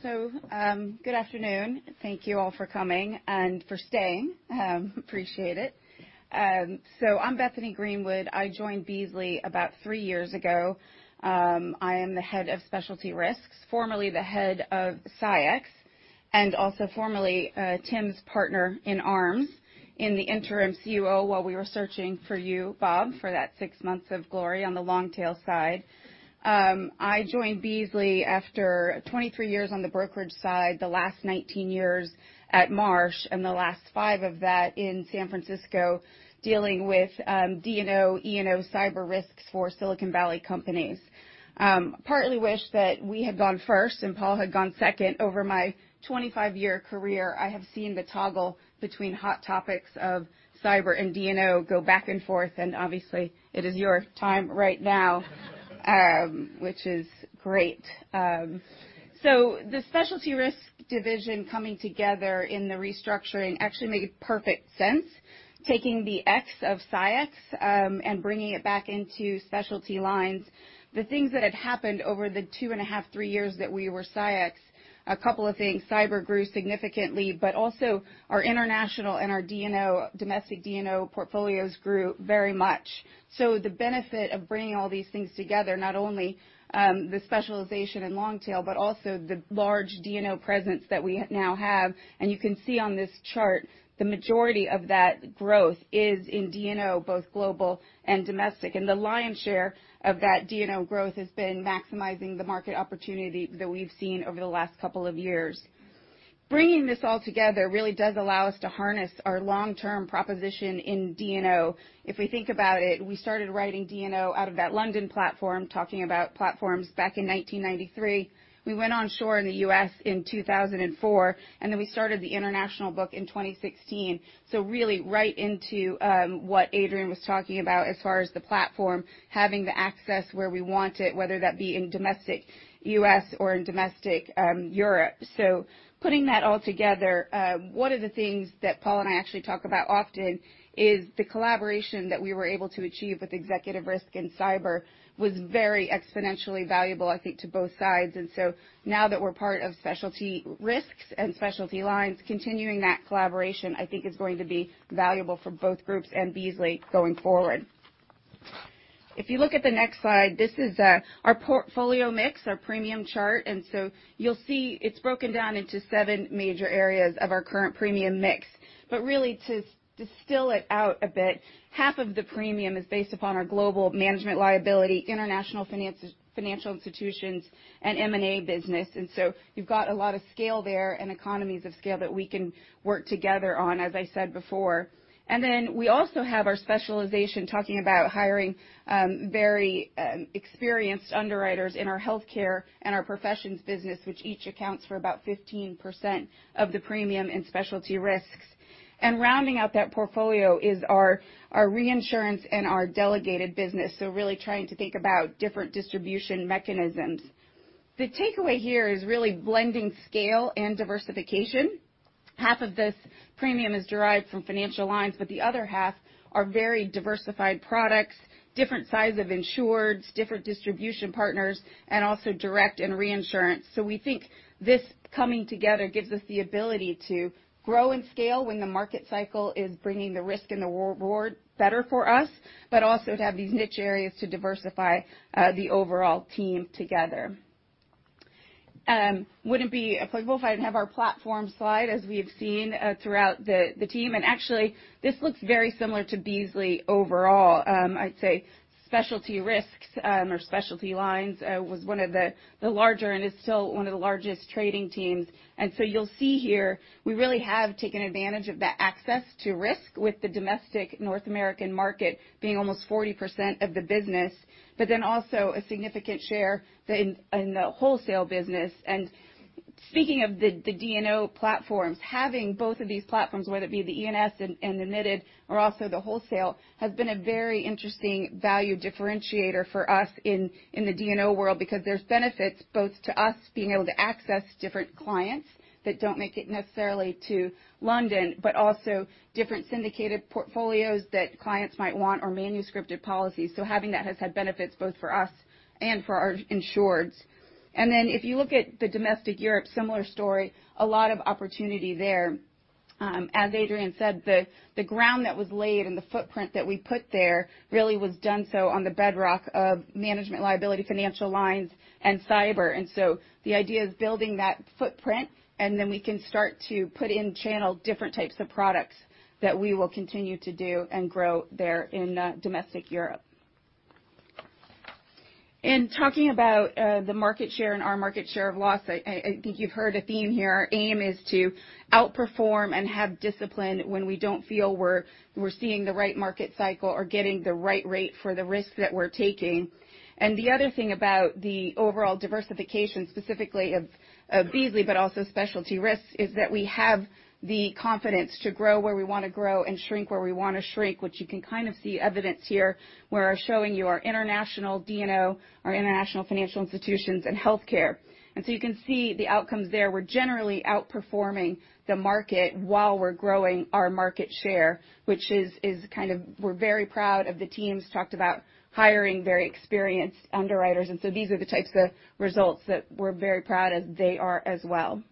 Thank you, Adrian. Good afternoon. Thank you all for coming and for staying. Appreciate it. I'm Bethany Greenwood. I joined Beazley about three years ago. I am the head of Specialty Risks, formerly the head of SIUX and also formerly, Tim's partner in arms in the interim CUO, while we were searching for you, Bob, for that six months of glory on the long tail side. I joined Beazley after 23 years on the brokerage side, the last 19 years at Marsh and the last five of that in San Francisco, dealing with D&O, E&O cyber risks for Silicon Valley companies. I partly wish that we had gone first and Paul had gone second. Over my 25-year career, I have seen the toggle between hot topics of cyber and D&O go back and forth and obviously it is your time right now, which is great. The specialty risk division coming together in the restructuring actually made perfect sense. Taking the X of SIUX and bringing it back into specialty lines. The things that had happened over the 2.5-threed years that we were SIUX, a couple of things, cyber grew significantly but also our international and our D&O, domestic D&O portfolios grew very much. The benefit of bringing all these things together, not only the specialization in long tail but also the large D&O presence that we now have. You can see on this chart, the majority of that growth is in D&O, both global and domestic. The lion's share of that D&O growth has been maximizing the market opportunity that we've seen over the last couple of years. Bringing this all together really does allow us to harness our long-term proposition in D&O. If we think about it, we started writing D&O out of that London platform, talking about platforms back in 1993. We went onshore in the U.S. in 2004 and then we started the international book in 2016. Really right into what Adrian was talking about as far as the platform, having the access where we want it, whether that be in domestic U.S. or in domestic Europe. Putting that all together, one of the things that Paul and I actually talk about often is the collaboration that we were able to achieve with executive risk in cyber was very exponentially valuable, I think, to both sides. Now that we're part of specialty risks and specialty lines, continuing that collaboration, I think is going to be valuable for both groups and Beazley going forward. If you look at the next slide, this is our portfolio mix, our premium chart. You'll see it's broken down into seven major areas of our current premium mix. Really to distill it out a bit, half of the premium is based upon our global management liability, international financial institutions and M&A business. You've got a lot of scale there and economies of scale that we can work together on, as I said before. Then we also have our specialization, talking about hiring very experienced underwriters in our healthcare and our professions business, which each accounts for about 15% of the premium in Specialty Risks. Rounding out that portfolio is our reinsurance and our delegated business. Really trying to think about different distribution mechanisms. The takeaway here is really blending scale and diversification. Half of this premium is derived from financial lines but the other half are very diversified products, different size of insureds, different distribution partners and also direct and reinsurance. We think this coming together gives us the ability to grow and scale when the market cycle is bringing the risk and the reward better for us but also to have these niche areas to diversify the overall team together. Wouldn't be applicable if I didn't have our platform slide, as we have seen throughout the team. Actually this looks very similar to Beazley overall. I'd say specialty risks or specialty lines was one of the larger and is still one of the largest trading teams. You'll see here we really have taken advantage of that access to risk with the domestic North American market being almost 40% of the business but then also a significant share in the wholesale business. Speaking of the D&O platforms, having both of these platforms, whether it be the E&S and admitted or also the wholesale, has been a very interesting value differentiator for us in the D&O world. Because there's benefits both to us being able to access different clients that don't make it necessarily to London but also different syndicated portfolios that clients might want or manuscripted policies. Having that has had benefits both for us and for our insureds. Then if you look at the domestic Europe, similar story, a lot of opportunity there. As Adrian said, the ground that was laid and the footprint that we put there really was done so on the bedrock of management liability, financial lines and cyber. The idea is building that footprint and then we can start to put into different channels different types of products that we will continue to do and grow there in domestic Europe. Talking about the market share and our market share of loss, I think you've heard a theme here. Our aim is to outperform and have discipline when we don't feel we're seeing the right market cycle or getting the right rate for the risks that we're taking. The other thing about the overall diversification, specifically of Beazley but also specialty risks, is that we have the confidence to grow where we wanna grow and shrink where we wanna shrink, which you can kind of see evidence here, where I'm showing you our international D&O, our international financial institutions and healthcare. You can see the outcomes there. We're generally outperforming the market while we're growing our market share, which is kind of we're very proud of the teams talked about hiring very experienced underwriters and so these are the types of results that we're very proud of. They are as well.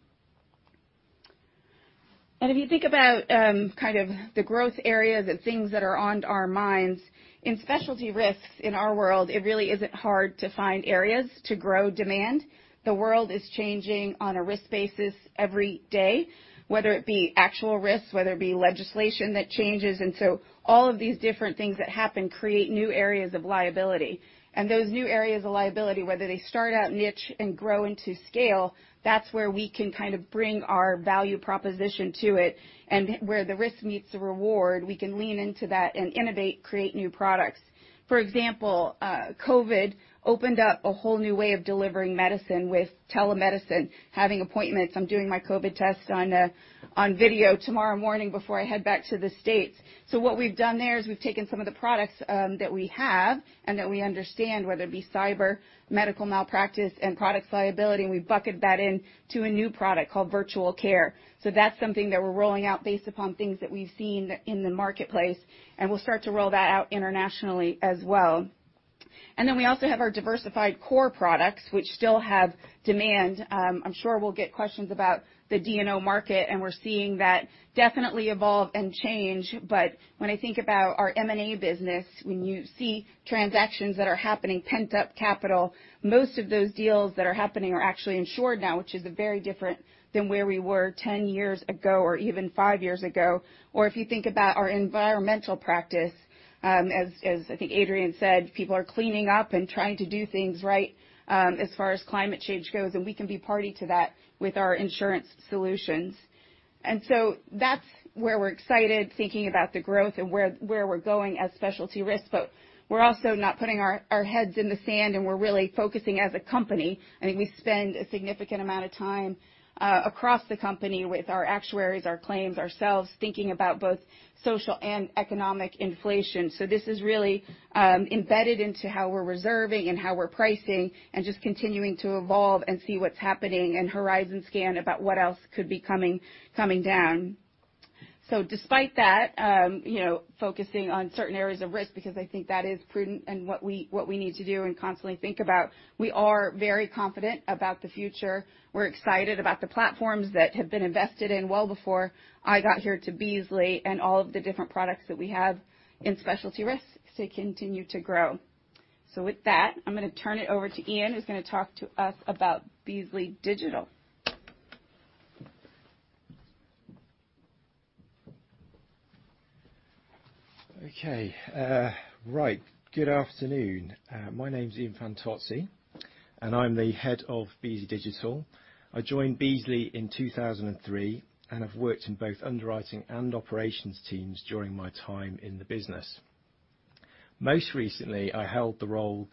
If you think about kind of the growth areas and things that are on our minds, in specialty risks in our world, it really isn't hard to find areas to grow demand. The world is changing on a risk basis every day, whether it be actual risks, whether it be legislation that changes. All of these different things that happen create new areas of liability. Those new areas of liability, whether they start out niche and grow into scale, that's where we can kind of bring our value proposition to it and where the risk meets the reward, we can lean into that and innovate, create new products. For example, COVID opened up a whole new way of delivering medicine with telemedicine, having appointments. I'm doing my COVID test on video tomorrow morning before I head back to the States. What we've done there is we've taken some of the products that we have and that we understand, whether it be cyber, medical malpractice and product liability and we bucket that in to a new product called Virtual Care. That's something that we're rolling out based upon things that we've seen in the marketplace and we'll start to roll that out internationally as well. We also have our diversified core products, which still have demand. I'm sure we'll get questions about the D&O market and we're seeing that definitely evolve and change. When I think about our M&A business, when you see transactions that are happening, pent-up capital, most of those deals that are happening are actually insured now, which is very different than where we were 10 years ago or even five years ago. If you think about our environmental practice, as I think Adrian said, people are cleaning up and trying to do things right, as far as climate change goes and we can be party to that with our insurance solutions. That's where we're excited thinking about the growth and where we're going as specialty risks but we're also not putting our heads in the sand and we're really focusing as a company. I think we spend a significant amount of time across the company with our actuaries, our claims, ourselves, thinking about both social and economic inflation. This is really embedded into how we're reserving and how we're pricing and just continuing to evolve and see what's happening and horizon scan about what else could be coming down. Despite that, you know, focusing on certain areas of risk because I think that is prudent and what we need to do and constantly think about, we are very confident about the future. We're excited about the platforms that have been invested in well before I got here to Beazley and all of the different products that we have in specialty risks to continue to grow. With that, I'm gonna turn it over to Ian, who's gonna talk to us about Beazley Digital. Okay. Right. Good afternoon. My name's Ian Fantozzi and I'm the head of Beazley Digital. I joined Beazley in 2003 and I've worked in both underwriting and operations teams during my time in the business. Most recently, I held the role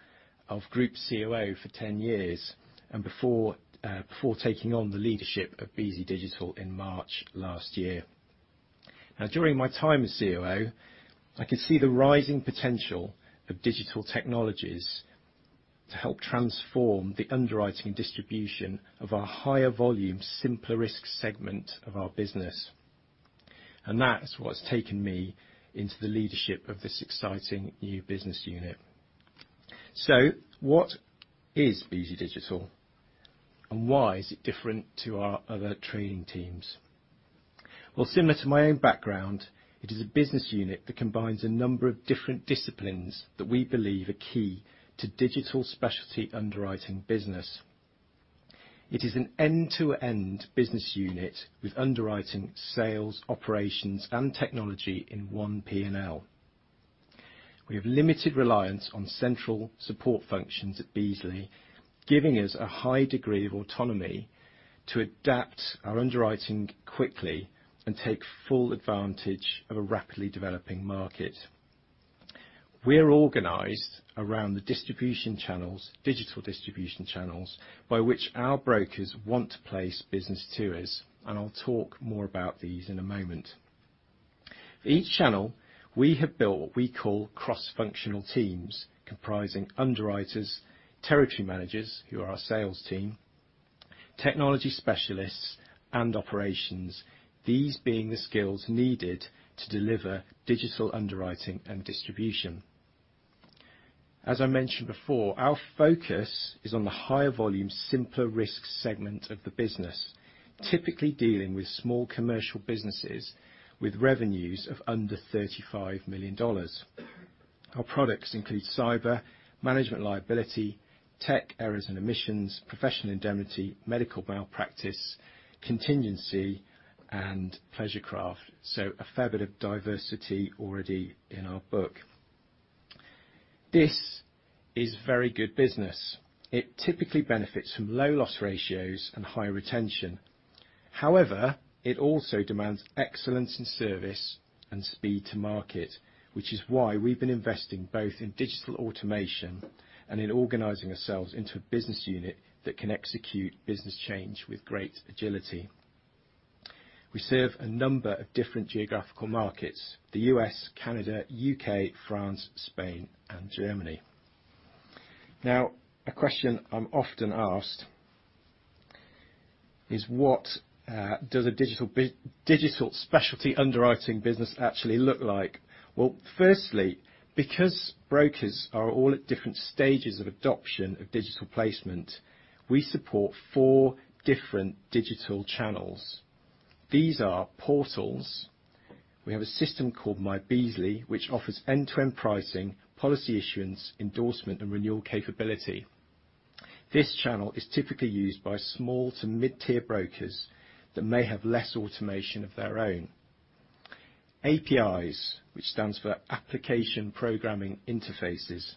of Group COO for 10 years and before taking on the leadership of Beazley Digital in March last year. Now, during my time as COO, I could see the rising potential of digital technologies to help transform the underwriting distribution of our higher volume, simpler risk segment of our business. That's what's taken me into the leadership of this exciting new business unit. What is Beazley Digital and why is it different to our other trading teams? Well, similar to my own background, it is a business unit that combines a number of different disciplines that we believe are key to digital specialty underwriting business. It is an end-to-end business unit with underwriting, sales, operations and technology in one P&L. We have limited reliance on central support functions at Beazley, giving us a high degree of autonomy to adapt our underwriting quickly and take full advantage of a rapidly developing market. We're organized around the distribution channels, digital distribution channels by which our brokers want to place business to us and I'll talk more about these in a moment. For each channel, we have built what we call cross-functional teams comprising underwriters, territory managers, who are our sales team, technology specialists and operations, these being the skills needed to deliver digital underwriting and distribution. As I mentioned before, our focus is on the higher volume, simpler risk segment of the business, typically dealing with small commercial businesses with revenues of under $35 million. Our products include cyber, management liability, tech errors and omissions, professional indemnity, medical malpractice, contingency and pleasure craft. A fair bit of diversity already in our book. This is very good business. It typically benefits from low loss ratios and high retention. However, it also demands excellence in service and speed to market, which is why we've been investing both in digital automation and in organizing ourselves into a business unit that can execute business change with great agility. We serve a number of different geographical markets, the U.S., Canada, U.K., France, Spain and Germany. Now, a question I'm often asked is, what does a digital specialty underwriting business actually look like? Well, firstly, because brokers are all at different stages of adoption of digital placement, we support four different digital channels. These are portals. We have a system called myBeazley, which offers end-to-end pricing, policy issuance, endorsement and renewal capability. This channel is typically used by small to mid-tier brokers that may have less automation of their own. APIs, which stands for Application Programming Interfaces.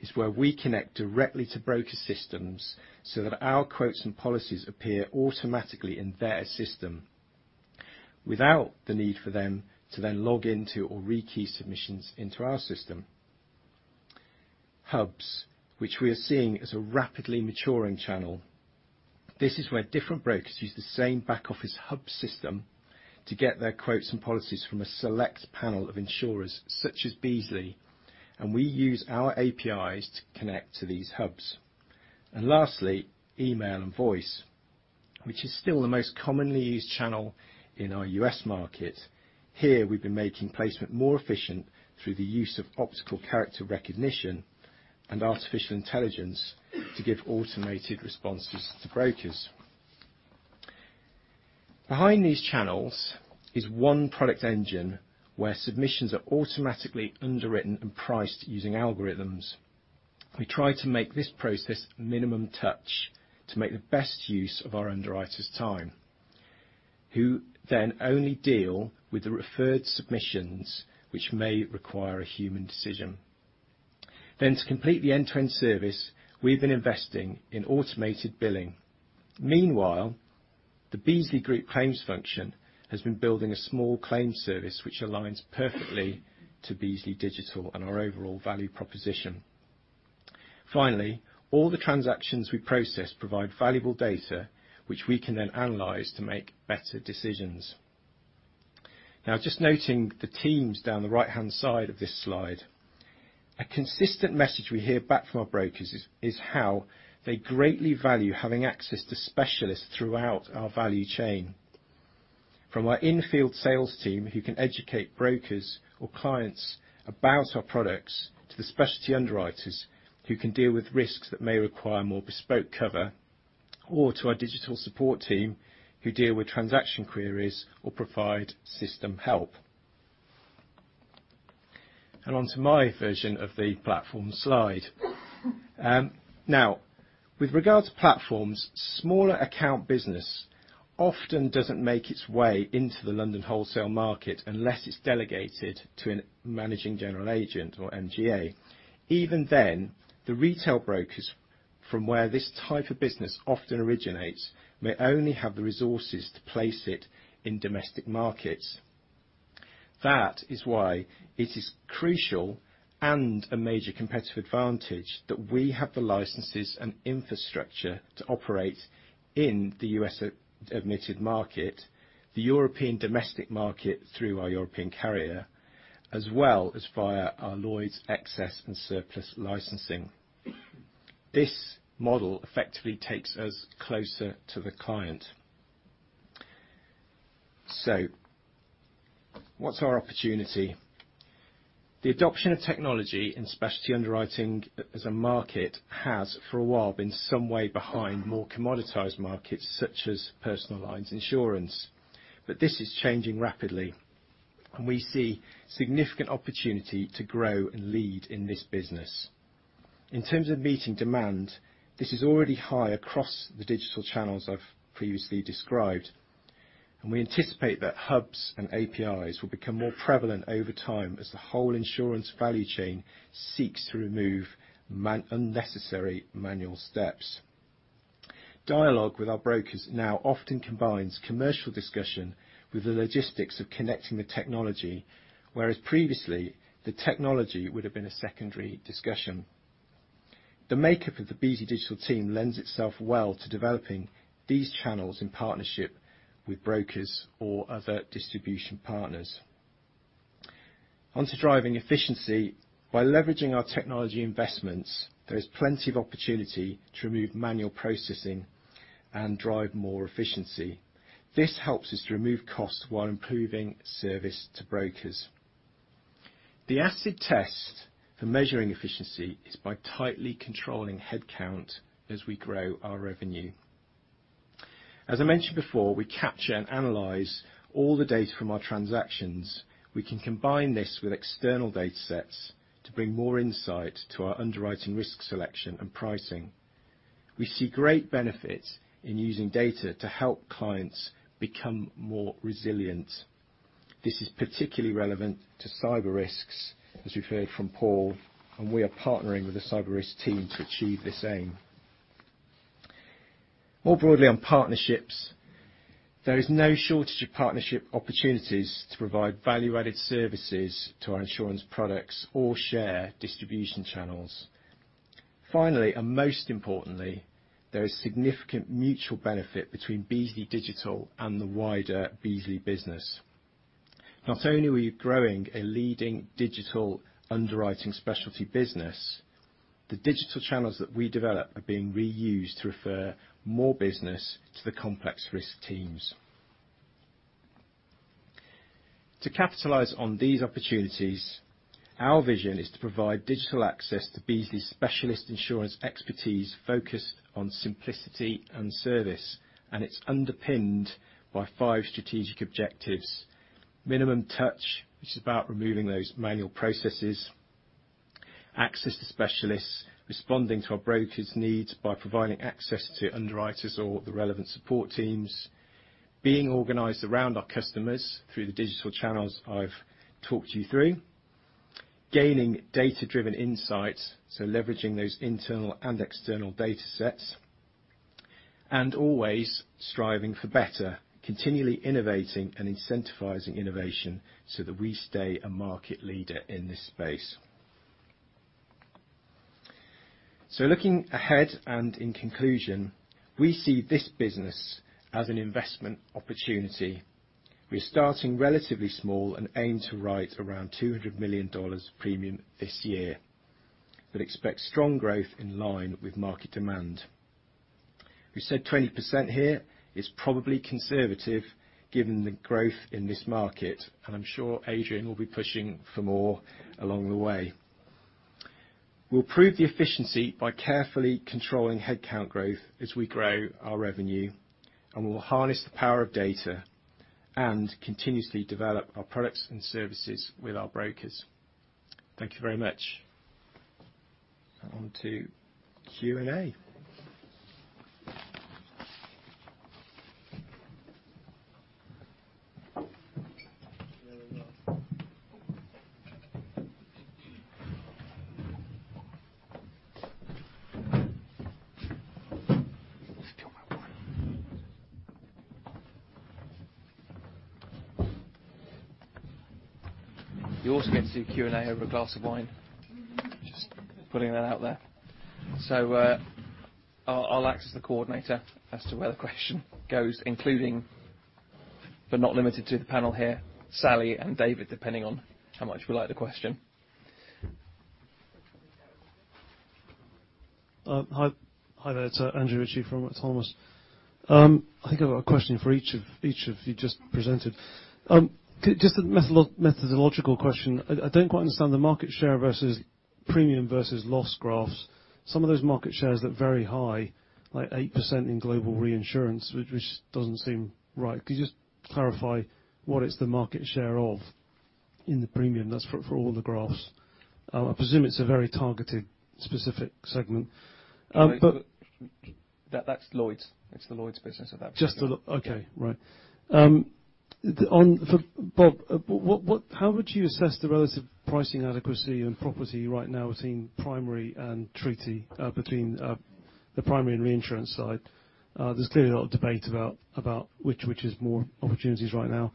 This is where we connect directly to broker systems so that our quotes and policies appear automatically in their system without the need for them to then log into or re-key submissions into our system. Hubs, which we are seeing as a rapidly maturing channel. This is where different brokers use the same back office hub system to get their quotes and policies from a select panel of insurers, such as Beazley and we use our APIs to connect to these hubs. Lastly, email and voice, which is still the most commonly used channel in our U.S. market. Here, we've been making placement more efficient through the use of optical character recognition and artificial intelligence to give automated responses to brokers. Behind these channels is one product engine where submissions are automatically underwritten and priced using algorithms. We try to make this process minimum touch to make the best use of our underwriters' time, who then only deal with the referred submissions which may require a human decision. To complete the end-to-end service, we've been investing in automated billing. Meanwhile, the Beazley Group claims function has been building a small claim service which aligns perfectly to Beazley Digital and our overall value proposition. Finally, all the transactions we process provide valuable data, which we can then analyze to make better decisions. Now, just noting the teams down the right-hand side of this slide. A consistent message we hear back from our brokers is how they greatly value having access to specialists throughout our value chain. From our in-field sales team, who can educate brokers or clients about our products, to the specialty underwriters, who can deal with risks that may require more bespoke cover or to our digital support team, who deal with transaction queries or provide system help. On to my version of the platform slide. Now, with regard to platforms, smaller account business often doesn't make its way into the London wholesale market unless it's delegated to a managing general agent or MGA. Even then, the retail brokers from where this type of business often originates may only have the resources to place it in domestic markets. That is why it is crucial and a major competitive advantage that we have the licenses and infrastructure to operate in the U.S. admitted market, the European domestic market through our European carrier, as well as via our Lloyd's excess and surplus licensing. This model effectively takes us closer to the client. What's our opportunity? The adoption of technology in specialty underwriting as a market has, for a while, been some way behind more commoditized markets, such as personal lines insurance. This is changing rapidly and we see significant opportunity to grow and lead in this business. In terms of meeting demand, this is already high across the digital channels I've previously described and we anticipate that hubs and APIs will become more prevalent over time as the whole insurance value chain seeks to remove unnecessary manual steps. Dialogue with our brokers now often combines commercial discussion with the logistics of connecting the technology, whereas previously, the technology would have been a secondary discussion. The makeup of the Beazley Digital team lends itself well to developing these channels in partnership with brokers or other distribution partners. On to driving efficiency. By leveraging our technology investments, there's plenty of opportunity to remove manual processing and drive more efficiency. This helps us to remove costs while improving service to brokers. The acid test for measuring efficiency is by tightly controlling headcount as we grow our revenue. As I mentioned before, we capture and analyze all the data from our transactions. We can combine this with external data sets to bring more insight to our underwriting risk selection and pricing. We see great benefits in using data to help clients become more resilient. This is particularly relevant to cyber risks, as you've heard from Paul and we are partnering with a cyber risk team to achieve this aim. More broadly on partnerships, there is no shortage of partnership opportunities to provide value-added services to our insurance products or share distribution channels. Finally and most importantly, there is significant mutual benefit between Beazley Digital and the wider Beazley business. Not only are we growing a leading digital underwriting specialty business, the digital channels that we develop are being reused to refer more business to the complex risk teams. To capitalize on these opportunities, our vision is to provide digital access to Beazley's specialist insurance expertise focused on simplicity and service and it's underpinned by five strategic objectives. Minimum touch, which is about removing those manual processes. Access to specialists, responding to our brokers' needs by providing access to underwriters or the relevant support teams. Being organized around our customers through the digital channels I've talked you through. Gaining data driven insights, so leveraging those internal and external data sets. Always striving for better, continually innovating and incentivizing innovation so that we stay a market leader in this space. Looking ahead and in conclusion, we see this business as an investment opportunity. We're starting relatively small and aim to write around $200 million premium this year but expect strong growth in line with market demand. We said 20% here is probably conservative given the growth in this market and I'm sure Adrian will be pushing for more along the way. We'll prove the efficiency by carefully controlling headcount growth as we grow our revenue and we'll harness the power of data and continuously develop our products and services with our brokers. Thank you very much. On to Q&A. Stole my wine. You also get to do Q&A over a glass of wine. Just putting that out there. I'll ask the coordinator as to where the question goes, including but not limited to the panel here, Sally and David, depending on how much we like the question. Hi there, it's Andrew Ritchie from Autonomous Research. I think I've got a question for each of you just presented. Just a methodological question. I don't quite understand the market share versus premium versus loss graphs. Some of those market shares look very high, like 8% in global reinsurance, which doesn't seem right. Could you just clarify what is the market share of in the premium? That's for all the graphs. I presume it's a very targeted specific segment. That's Lloyd's. It's the Lloyd's business of that. Bob, how would you assess the relative pricing adequacy on property right now between primary and treaty, between the primary and reinsurance side? There's clearly a lot of debate about which is more opportunities right now.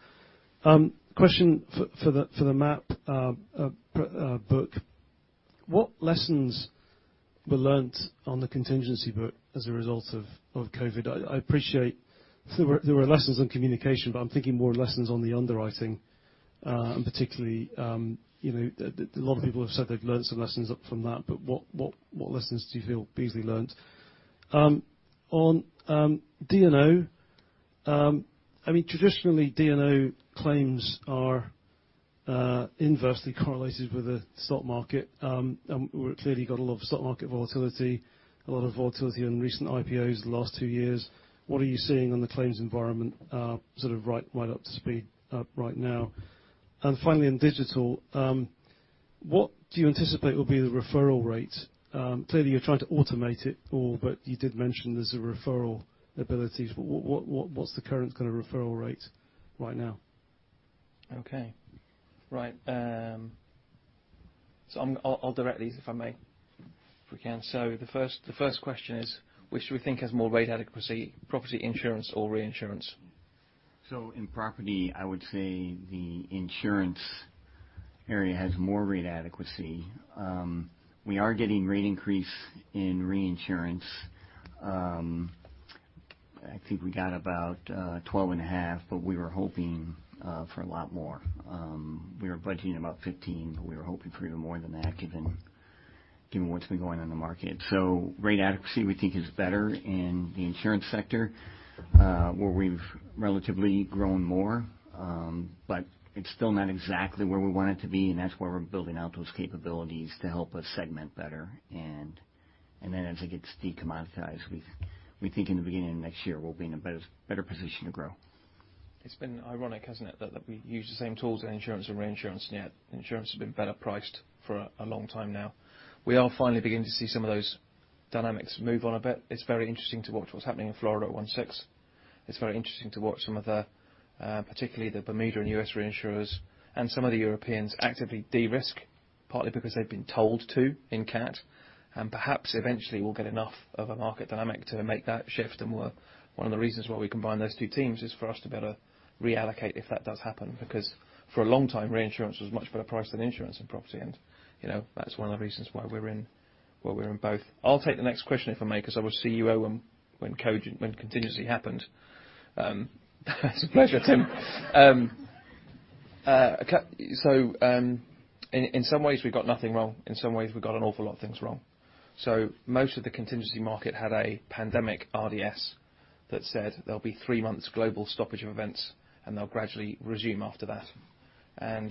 Question for the MAP book. What lessons were learned on the contingency book as a result of COVID? I appreciate there were lessons on communication but I'm thinking more lessons on the underwriting and particularly, you know, a lot of people have said they've learned some lessons from that but what lessons do you feel Beazley learned? On D&O, I mean, traditionally D&O claims are inversely correlated with the stock market and we've clearly got a lot of stock market volatility, a lot of volatility in recent IPOs the last two years. What are you seeing on the claims environment, sort of right up to speed, right now? Finally, in digital, what do you anticipate will be the referral rate? Clearly you're trying to automate it all but you did mention there's a referral ability. What's the current kind of referral rate right now? Okay. Right. I'll direct these if I may. If we can. The first question is, which do we think has more rate adequacy, property insurance or reinsurance? In property, I would say the insurance area has more rate adequacy. We are getting rate increase in reinsurance. I think we got about 12.5% but we were hoping for a lot more. We were budgeting about 15% but we were hoping for even more than that given what's been going on in the market. Rate adequacy we think is better in the insurance sector, where we've relatively grown more. But it's still not exactly where we want it to be and that's why we're building out those capabilities to help us segment better. And then as it gets de-commoditized, we think. We think in the beginning of next year, we'll be in a better position to grow. It's been ironic, hasn't it? That we use the same tools in insurance and reinsurance and yet insurance has been better priced for a long time now. We are finally beginning to see some of those dynamics move on a bit. It's very interesting to watch what's happening in Florida at once. It's very interesting to watch some of the particularly the Bermuda and U.S. reinsurers and some of the Europeans actively de-risk, partly because they've been told to in CAT and perhaps eventually we'll get enough of a market dynamic to make that shift. One of the reasons why we combined those two teams is for us to better reallocate if that does happen. Because for a long time, reinsurance was much better priced than insurance and property and, you know, that's one of the reasons why we're in both. I'll take the next question, if I may, 'cause I was CEO when contingency happened. It's a pleasure, Tim. In some ways, we got nothing wrong. In some ways, we got an awful lot of things wrong. Most of the contingency market had a pandemic RDS that said there'll be three months global stoppage of events and they'll gradually resume after that.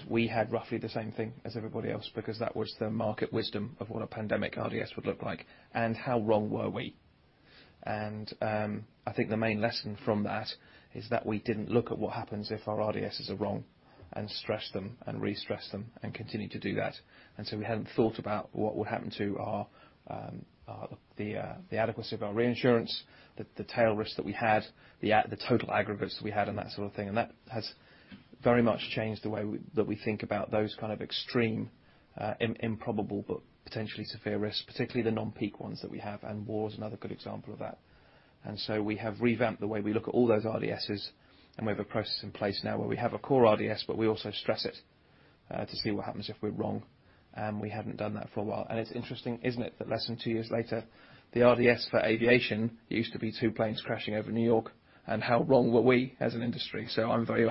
We had roughly the same thing as everybody else because that was the market wisdom of what a pandemic RDS would look like. How wrong were we? I think the main lesson from that is that we didn't look at what happens if our RDSes are wrong and stress them and re-stress them and continue to do that. We hadn't thought about what would happen to our, the adequacy of our reinsurance, the tail risk that we had, the total aggregates that we had and that sort of thing. That has very much changed the way that we think about those kind of extreme, improbable but potentially severe risks, particularly the non-peak ones that we have and war is another good example of that. We have revamped the way we look at all those RDSes and we have a process in place now where we have a core RDS but we also stress it to see what happens if we're wrong. We hadn't done that for a while. It's interesting, isn't it, that less than two years later, the RDS for aviation used to be two planes crashing over New York and how wrong were we as an industry? I'm very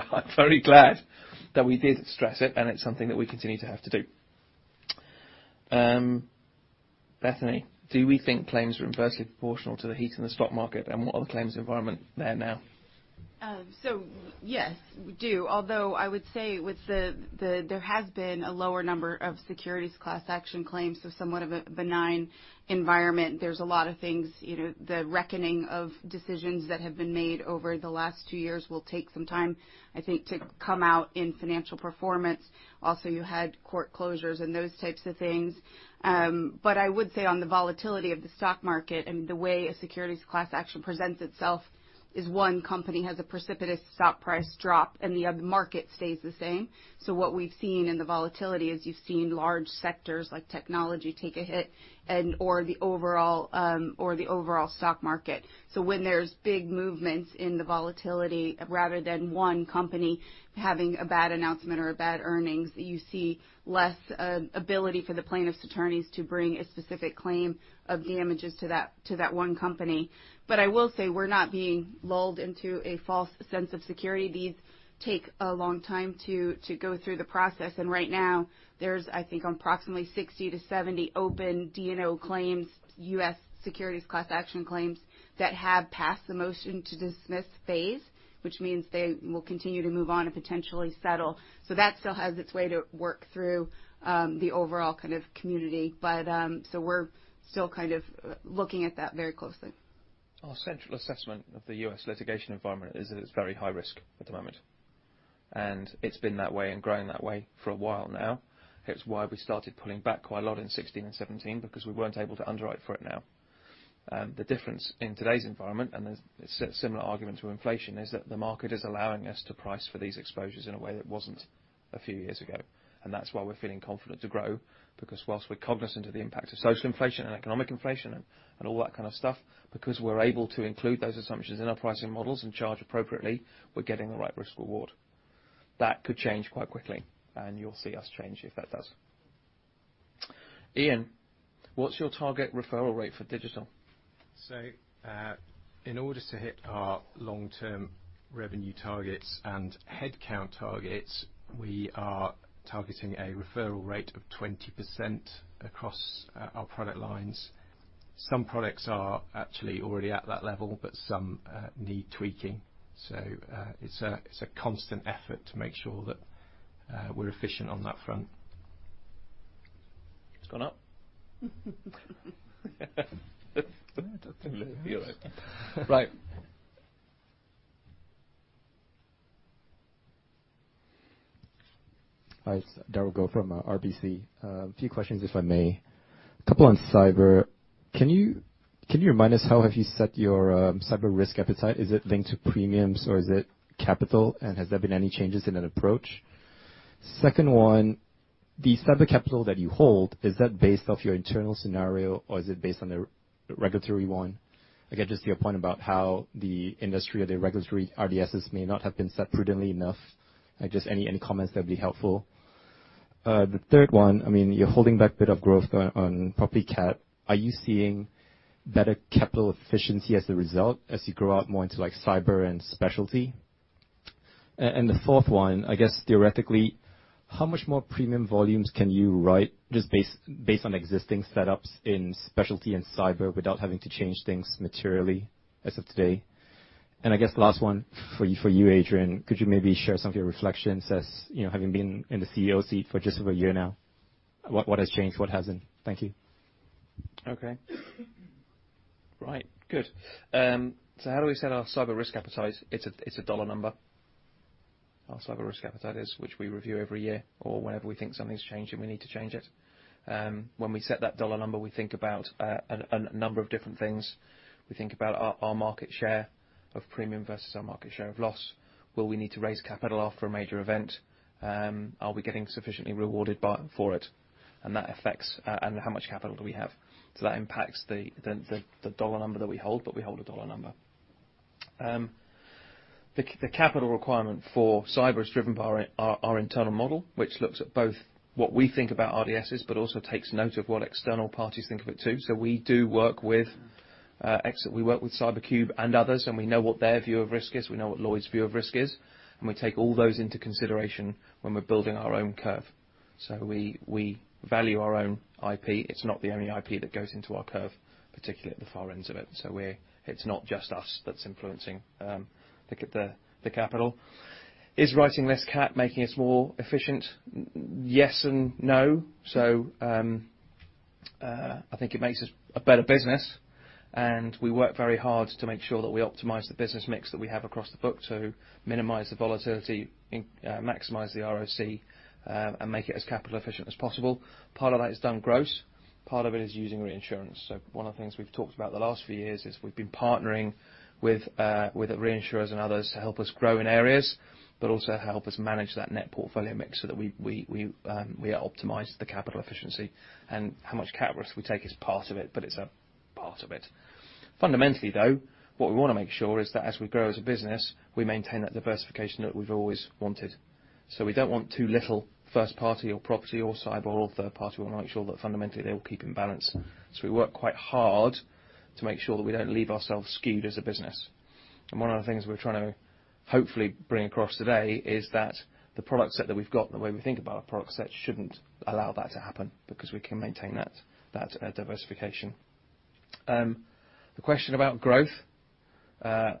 glad that we did stress it and it's something that we continue to have to do. Bethany, do we think claims are inversely proportional to the heat in the stock market? What are the claims environment there now? Yes, we do. Although I would say there has been a lower number of securities class action claims, somewhat of a benign environment. There's a lot of things, you know, the reckoning of decisions that have been made over the last two years will take some time, I think, to come out in financial performance. Also, you had court closures and those types of things. I would say on the volatility of the stock market and the way a securities class action presents itself is one company has a precipitous stock price drop and the other market stays the same. What we've seen in the volatility is you've seen large sectors like technology take a hit and/or the overall stock market. When there's big movements in the volatility, rather than one company having a bad announcement or a bad earnings, you see less ability for the plaintiff's attorneys to bring a specific claim of damages to that one company. I will say we're not being lulled into a false sense of security. These take a long time to go through the process and right now, there's, I think, approximately 60-70 open D&O claims, U.S. securities class action claims, that have passed the motion to dismiss phase, which means they will continue to move on and potentially settle. That still has its way to work through the overall kind of community. We're still kind of looking at that very closely. Our central assessment of the U.S. litigation environment is that it's very high risk at the moment and it's been that way and growing that way for a while now. It's why we started pulling back quite a lot in 2016 and 2017 because we weren't able to underwrite for it now. The difference in today's environment and the similar argument to inflation, is that the market is allowing us to price for these exposures in a way that wasn't a few years ago. That's why we're feeling confident to grow, because while we're cognizant of the impact of social inflation and economic inflation and all that kind of stuff, because we're able to include those assumptions in our pricing models and charge appropriately, we're getting the right risk reward. That could change quite quickly and you'll see us change if that does. Ian, what's your target referral rate for digital? In order to hit our long-term revenue targets and headcount targets, we are targeting a referral rate of 20% across our product lines. Some products are actually already at that level but some need tweaking. It's a constant effort to make sure that we're efficient on that front. It's gone up? You're right. Right. Hi. Derald Goh from RBC. A few questions, if I may. A couple on cyber. Can you remind us how have you set your cyber risk appetite? Is it linked to premiums or is it capital and has there been any changes in that approach? Second one, the cyber capital that you hold, is that based off your internal scenario or is it based on a regulatory one? Again, just your point about how the industry or the regulatory RDSs may not have been set prudently enough. Just any comments that would be helpful. The third one, I mean, you're holding back a bit of growth on property cat. Are you seeing better capital efficiency as a result as you grow out more into, like, cyber and specialty? The fourth one, I guess, theoretically, how much more premium volumes can you write just based on existing setups in specialty and cyber without having to change things materially as of today? I guess the last one for you, Adrian, could you maybe share some of your reflections as, you know, having been in the CEO seat for just over a year now? What has changed? What hasn't? Thank you. How do we set our cyber risk appetite? It's a dollar number. Our cyber risk appetite is, which we review every year or whenever we think something's changing, we need to change it. When we set that dollar number, we think about a number of different things. We think about our market share of premium versus our market share of loss. Will we need to raise capital after a major event? Are we getting sufficiently rewarded for it? That affects how much capital we have. That impacts the dollar number that we hold but we hold a dollar number. The capital requirement for cyber is driven by our internal model, which looks at both what we think about RDSs but also takes note of what external parties think of it too. We work with CyberCube and others and we know what their view of risk is, we know what Lloyd's view of risk is and we take all those into consideration when we're building our own curve. We value our own IP. It's not the only IP that goes into our curve, particularly at the far ends of it. It's not just us that's influencing the capital. Is writing less CAT making us more efficient? Yes and no. I think it makes us a better business and we work very hard to make sure that we optimize the business mix that we have across the book to minimize the volatility, maximize the ROC and make it as capital efficient as possible. Part of that is done gross, part of it is using reinsurance. One of the things we've talked about the last few years is we've been partnering with reinsurers and others to help us grow in areas but also help us manage that net portfolio mix so that we optimize the capital efficiency. How much cat risk we take is part of it but it's a part of it. Fundamentally though, what we wanna make sure is that as we grow as a business, we maintain that diversification that we've always wanted. We don't want too little first party or property or cyber or third party. We wanna make sure that fundamentally they all keep in balance. We work quite hard to make sure that we don't leave ourselves skewed as a business. One of the things we're trying to hopefully bring across today is that the product set that we've got and the way we think about our product set shouldn't allow that to happen because we can maintain that diversification. The question about growth. Yes,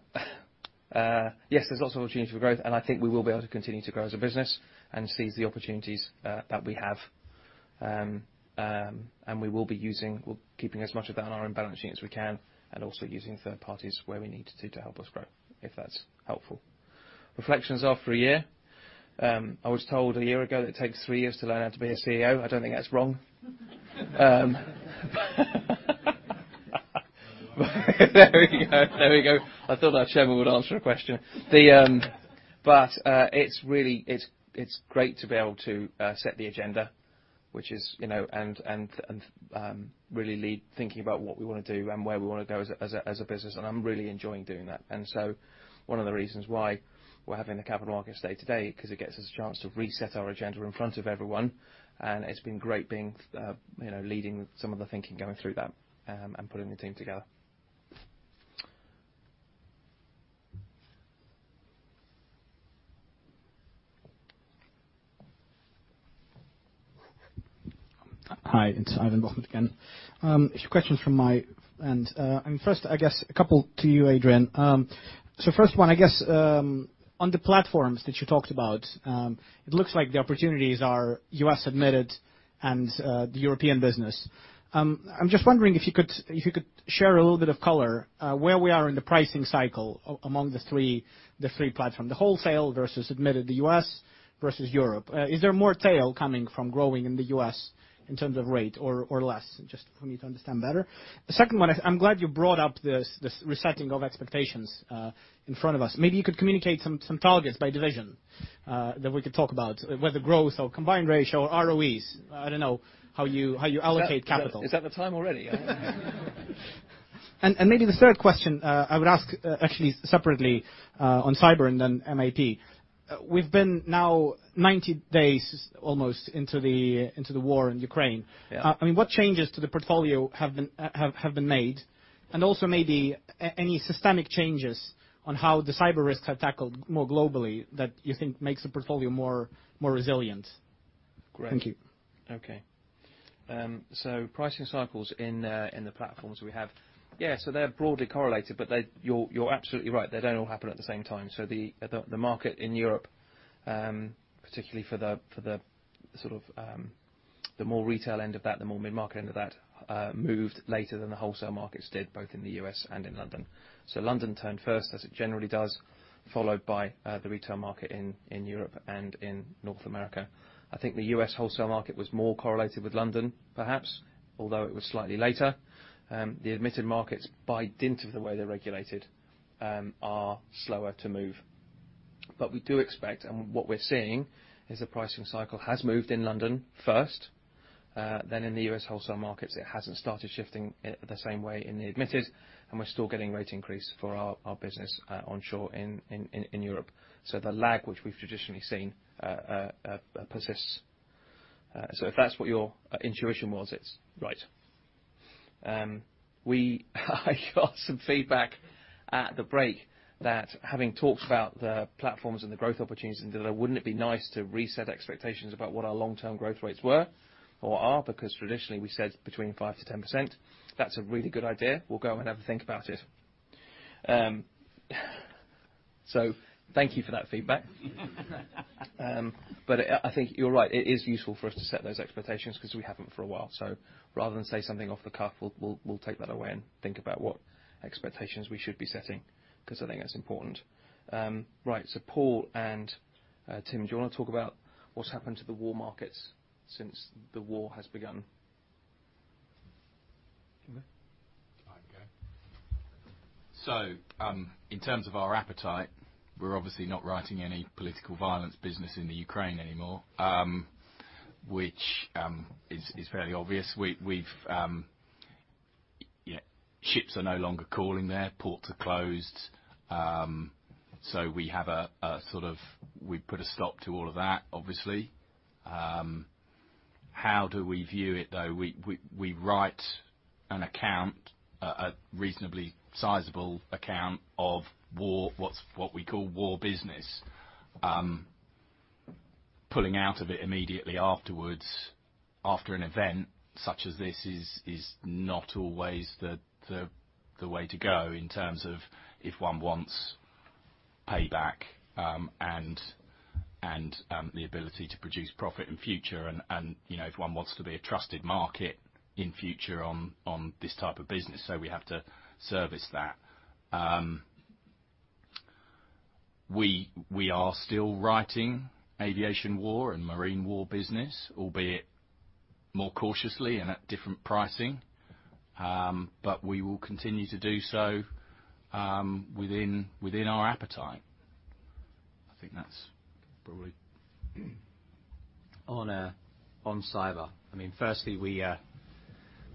there's lots of opportunity for growth and I think we will be able to continue to grow as a business and seize the opportunities that we have. We will be using. We're keeping as much of that on our own balance sheet as we can and also using third parties where we need to help us grow, if that's helpful. Reflections after a year. I was told a year ago that it takes three years to learn how to be a CEO. I don't think that's wrong. There we go. I thought our chairman would answer a question. It's really great to be able to set the agenda, which is, you know, really lead thinking about what we wanna do and where we wanna go as a business and I'm really enjoying doing that. One of the reasons why we're having the Capital Markets Day today, 'cause it gets us a chance to reset our agenda in front of everyone. It's been great being, you know, leading some of the thinking going through that and putting the team together. Hi, it's Ivan Bokhmat again. A few questions from my end. First, I guess a couple to you, Adrian. First one, I guess, on the platforms that you talked about, it looks like the opportunities are U.S. admitted and the European business. I'm just wondering if you could share a little bit of color where we are in the pricing cycle among the three platforms. The wholesale versus admitted the U.S. versus Europe. Is there more tail coming from growing in the U.S. in terms of rate or less? Just for me to understand better. The second one, I'm glad you brought up this resetting of expectations in front of us. Maybe you could communicate some targets by division that we could talk about. Whether growth or combined ratio or ROEs. I don't know how you allocate capital. Is that the time already? Maybe the third question I would ask, actually separately, on cyber and then MAP. We've been now 90 days almost into the war in Ukraine. I mean, what changes to the portfolio have been made? Also maybe any systemic changes on how the cyber risks are tackled more globally that you think makes the portfolio more resilient? Thank you. Okay. Pricing cycles in the platforms we have. Yeah, they're broadly correlated but you're absolutely right, they don't all happen at the same time. The market in Europe, particularly for the sort of the more retail end of that, the more mid-market end of that, moved later than the wholesale markets did, both in the U.S. and in London. London turned first, as it generally does, followed by the retail market in Europe and in North America. I think the U.S. wholesale market was more correlated with London, perhaps, although it was slightly later. The admitted markets, by dint of the way they're regulated, are slower to move. We do expect and what we're seeing, is the pricing cycle has moved in London first, then in the U.S. wholesale markets. It hasn't started shifting the same way in the admitted and we're still getting rate increase for our business onshore in Europe. The lag which we've traditionally seen persists. If that's what your intuition was, it's right. I got some feedback at the break that having talked about the platforms and the growth opportunities and that, wouldn't it be nice to reset expectations about what our long-term growth rates were or are? Because traditionally we said between 5%-10%. That's a really good idea. We'll go and have a think about it. Thank you for that feedback. I think you're right. It is useful for us to set those expectations 'cause we haven't for a while. Rather than say something off the cuff, we'll take that away and think about what expectations we should be setting, 'cause I think that's important. Right. Paul and Tim, do you wanna talk about what's happened to the war markets since the war has begun? Tim? I can go. In terms of our appetite, we're obviously not writing any political violence business in the Ukraine anymore, which is fairly obvious. We've, you know, ships are no longer calling there, ports are closed. We've put a stop to all of that, obviously. How do we view it though? We write an account, a reasonably sizable account of war, what we call war business. Pulling out of it immediately afterwards, after an event such as this is not always the way to go in terms of if one wants payback and the ability to produce profit in future and, you know, if one wants to be a trusted market in future on this type of business. We have to service that. We are still writing aviation war and marine war business, albeit more cautiously and at different pricing. We will continue to do so, within our appetite. I think that's probably. On cyber. I mean, firstly, we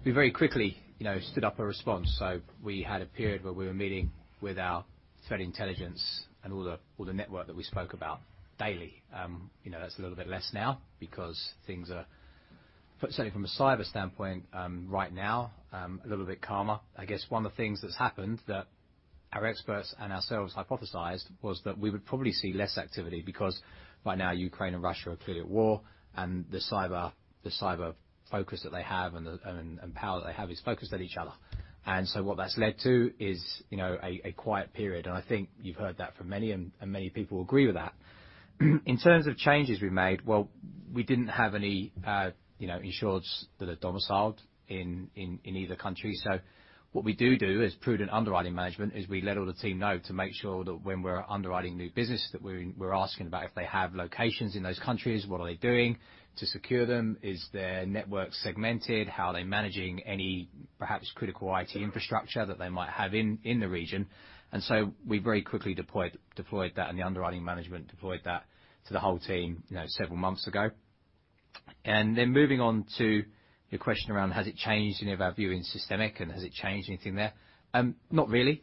very quickly, you know, stood up a response. We had a period where we were meeting with our threat intelligence and all the network that we spoke about daily. You know, that's a little bit less now because things are certainly from a cyber standpoint right now a little bit calmer. I guess one of the things that's happened that our experts and ourselves hypothesized was that we would probably see less activity because by now Ukraine and Russia are clearly at war and the cyber focus that they have and the power that they have is focused at each other. What that's led to is, you know, a quiet period. I think you've heard that from many and many people agree with that. In terms of changes we've made, well, we didn't have any, you know, insureds that are domiciled in either country. So what we do as prudent underwriting management is we let all the team know to make sure that when we're underwriting new business, that we're asking about if they have locations in those countries, what are they doing to secure them? Is their network segmented? How are they managing any perhaps critical IT infrastructure that they might have in the region? We very quickly deployed that and the underwriting management deployed that to the whole team, you know, several months ago. Moving on to your question around has it changed any of our view in systemic and has it changed anything there? Not really.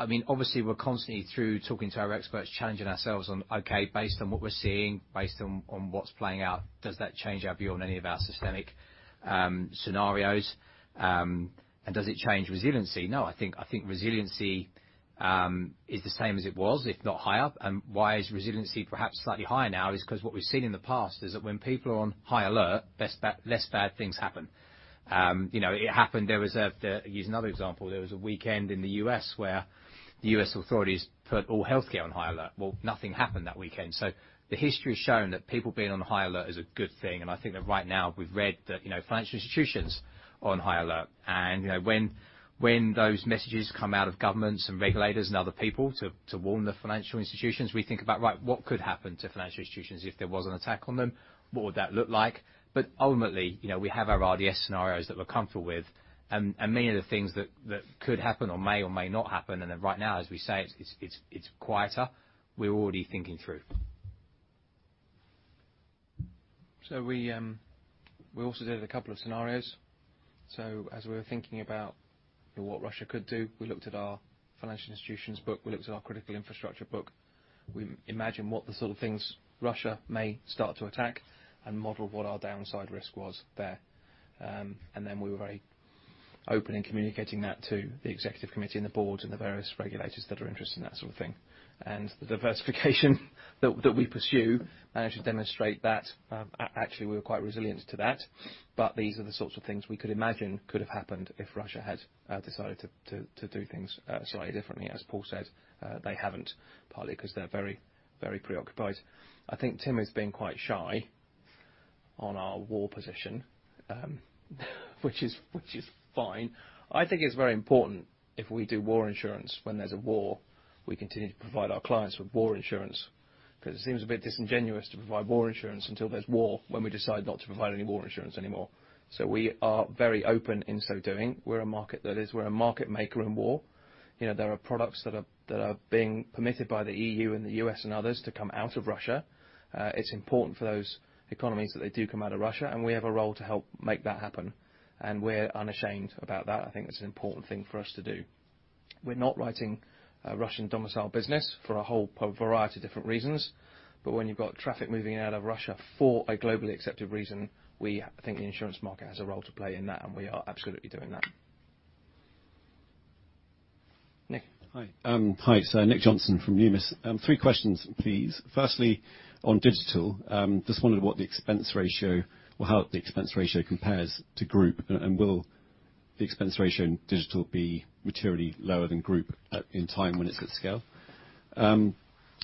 I mean, obviously we're constantly talking through to our experts, challenging ourselves on, okay, based on what we're seeing, based on what's playing out, does that change our view on any of our systemic scenarios? Does it change resiliency? No, I think resiliency is the same as it was, if not higher. Why is resiliency perhaps slightly higher now? 'Cause what we've seen in the past is that when people are on high alert, less bad things happen. You know, it happened. Let's use another example. There was a weekend in the U.S. where the U.S. authorities put all healthcare on high alert. Well, nothing happened that weekend. The history has shown that people being on high alert is a good thing and I think that right now we've read that, you know, financial institutions are on high alert. You know, when those messages come out of governments and regulators and other people to warn the financial institutions, we think about, right, what could happen to financial institutions if there was an attack on them? What would that look like? Ultimately, you know, we have our RDS scenarios that we're comfortable with and many of the things that could happen or may or may not happen and then right now, as we say, it's quieter, we're already thinking through. We also did a couple of scenarios. As we were thinking about what Russia could do, we looked at our financial institutions book, we looked at our critical infrastructure book. We imagine what the sort of things Russia may start to attack and model what our downside risk was there. Then we were very open in communicating that to the executive committee and the board and the various regulators that are interested in that sort of thing. The diversification that we pursue managed to demonstrate that actually we were quite resilient to that. These are the sorts of things we could imagine could have happened if Russia had decided to do things slightly differently. As Paul said, they haven't, partly 'cause they're very, very preoccupied. I think Tim has been quite shy on our war position, which is fine. I think it's very important if we do war insurance, when there's a war, we continue to provide our clients with war insurance. 'Cause it seems a bit disingenuous to provide war insurance until there's war, when we decide not to provide any war insurance anymore. We are very open in so doing. We're a market maker in war. You know, there are products that are being permitted by the EU and the U.S. and others to come out of Russia. It's important for those economies that they do come out of Russia and we have a role to help make that happen and we're unashamed about that. I think it's an important thing for us to do. We're not writing a Russian domicile business for a whole variety of different reasons. When you've got traffic moving in and out of Russia for a globally accepted reason, we think the insurance market has a role to play in that and we are absolutely doing that. Nick. Hi. Hi, sir. Nick Johnson from Numis. Three questions please. Firstly, on digital, just wondering what the expense ratio or how the expense ratio compares to group and will the expense ratio in digital will be materially lower than the group, at a time when it's at scale.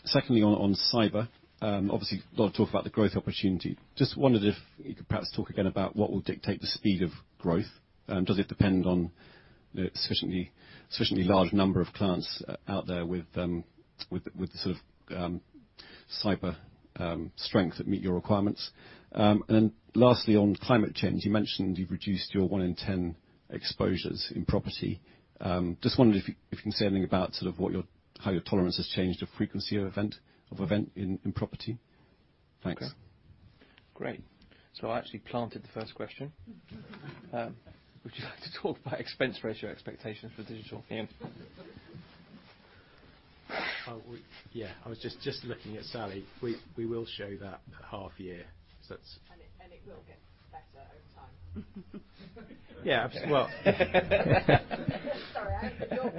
Secondly, on cyber. Obviously, a lot of talk about the growth opportunity. Just wondered if you could perhaps talk again about what will dictate the speed of growth. Does it depend on a sufficiently large number of clients out there with the sort of cyber strength that meet your requirements? And then lastly, on climate change. You mentioned you've reduced your one in ten exposures in property. Just wondered if you can say anything about sort of what your how your tolerance has changed, the frequency of events in property. Thanks. Okay. Great. I actually planted the first question. Would you like to talk about expense ratio expectations for digital, Ian? Yeah, I was just looking at Sally. We will show that at half year. That's. It will get better over time. Yeah. Well Sorry, I have to talk.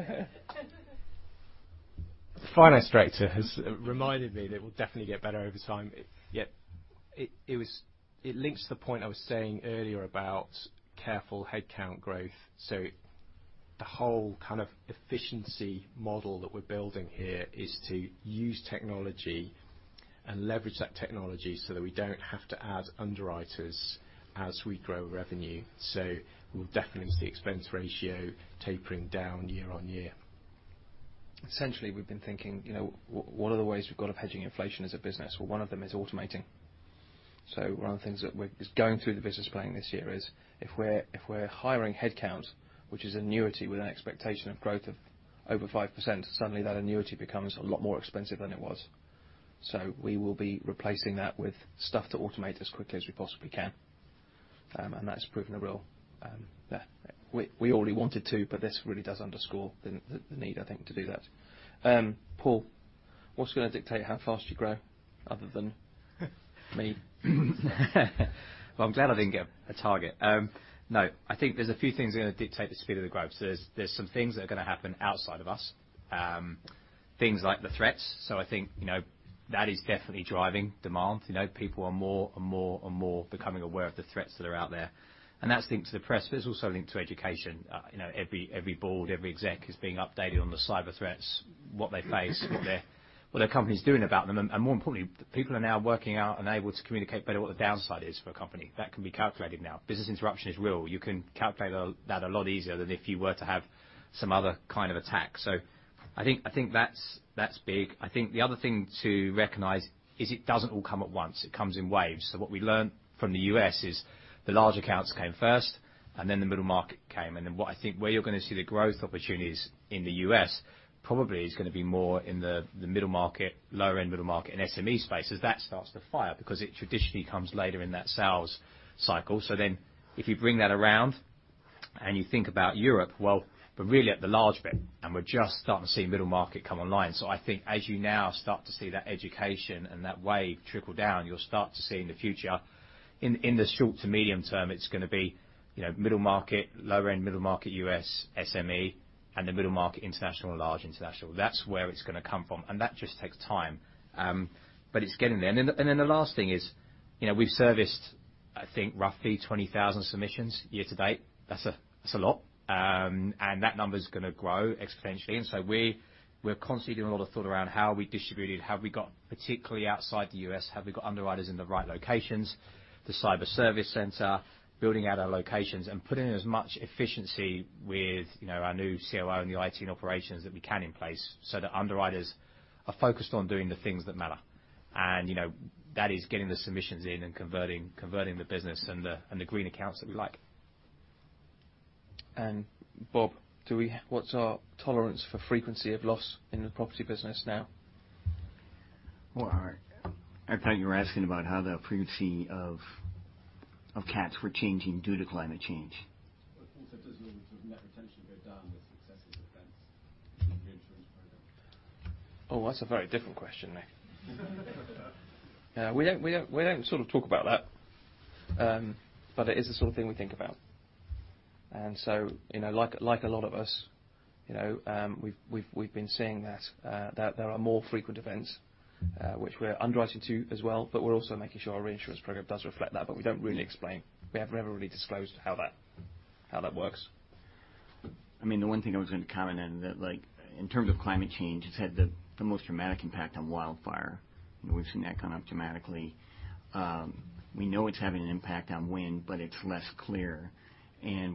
The finance director has reminded me that it will definitely get better over time. It links to the point I was saying earlier about careful headcount growth. The whole kind of efficiency model that we're building here is to use technology and leverage that technology so that we don't have to add underwriters as we grow revenue. We'll definitely see expense ratio tapering down year on year. Essentially, we've been thinking, you know, what are the ways we've got of hedging inflation as a business? Well, one of them is automating. One of the things is going through the business plan this year is, if we're hiring headcount, which is annuity with an expectation of growth of over 5%, suddenly that annuity becomes a lot more expensive than it was. We will be replacing that with stuff to automate as quickly as we possibly can. That's proven a real yeah. We already wanted to but this really does underscore the need, I think, to do that. Paul, what's gonna dictate how fast you grow other than me? Well, I'm glad I didn't get a target. No, I think there's a few things that are gonna dictate the speed of the growth. There's some things that are gonna happen outside of us. Things like the threats. I think, you know, that is definitely driving demand. You know, people are more and more becoming aware of the threats that are out there. And that's linked to the press but it's also linked to education. You know, every board, every exec is being updated on the cyber threats, what they face, what their company's doing about them. And more importantly, people are now working out and able to communicate better what the downside is for a company. That can be calculated now. Business interruption is real. You can calculate, that a lot easier than if you were to have some other kind of attack. I think that's big. I think the other thing to recognize is it doesn't all come at once. It comes in waves. What we learned from the U.S. is the large accounts came first and then the middle market came. Then what I think where you're gonna see the growth opportunities in the U.S. probably is gonna be more in the middle market, lower-end middle market and SME space as that starts to fire, because it traditionally comes later in that sales cycle. If you bring that around and you think about Europe, well, we're really at the large bit and we're just starting to see middle market come online. I think as you now start to see that education and that wave trickle down, you'll start to see in the future, in the short to medium term, it's gonna be, you know, middle market, lower-end middle market, U.S., SME and the middle market international and large international. That's where it's gonna come from. That just takes time. But it's getting there. Then the last thing is, you know, we've serviced, I think, roughly 20,000 submissions year to date. That's a lot. That number's gonna grow exponentially. We're constantly doing a lot of thought around how we distributed. Have we got, particularly outside the U.S., underwriters in the right locations? The cyber service center, building out our locations and putting in as much efficiency with, you know, our new COO and the IT and operations that we can in place so that underwriters are focused on doing the things that matter. You know, that is getting the submissions in and converting the business and the green accounts that we like. Bob, what's our tolerance for frequency of loss in the property business now? Well, I thought you were asking about how the frequency of CATs were changing due to climate change. Also does the sort of net retention go down with successive events in the insurance program? Oh, that's a very different question, Nick. Yeah. We don't sort of talk about that. But it is the sort of thing we think about. You know, like a lot of us, you know, we've been seeing that there are more frequent events which we're underwriting to as well but we're also making sure our reinsurance program does reflect that. We don't really explain. We have never really disclosed how that works. I mean, the one thing I was gonna comment on that, like in terms of climate change, it's had the most dramatic impact on wildfire. You know, we've seen that gone up dramatically. We know it's having an impact on wind but it's less clear.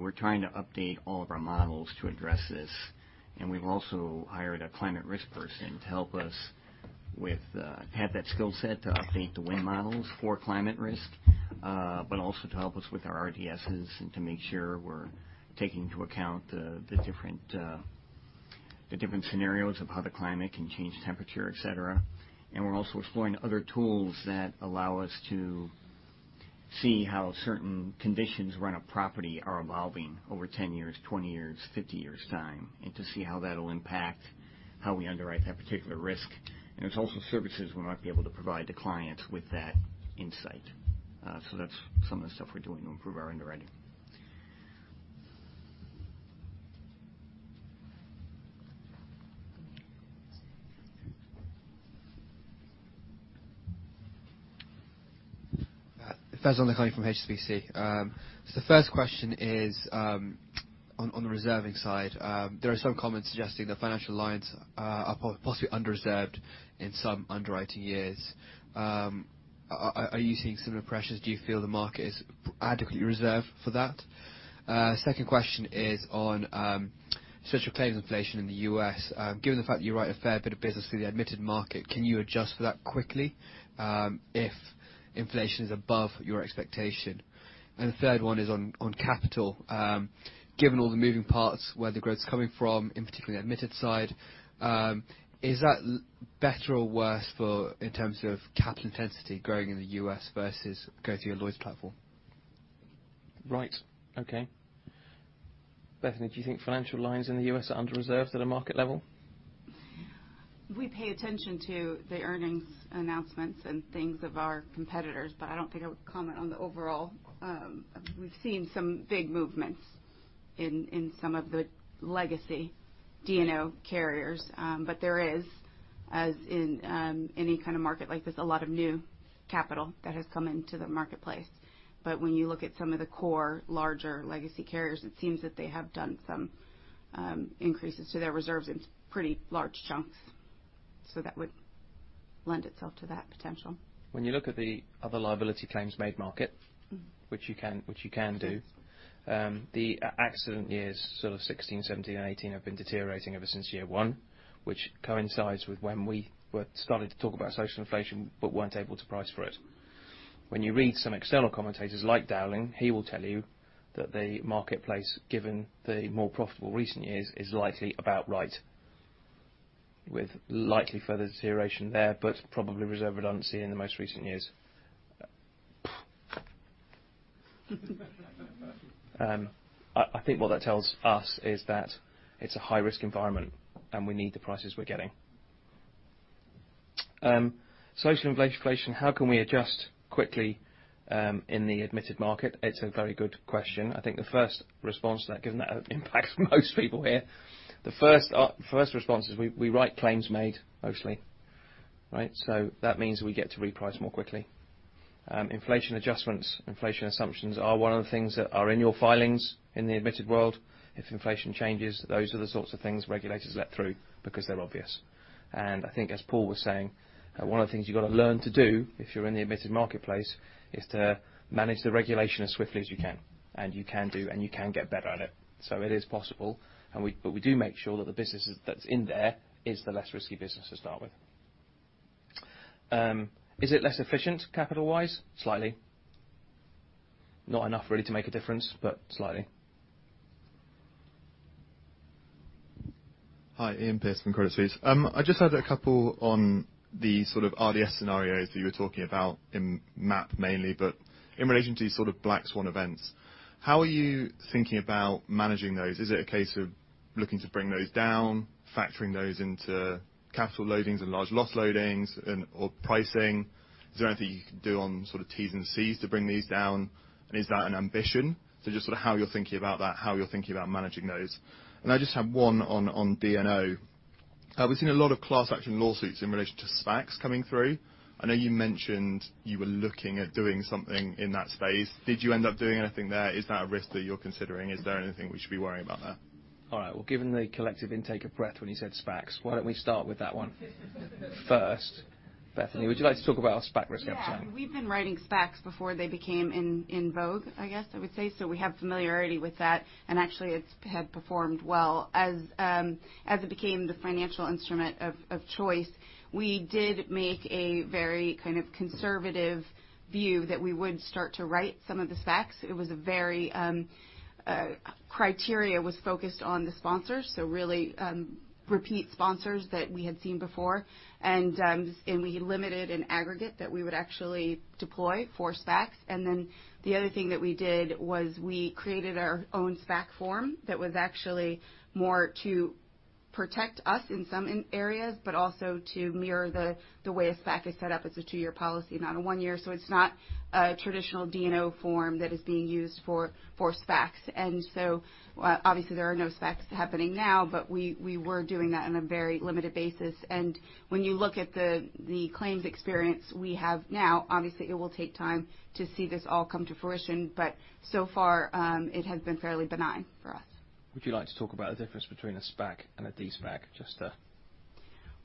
We're trying to update all of our models to address this. We've also hired a climate risk person to help us with to have that skill set to update the wind models for climate risk. But also to help us with our RDSs and to make sure we're taking into account the different scenarios of how the climate can change temperature, et cetera. We're also exploring other tools that allow us to see how certain conditions around a property are evolving over 10 years, 20 years, 50 years' time and to see how that'll impact how we underwrite that particular risk. There's also services we might be able to provide to clients with that insight. That's some of the stuff we're doing to improve our underwriting. Faizan Lakhani from HSBC. So the first question is on the reserving side. There are some comments suggesting that financial lines are possibly underreserved in some underwriting years. Are you seeing similar pressures? Do you feel the market is adequately reserved for that? Second question is on social claims inflation in the U.S. Given the fact that you write a fair bit of business through the admitted market, can you adjust for that quickly if inflation is above your expectation? The third one is on capital. Given all the moving parts, where the growth is coming from, in particular admitted side, is that better or worse in terms of capital intensity growing in the U.S. versus going through your Lloyd's platform? Right. Okay. Bethany, do you think financial lines in the U.S. are under reserved at a market level? We pay attention to the earnings announcements and things of our competitors but I don't think I would comment on the overall. We've seen some big movements in some of the legacy D&O carriers. There is, as in any kind of market like this, a lot of new capital that has come into the marketplace. When you look at some of the core larger legacy carriers, it seems that they have done some increases to their reserves in pretty large chunks. That would lend itself to that potential. When you look at the other liability claims-made market which you can do. The accident years, sort of 2016, 2017 and 2018 have been deteriorating ever since year one, which coincides with when we were starting to talk about social inflation but weren't able to price for it. When you read some external commentators like Dowling & Partners, he will tell you that the marketplace, given the more profitable recent years, is likely about right, with likely further deterioration there but probably reserve redundancy in the most recent years. I think what that tells us is that it's a high risk environment and we need the prices we're getting. Social inflation, how can we adjust quickly in the admitted market? It's a very good question. I think the first response to that, given that impacts most people here, the first response is we write claims made mostly, right? That means we get to reprice more quickly. Inflation adjustments, inflation assumptions are one of the things that are in your filings in the admitted world. If inflation changes, those are the sorts of things regulators let through because they're obvious. I think as Paul was saying, one of the things you got to learn to do if you're in the admitted marketplace is to manage the regulation as swiftly as you can and you can do and you can get better at it. It is possible and we do make sure that the business that's in there is the less risky business to start with. Is it less efficient capital-wise? Slightly. Not enough really to make a difference but slightly. Hi. Iain Pearce from Credit Suisse. I just had a couple on the sort of RDS scenarios that you were talking about in MAP mainly but in relation to sort of black swan events. How are you thinking about managing those? Is it a case of looking to bring those down, factoring those into capital loadings and large loss loadings and/or pricing? Is there anything you can do on sort of T's and C's to bring these down? Is that an ambition? Just sort of how you're thinking about that, how you're thinking about managing those. I just have one on D&O. We've seen a lot of class action lawsuits in relation to SPACs coming through. I know you mentioned you were looking at doing something in that space. Did you end up doing anything there? Is that a risk that you're considering? Is there anything we should be worrying about there? All right. Well, given the collective intake of breath when you said SPACs, why don't we start with that one first. Bethany, would you like to talk about our SPAC risk appetite? Yeah. We've been writing SPACs before they became in vogue, I guess I would say. We have familiarity with that and actually it's performed well. As it became the financial instrument of choice, we did make a very kind of conservative view that we would start to write some of the SPACs. Criteria was focused on the sponsors, so really repeat sponsors that we had seen before. We limited an aggregate that we would actually deploy for SPACs. The other thing that we did was we created our own SPAC form that was actually more to protect us in some areas but also to mirror the way a SPAC is set up. It's a two-year policy, not a one-year, so it's not a traditional D&O form that is being used for SPACs. Obviously there are no SPACs happening now but we were doing that on a very limited basis. When you look at the claims experience we have now, obviously it will take time to see this all come to fruition. So far, it has been fairly benign for us. Would you like to talk about the difference between a SPAC and a de-SPAC just to?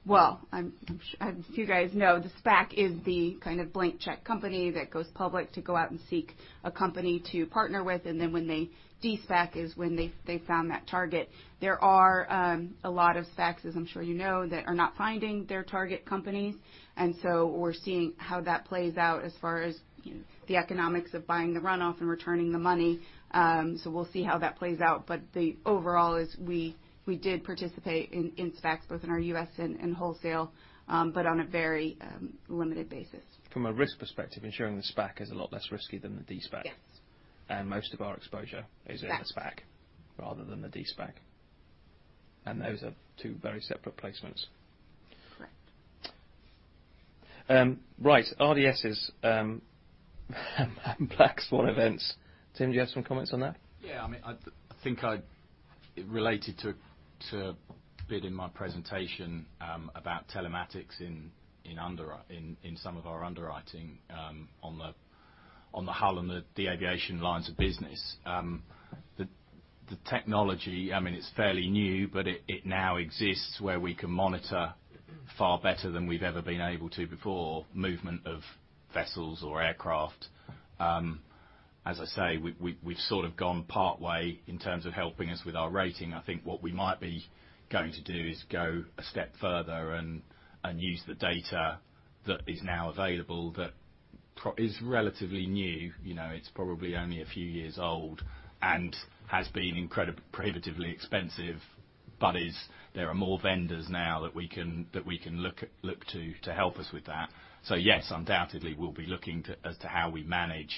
As you guys know, the SPAC is the kind of blank check company that goes public to go out and seek a company to partner with and then when they de-SPAC is when they found that target. There are a lot of SPACs, as I'm sure you know, that are not finding their target companies. We're seeing how that plays out as far as the economics of buying the runoff and returning the money. We'll see how that plays out. The overall is we did participate in SPACs both in our U.S. and wholesale but on a very limited basis. From a risk perspective, insuring the SPAC is a lot less risky than the de-SPAC. Yes. Most of our exposure is in the SPAC rather than the de-SPAC. Those are two very separate placements. Correct. Right. RDSs and black swan events. Tim, do you have some comments on that? Yeah. I mean, I think related to a bit in my presentation about telematics in some of our underwriting on the hull and the aviation lines of business. The technology, I mean, it's fairly new but it now exists where we can monitor far better than we've ever been able to before, movement of vessels or aircraft. As I say, we've sort of gone partway in terms of helping us with our rating. I think what we might be going to do is go a step further and use the data that is now available that is relatively new. You know, it's probably only a few years old and has been prohibitively expensive. But there are more vendors now that we can look to to help us with that. Yes, undoubtedly, we'll be looking to as to how we manage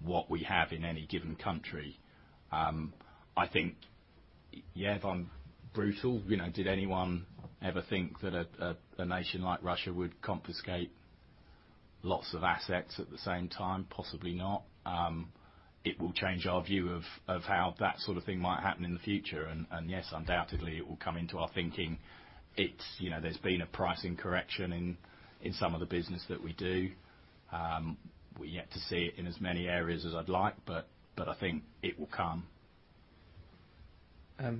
what we have in any given country. I think, yeah, if I'm brutal, you know, did anyone ever think that a nation like Russia would confiscate lots of assets at the same time? Possibly not. It will change our view of how that sort of thing might happen in the future. Yes, undoubtedly, it will come into our thinking. It's, you know, there's been a pricing correction in some of the business that we do. We're yet to see it in as many areas as I'd like but I think it will come.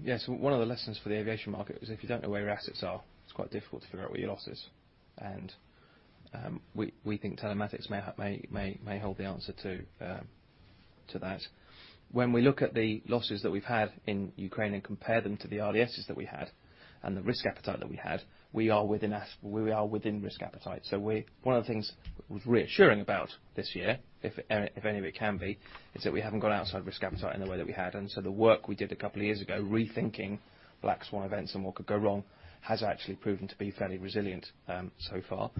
Yes. One of the lessons for the aviation market was if you don't know where your assets are, it's quite difficult to figure out where your losses. We think telematics may hold the answer to that. When we look at the losses that we've had in Ukraine and compare them to the RDSs that we had and the risk appetite that we had, we are within risk appetite. One of the things that was reassuring about this year, if any of it can be, is that we haven't gone outside risk appetite in the way that we had. The work we did a couple of years ago, rethinking black swan events and what could go wrong, has actually proven to be fairly resilient so far.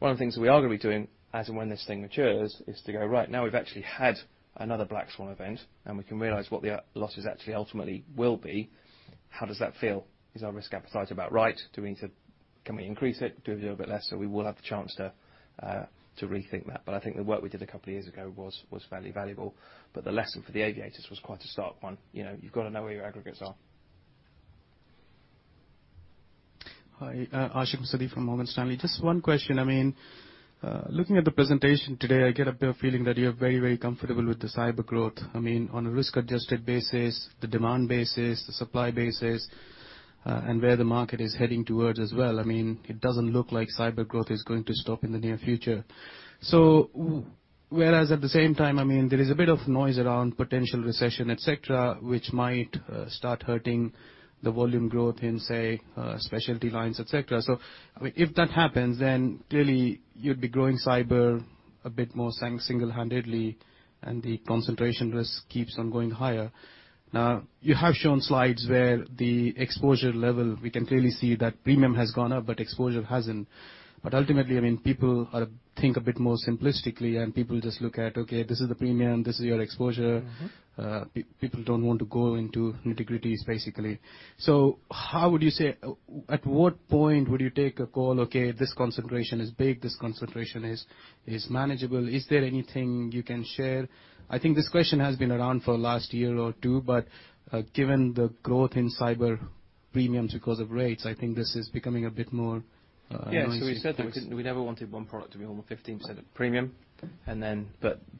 One of the things that we are gonna be doing as and when this thing matures is to go, right, now we've actually had another black swan event and we can realize what the losses actually ultimately will be. How does that feel? Is our risk appetite about right? Do we need to? Can we increase it? Do a little bit less? We will have the chance to rethink that. I think the work we did a couple of years ago was fairly valuable. The lesson for the aviators was quite a stark one. You know, you've got to know where your aggregates are. Hi, Ashik Musaddi from Morgan Stanley. Just one question. I mean, looking at the presentation today, I get a bit of feeling that you're very, very comfortable with the cyber growth. I mean, on a risk-adjusted basis, the demand basis, the supply basis and where the market is heading towards as well. I mean, it doesn't look like cyber growth is going to stop in the near future. Whereas at the same time, I mean, there is a bit of noise around potential recession, et cetera, which might start hurting the volume growth in, say, specialty lines, et cetera. I mean, if that happens, then clearly you'd be growing cyber a bit more singlehandedly and the concentration risk keeps on going higher. Now, you have shown slides where the exposure level, we can clearly see that premium has gone up but exposure hasn't. Ultimately, I mean, people are think a bit more simplistically and people just look at, okay, this is the premium, this is your exposure. People don't want to go into nitty-gritty, basically. How would you say at what point would you take a call, okay, this concentration is big, this concentration is manageable? Is there anything you can share? I think this question has been around for the last year or two but given the growth in cyber premiums because of rates, I think this is becoming a bit more noisy for us. Yeah. We said that we never wanted one product to be over 15% of premium.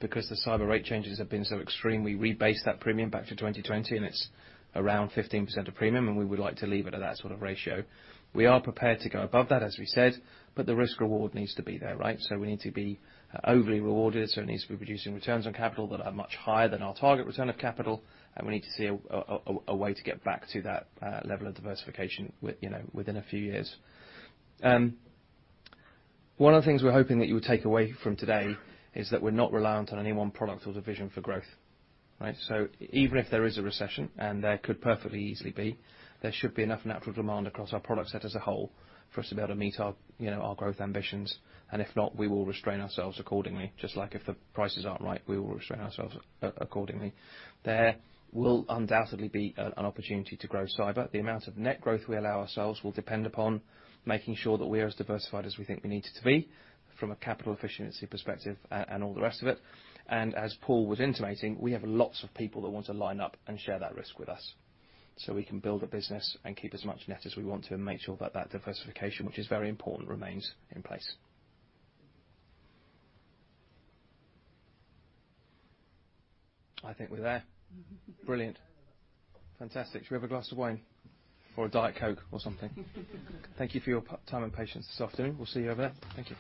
Because the cyber rate changes have been so extreme, we rebased that premium back to 2020 and it's around 15% of premium and we would like to leave it at that sort of ratio. We are prepared to go above that, as we said but the risk reward needs to be there, right? We need to be overly rewarded, so it needs to be producing returns on capital that are much higher than our target return on capital and we need to see a way to get back to that level of diversification with, you know, within a few years. One of the things we're hoping that you will take away from today is that we're not reliant on any one product or division for growth, right? Even if there is a recession and there could perfectly easily be, there should be enough natural demand across our product set as a whole for us to be able to meet our, you know, our growth ambitions. If not, we will restrain ourselves accordingly. Just like if the prices aren't right, we will restrain ourselves accordingly. There will undoubtedly be an opportunity to grow cyber. The amount of net growth we allow ourselves will depend upon making sure that we are as diversified as we think we need to be from a capital efficiency perspective and all the rest of it. As Paul was intimating, we have lots of people that want to line up and share that risk with us. We can build a business and keep as much net as we want to and make sure that diversification, which is very important, remains in place. I think we're there. Brilliant. Fantastic. Should we have a glass of wine or a Diet Coke or something? Thank you for your time and patience this afternoon. We'll see you over there. Thank you.